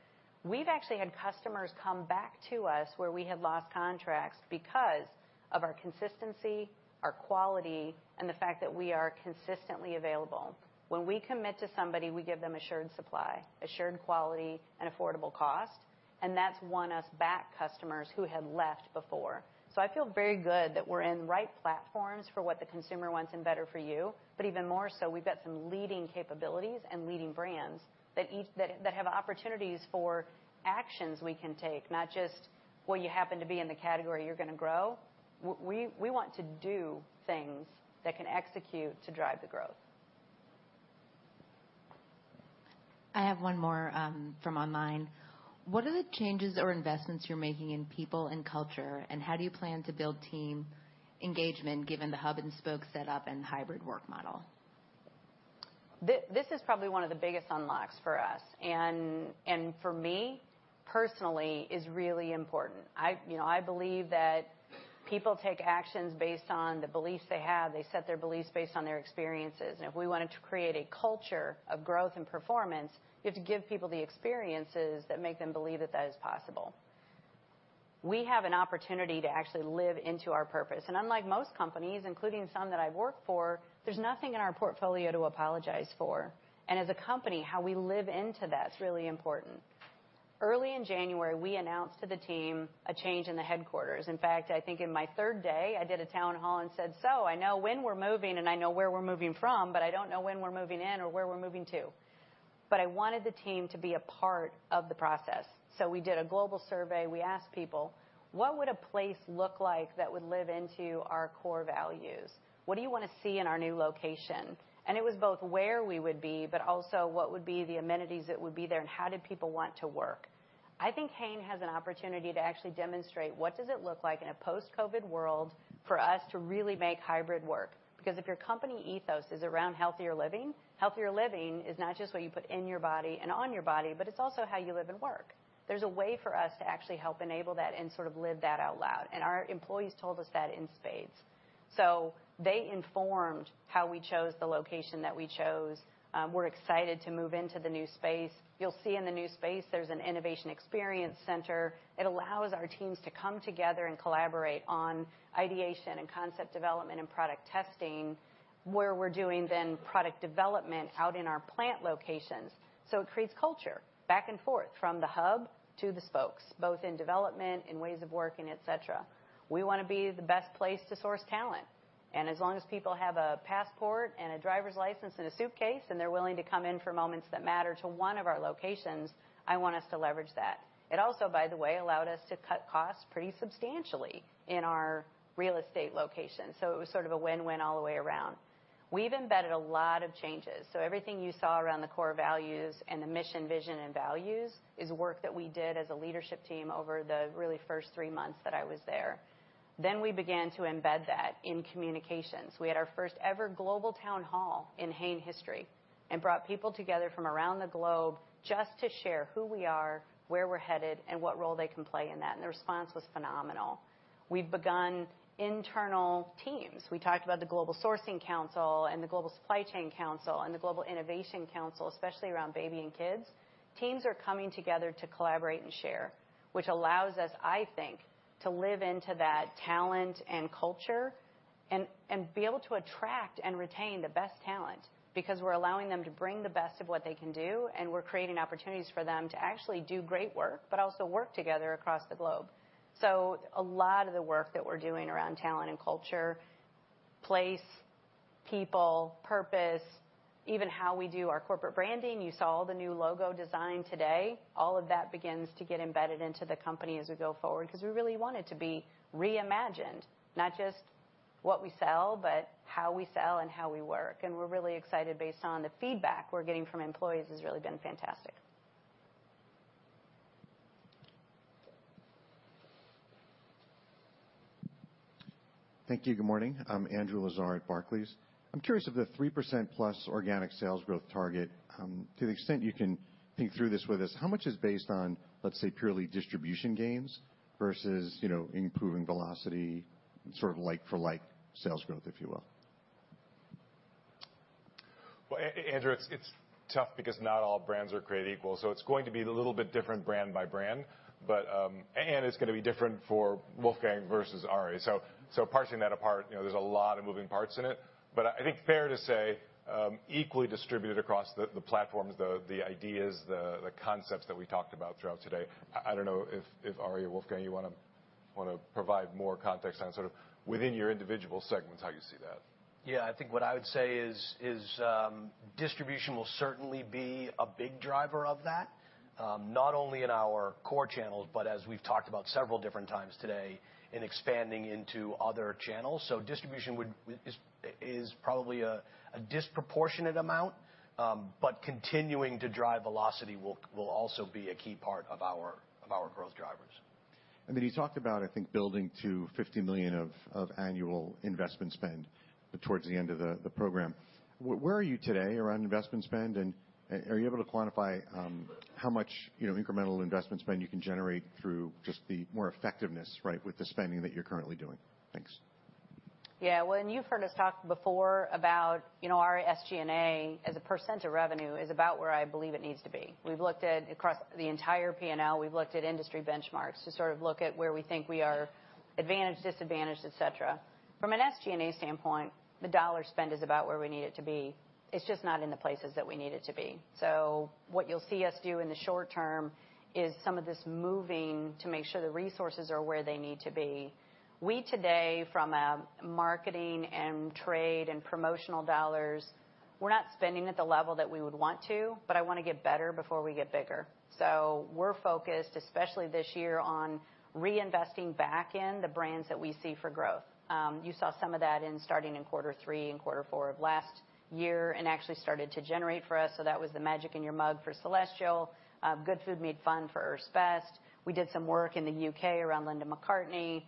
We've actually had customers come back to us where we had lost contracts because of our consistency, our quality, and the fact that we are consistently available. When we commit to somebody, we give them assured supply, assured quality, and affordable cost, and that's won us back customers who had left before. So I feel very good that we're in right platforms for what the consumer wants and better-for-you. But even more so, we've got some leading capabilities and leading brands that each that have opportunities for actions we can take, not just, well, you happen to be in the category, you're going to grow. We want to do things that can execute to drive the growth. I have one more, from online. What are the changes or investments you're making in people and culture, and how do you plan to build team engagement given the hub and spoke setup and hybrid work model? This is probably one of the biggest unlocks for us, and for me, personally, is really important. I, you know, I believe that people take actions based on the beliefs they have. They set their beliefs based on their experiences, and if we wanted to create a culture of growth and performance, you have to give people the experiences that make them believe that that is possible. We have an opportunity to actually live into our purpose, and unlike most companies, including some that I've worked for, there's nothing in our portfolio to apologize for. And as a company, how we live into that is really important. Early in January, we announced to the team a change in the headquarters. In fact, I think in my third day, I did a town hall and said, "So I know when we're moving, and I know where we're moving from, but I don't know when we're moving in or where we're moving to." But I wanted the team to be a part of the process. So we did a global survey. We asked people, "What would a place look like that would live into our core values? What do you want to see in our new location?" And it was both where we would be, but also what would be the amenities that would be there, and how did people want to work? I think Hain has an opportunity to actually demonstrate what does it look like in a post-COVID world for us to really make hybrid work? Because if your company ethos is around healthier living, healthier living is not just what you put in your body and on your body, but it's also how you live and work. There's a way for us to actually help enable that and sort of live that out loud, and our employees told us that in spades. So they informed how we chose the location that we chose. We're excited to move into the new space. You'll see in the new space, there's an Innovation Experience Center. It allows our teams to come together and collaborate on ideation and concept development and product testing, where we're doing then product development out in our plant locations. So it creates culture back and forth from the hub to the spokes, both in development, in ways of working, et cetera. We want to be the best place to source talent, and as long as people have a passport and a driver's license and a suitcase, and they're willing to come in for moments that matter to one of our locations, I want us to leverage that. It also, by the way, allowed us to cut costs pretty substantially in our real estate location, so it was sort of a win-win all the way around. We've embedded a lot of changes, so everything you saw around the core values and the mission, vision, and values is work that we did as a leadership team over the really first three months that I was there. Then we began to embed that in communications. We had our first ever global town hall in Hain history and brought people together from around the globe just to share who we are, where we're headed, and what role they can play in that, and the response was phenomenal. We've begun internal teams. We talked about the Global Sourcing Council and the Global Supply Chain Council and the Global Innovation Council, especially around baby and kids. Teams are coming together to collaborate and share, which allows us, I think, to live into that talent and culture and, and be able to attract and retain the best talent, because we're allowing them to bring the best of what they can do, and we're creating opportunities for them to actually do great work, but also work together across the globe. So a lot of the work that we're doing around talent and culture, place, people, purpose, even how we do our corporate branding, you saw all the new logo design today. All of that begins to get embedded into the company as we go forward because we really want it to be reimagined, not just what we sell, but how we sell and how we work. And we're really excited based on the feedback we're getting from employees has really been fantastic. Thank you. Good morning. I'm Andrew Lazar at Barclays. I'm curious, of the 3%+ organic sales growth target, to the extent you can think through this with us, how much is based on, let's say, purely distribution gains versus, you know, improving velocity, sort of like for like sales growth, if you will? Well, Andrew, it's tough because not all brands are created equal, so it's going to be a little bit different brand by brand. But, and it's gonna be different for Wolfgang versus Ari. So, parsing that apart, you know, there's a lot of moving parts in it, but I think fair to say, equally distributed across the platforms, the ideas, the concepts that we talked about throughout today. I don't know if Ari or Wolfgang, you wanna provide more context on sort of within your individual segments, how you see that? Yeah, I think what I would say is distribution will certainly be a big driver of that, not only in our core channels, but as we've talked about several different times today, in expanding into other channels. So distribution would probably a disproportionate amount, but continuing to drive velocity will also be a key part of our growth drivers. And then you talked about, I think, building to $50 million of annual investment spend towards the end of the program. Where are you today around investment spend, and are you able to quantify how much, you know, incremental investment spend you can generate through just the more effectiveness, right, with the spending that you're currently doing? Thanks. Yeah, well, and you've heard us talk before about, you know, our SG&A, as a % of revenue, is about where I believe it needs to be. We've looked at across the entire P&L, we've looked at industry benchmarks to sort of look at where we think we are advantaged, disadvantaged, et cetera. From an SG&A standpoint, the dollar spend is about where we need it to be. It's just not in the places that we need it to be. So what you'll see us do in the short term is some of this moving to make sure the resources are where they need to be. We today, from a marketing and trade and promotional dollars, we're not spending at the level that we would want to, but I wanna get better before we get bigger. So we're focused, especially this year, on reinvesting back in the brands that we see for growth. You saw some of that starting in quarter three and quarter four of last year and actually started to generate for us, so that was the Magic in Your Mug for Celestial, Good Food Made Fun for Earth's Best. We did some work in the UK around Linda McCartney,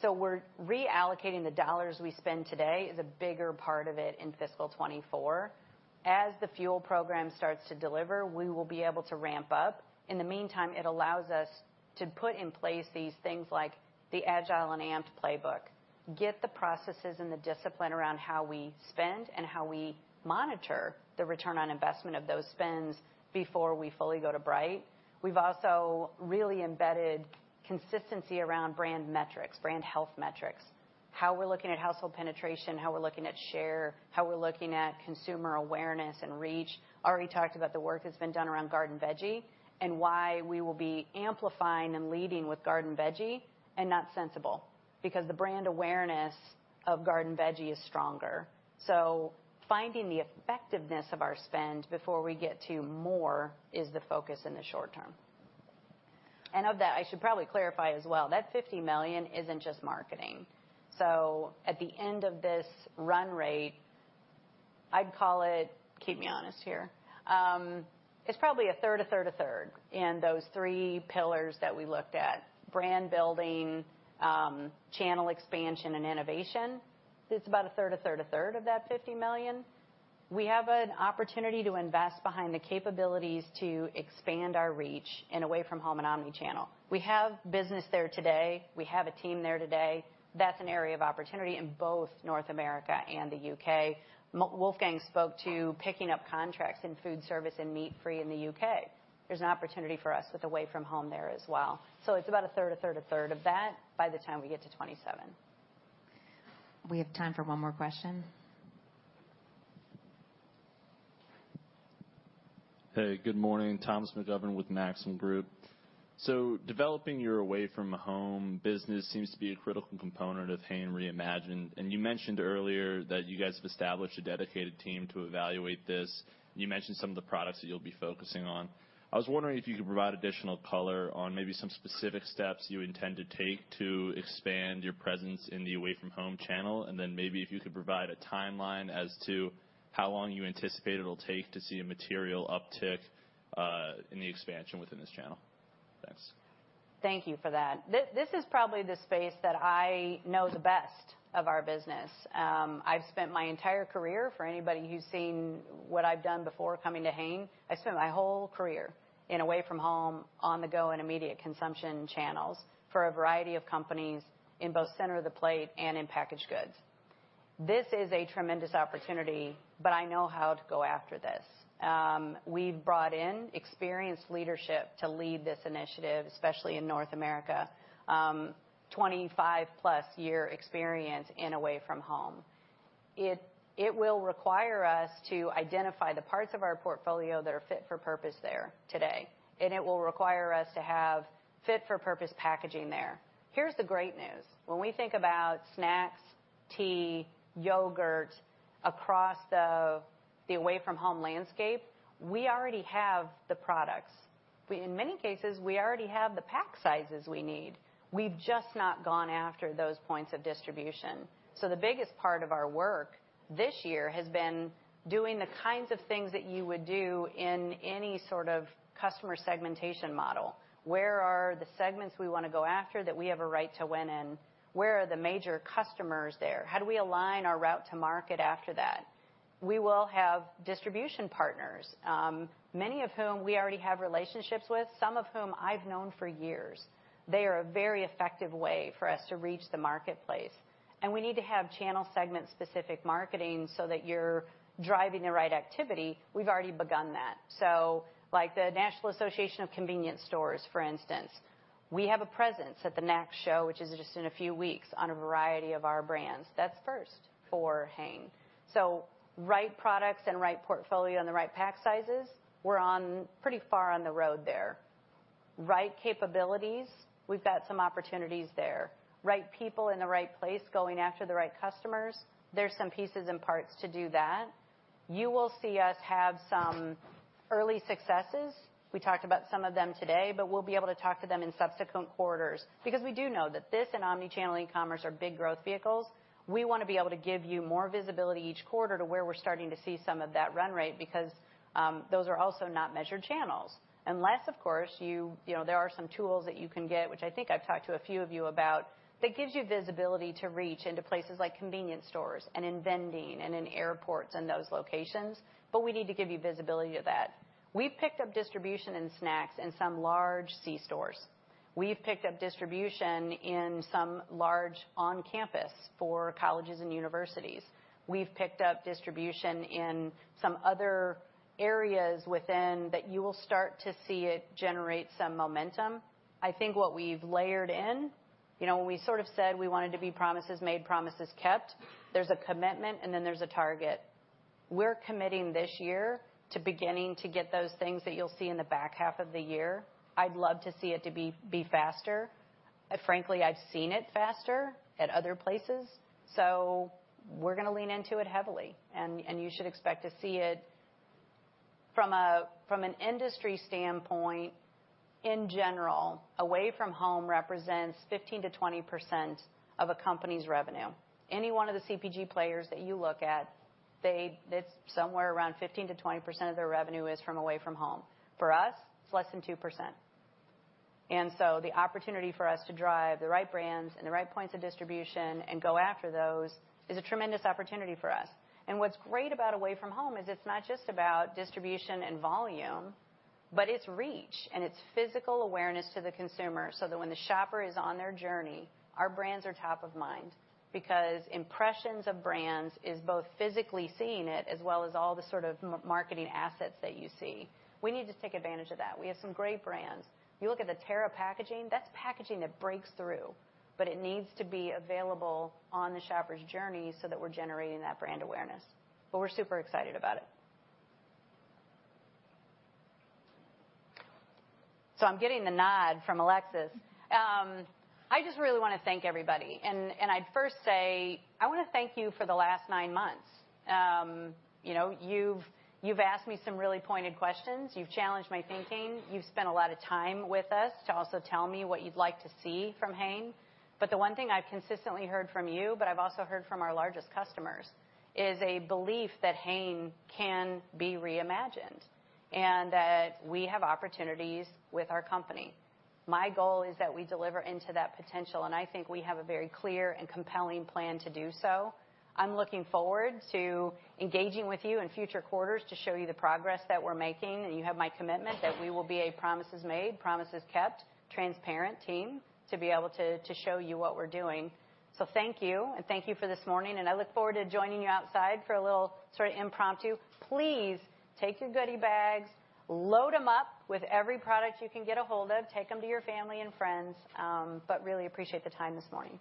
so we're reallocating the dollars we spend today is a bigger part of it in fiscal 2024. As the Fuel program starts to deliver, we will be able to ramp up. In the meantime, it allows us to put in place these things like the Agile & Amped playbook, get the processes and the discipline around how we spend and how we monitor the return on investment of those spends before we fully go to bright. We've also really embedded consistency around brand metrics, brand health metrics, how we're looking at household penetration, how we're looking at share, how we're looking at consumer awareness and reach. Already talked about the work that's been done around Garden Veggie, and why we will be amplifying and leading with Garden Veggie and not Sensible, because the brand awareness of Garden Veggie is stronger. So finding the effectiveness of our spend before we get to more is the focus in the short term. And of that, I should probably clarify as well, that $50 million isn't just marketing. So at the end of this run rate, I'd call it, keep me honest here, it's probably a third, a third, a third in those three pillars that we looked at, brand building, channel expansion, and innovation. It's about a third, a third, a third of that $50 million. We have an opportunity to invest behind the capabilities to expand our reach and away-from-home and omni-channel. We have business there today. We have a team there today. That's an area of opportunity in both North America and the UK. Mr. Wolfgang spoke to picking up contracts in food service and meat-free in the UK. There's an opportunity for us with away-from-home there as well. So it's about a third, a third, a third of that by the time we get to 2027. We have time for one more question. Hey, good morning. Thomas McGovern with Maxim Group. So developing your away-from-home business seems to be a critical component of Hain Reimagined, and you mentioned earlier that you guys have established a dedicated team to evaluate this. You mentioned some of the products that you'll be focusing on. I was wondering if you could provide additional color on maybe some specific steps you intend to take to expand your presence in the away-from-home channel, and then maybe if you could provide a timeline as to how long you anticipate it'll take to see a material uptick in the expansion within this channel. Thanks. Thank you for that. This, this is probably the space that I know the best of our business. I've spent my entire career, for anybody who's seen what I've done before coming to Hain, I spent my whole career in away-from-home, on-the-go, and immediate consumption channels for a variety of companies in both center of the plate and in packaged goods. This is a tremendous opportunity, but I know how to go after this. We've brought in experienced leadership to lead this initiative, especially in North America, 25+ year experience in away-from-home. It, it will require us to identify the parts of our portfolio that are fit for purpose there today, and it will require us to have fit for purpose packaging there. Here's the great news: When we think about snacks, tea, yogurt across the away-from-home landscape, we already have the products. We, in many cases, we already have the pack sizes we need. We've just not gone after those points of distribution. So the biggest part of our work this year has been doing the kinds of things that you would do in any sort of customer segmentation model. Where the segments we want to go after, that we have a right to win in. Where are the major customers there? How do we align our route to market after that? We will have distribution partners, many of whom we already have relationships with, some of whom I've known for years. They are a very effective way for us to reach the marketplace, and we need to have channel segment-specific marketing so that you're driving the right activity. We've already begun that. So like the National Association of Convenience Stores, for instance, we have a presence at the NACS Show, which is just in a few weeks, on a variety of our brands. That's first for Hain. So right products and right portfolio and the right pack sizes, we're on, pretty far on the road there. Right capabilities, we've got some opportunities there. Right people in the right place, going after the right customers, there's some pieces and parts to do that. You will see us have some early successes. We talked about some of them today, but we'll be able to talk to them in subsequent quarters because we do know that this and omni-channel e-commerce are big growth vehicles. We want to be able to give you more visibility each quarter to where we're starting to see some of that run rate, because those are also not measured channels. Unless, of course, you—you know, there are some tools that you can get, which I think I've talked to a few of you about, that gives you visibility to reach into places like convenience stores and in vending and in airports and those locations. But we need to give you visibility to that. We've picked up distribution in snacks in some large c-stores. We've picked up distribution in some large on-campus for colleges and universities. We've picked up distribution in some other areas within, that you will start to see it generate some momentum. I think what we've layered in, you know, when we sort of said we wanted to be promises made, promises kept, there's a commitment, and then there's a target. We're committing this year to beginning to get those things that you'll see in the back half of the year. I'd love to see it be faster. And frankly, I've seen it faster at other places, so we're gonna lean into it heavily, and you should expect to see it. From an industry standpoint, in general, away-from-home represents 15%-20% of a company's revenue. Any one of the CPG players that you look at, they, it's somewhere around 15%-20% of their revenue is from away-from-home. For us, it's less than 2%. The opportunity for us to drive the right brands and the right points of distribution and go after those is a tremendous opportunity for us. What's great about away-from-home is it's not just about distribution and volume, but it's reach, and it's physical awareness to the consumer so that when the shopper is on their journey, our brands are top of mind. Because impressions of brands is both physically seeing it as well as all the sort of marketing assets that you see. We need to take advantage of that. We have some great brands. You look at the Terra packaging, that's packaging that breaks through, but it needs to be available on the shopper's journey so that we're generating that brand awareness. But we're super excited about it. I'm getting the nod from Alexis. I just really want to thank everybody, and I'd first say I want to thank you for the last nine months. You know, you've asked me some really pointed questions. You've challenged my thinking. You've spent a lot of time with us to also tell me what you'd like to see from Hain. But the one thing I've consistently heard from you, but I've also heard from our largest customers, is a belief that Hain can be reimagined and that we have opportunities with our company. My goal is that we deliver into that potential, and I think we have a very clear and compelling plan to do so. I'm looking forward to engaging with you in future quarters to show you the progress that we're making, and you have my commitment that we will be a promises made, promises kept, transparent team to be able to, to show you what we're doing. So thank you, and thank you for this morning, and I look forward to joining you outside for a little sort of impromptu. Please take your goodie bags, load them up with every product you can get a hold of. Take them to your family and friends, but really appreciate the time this morning.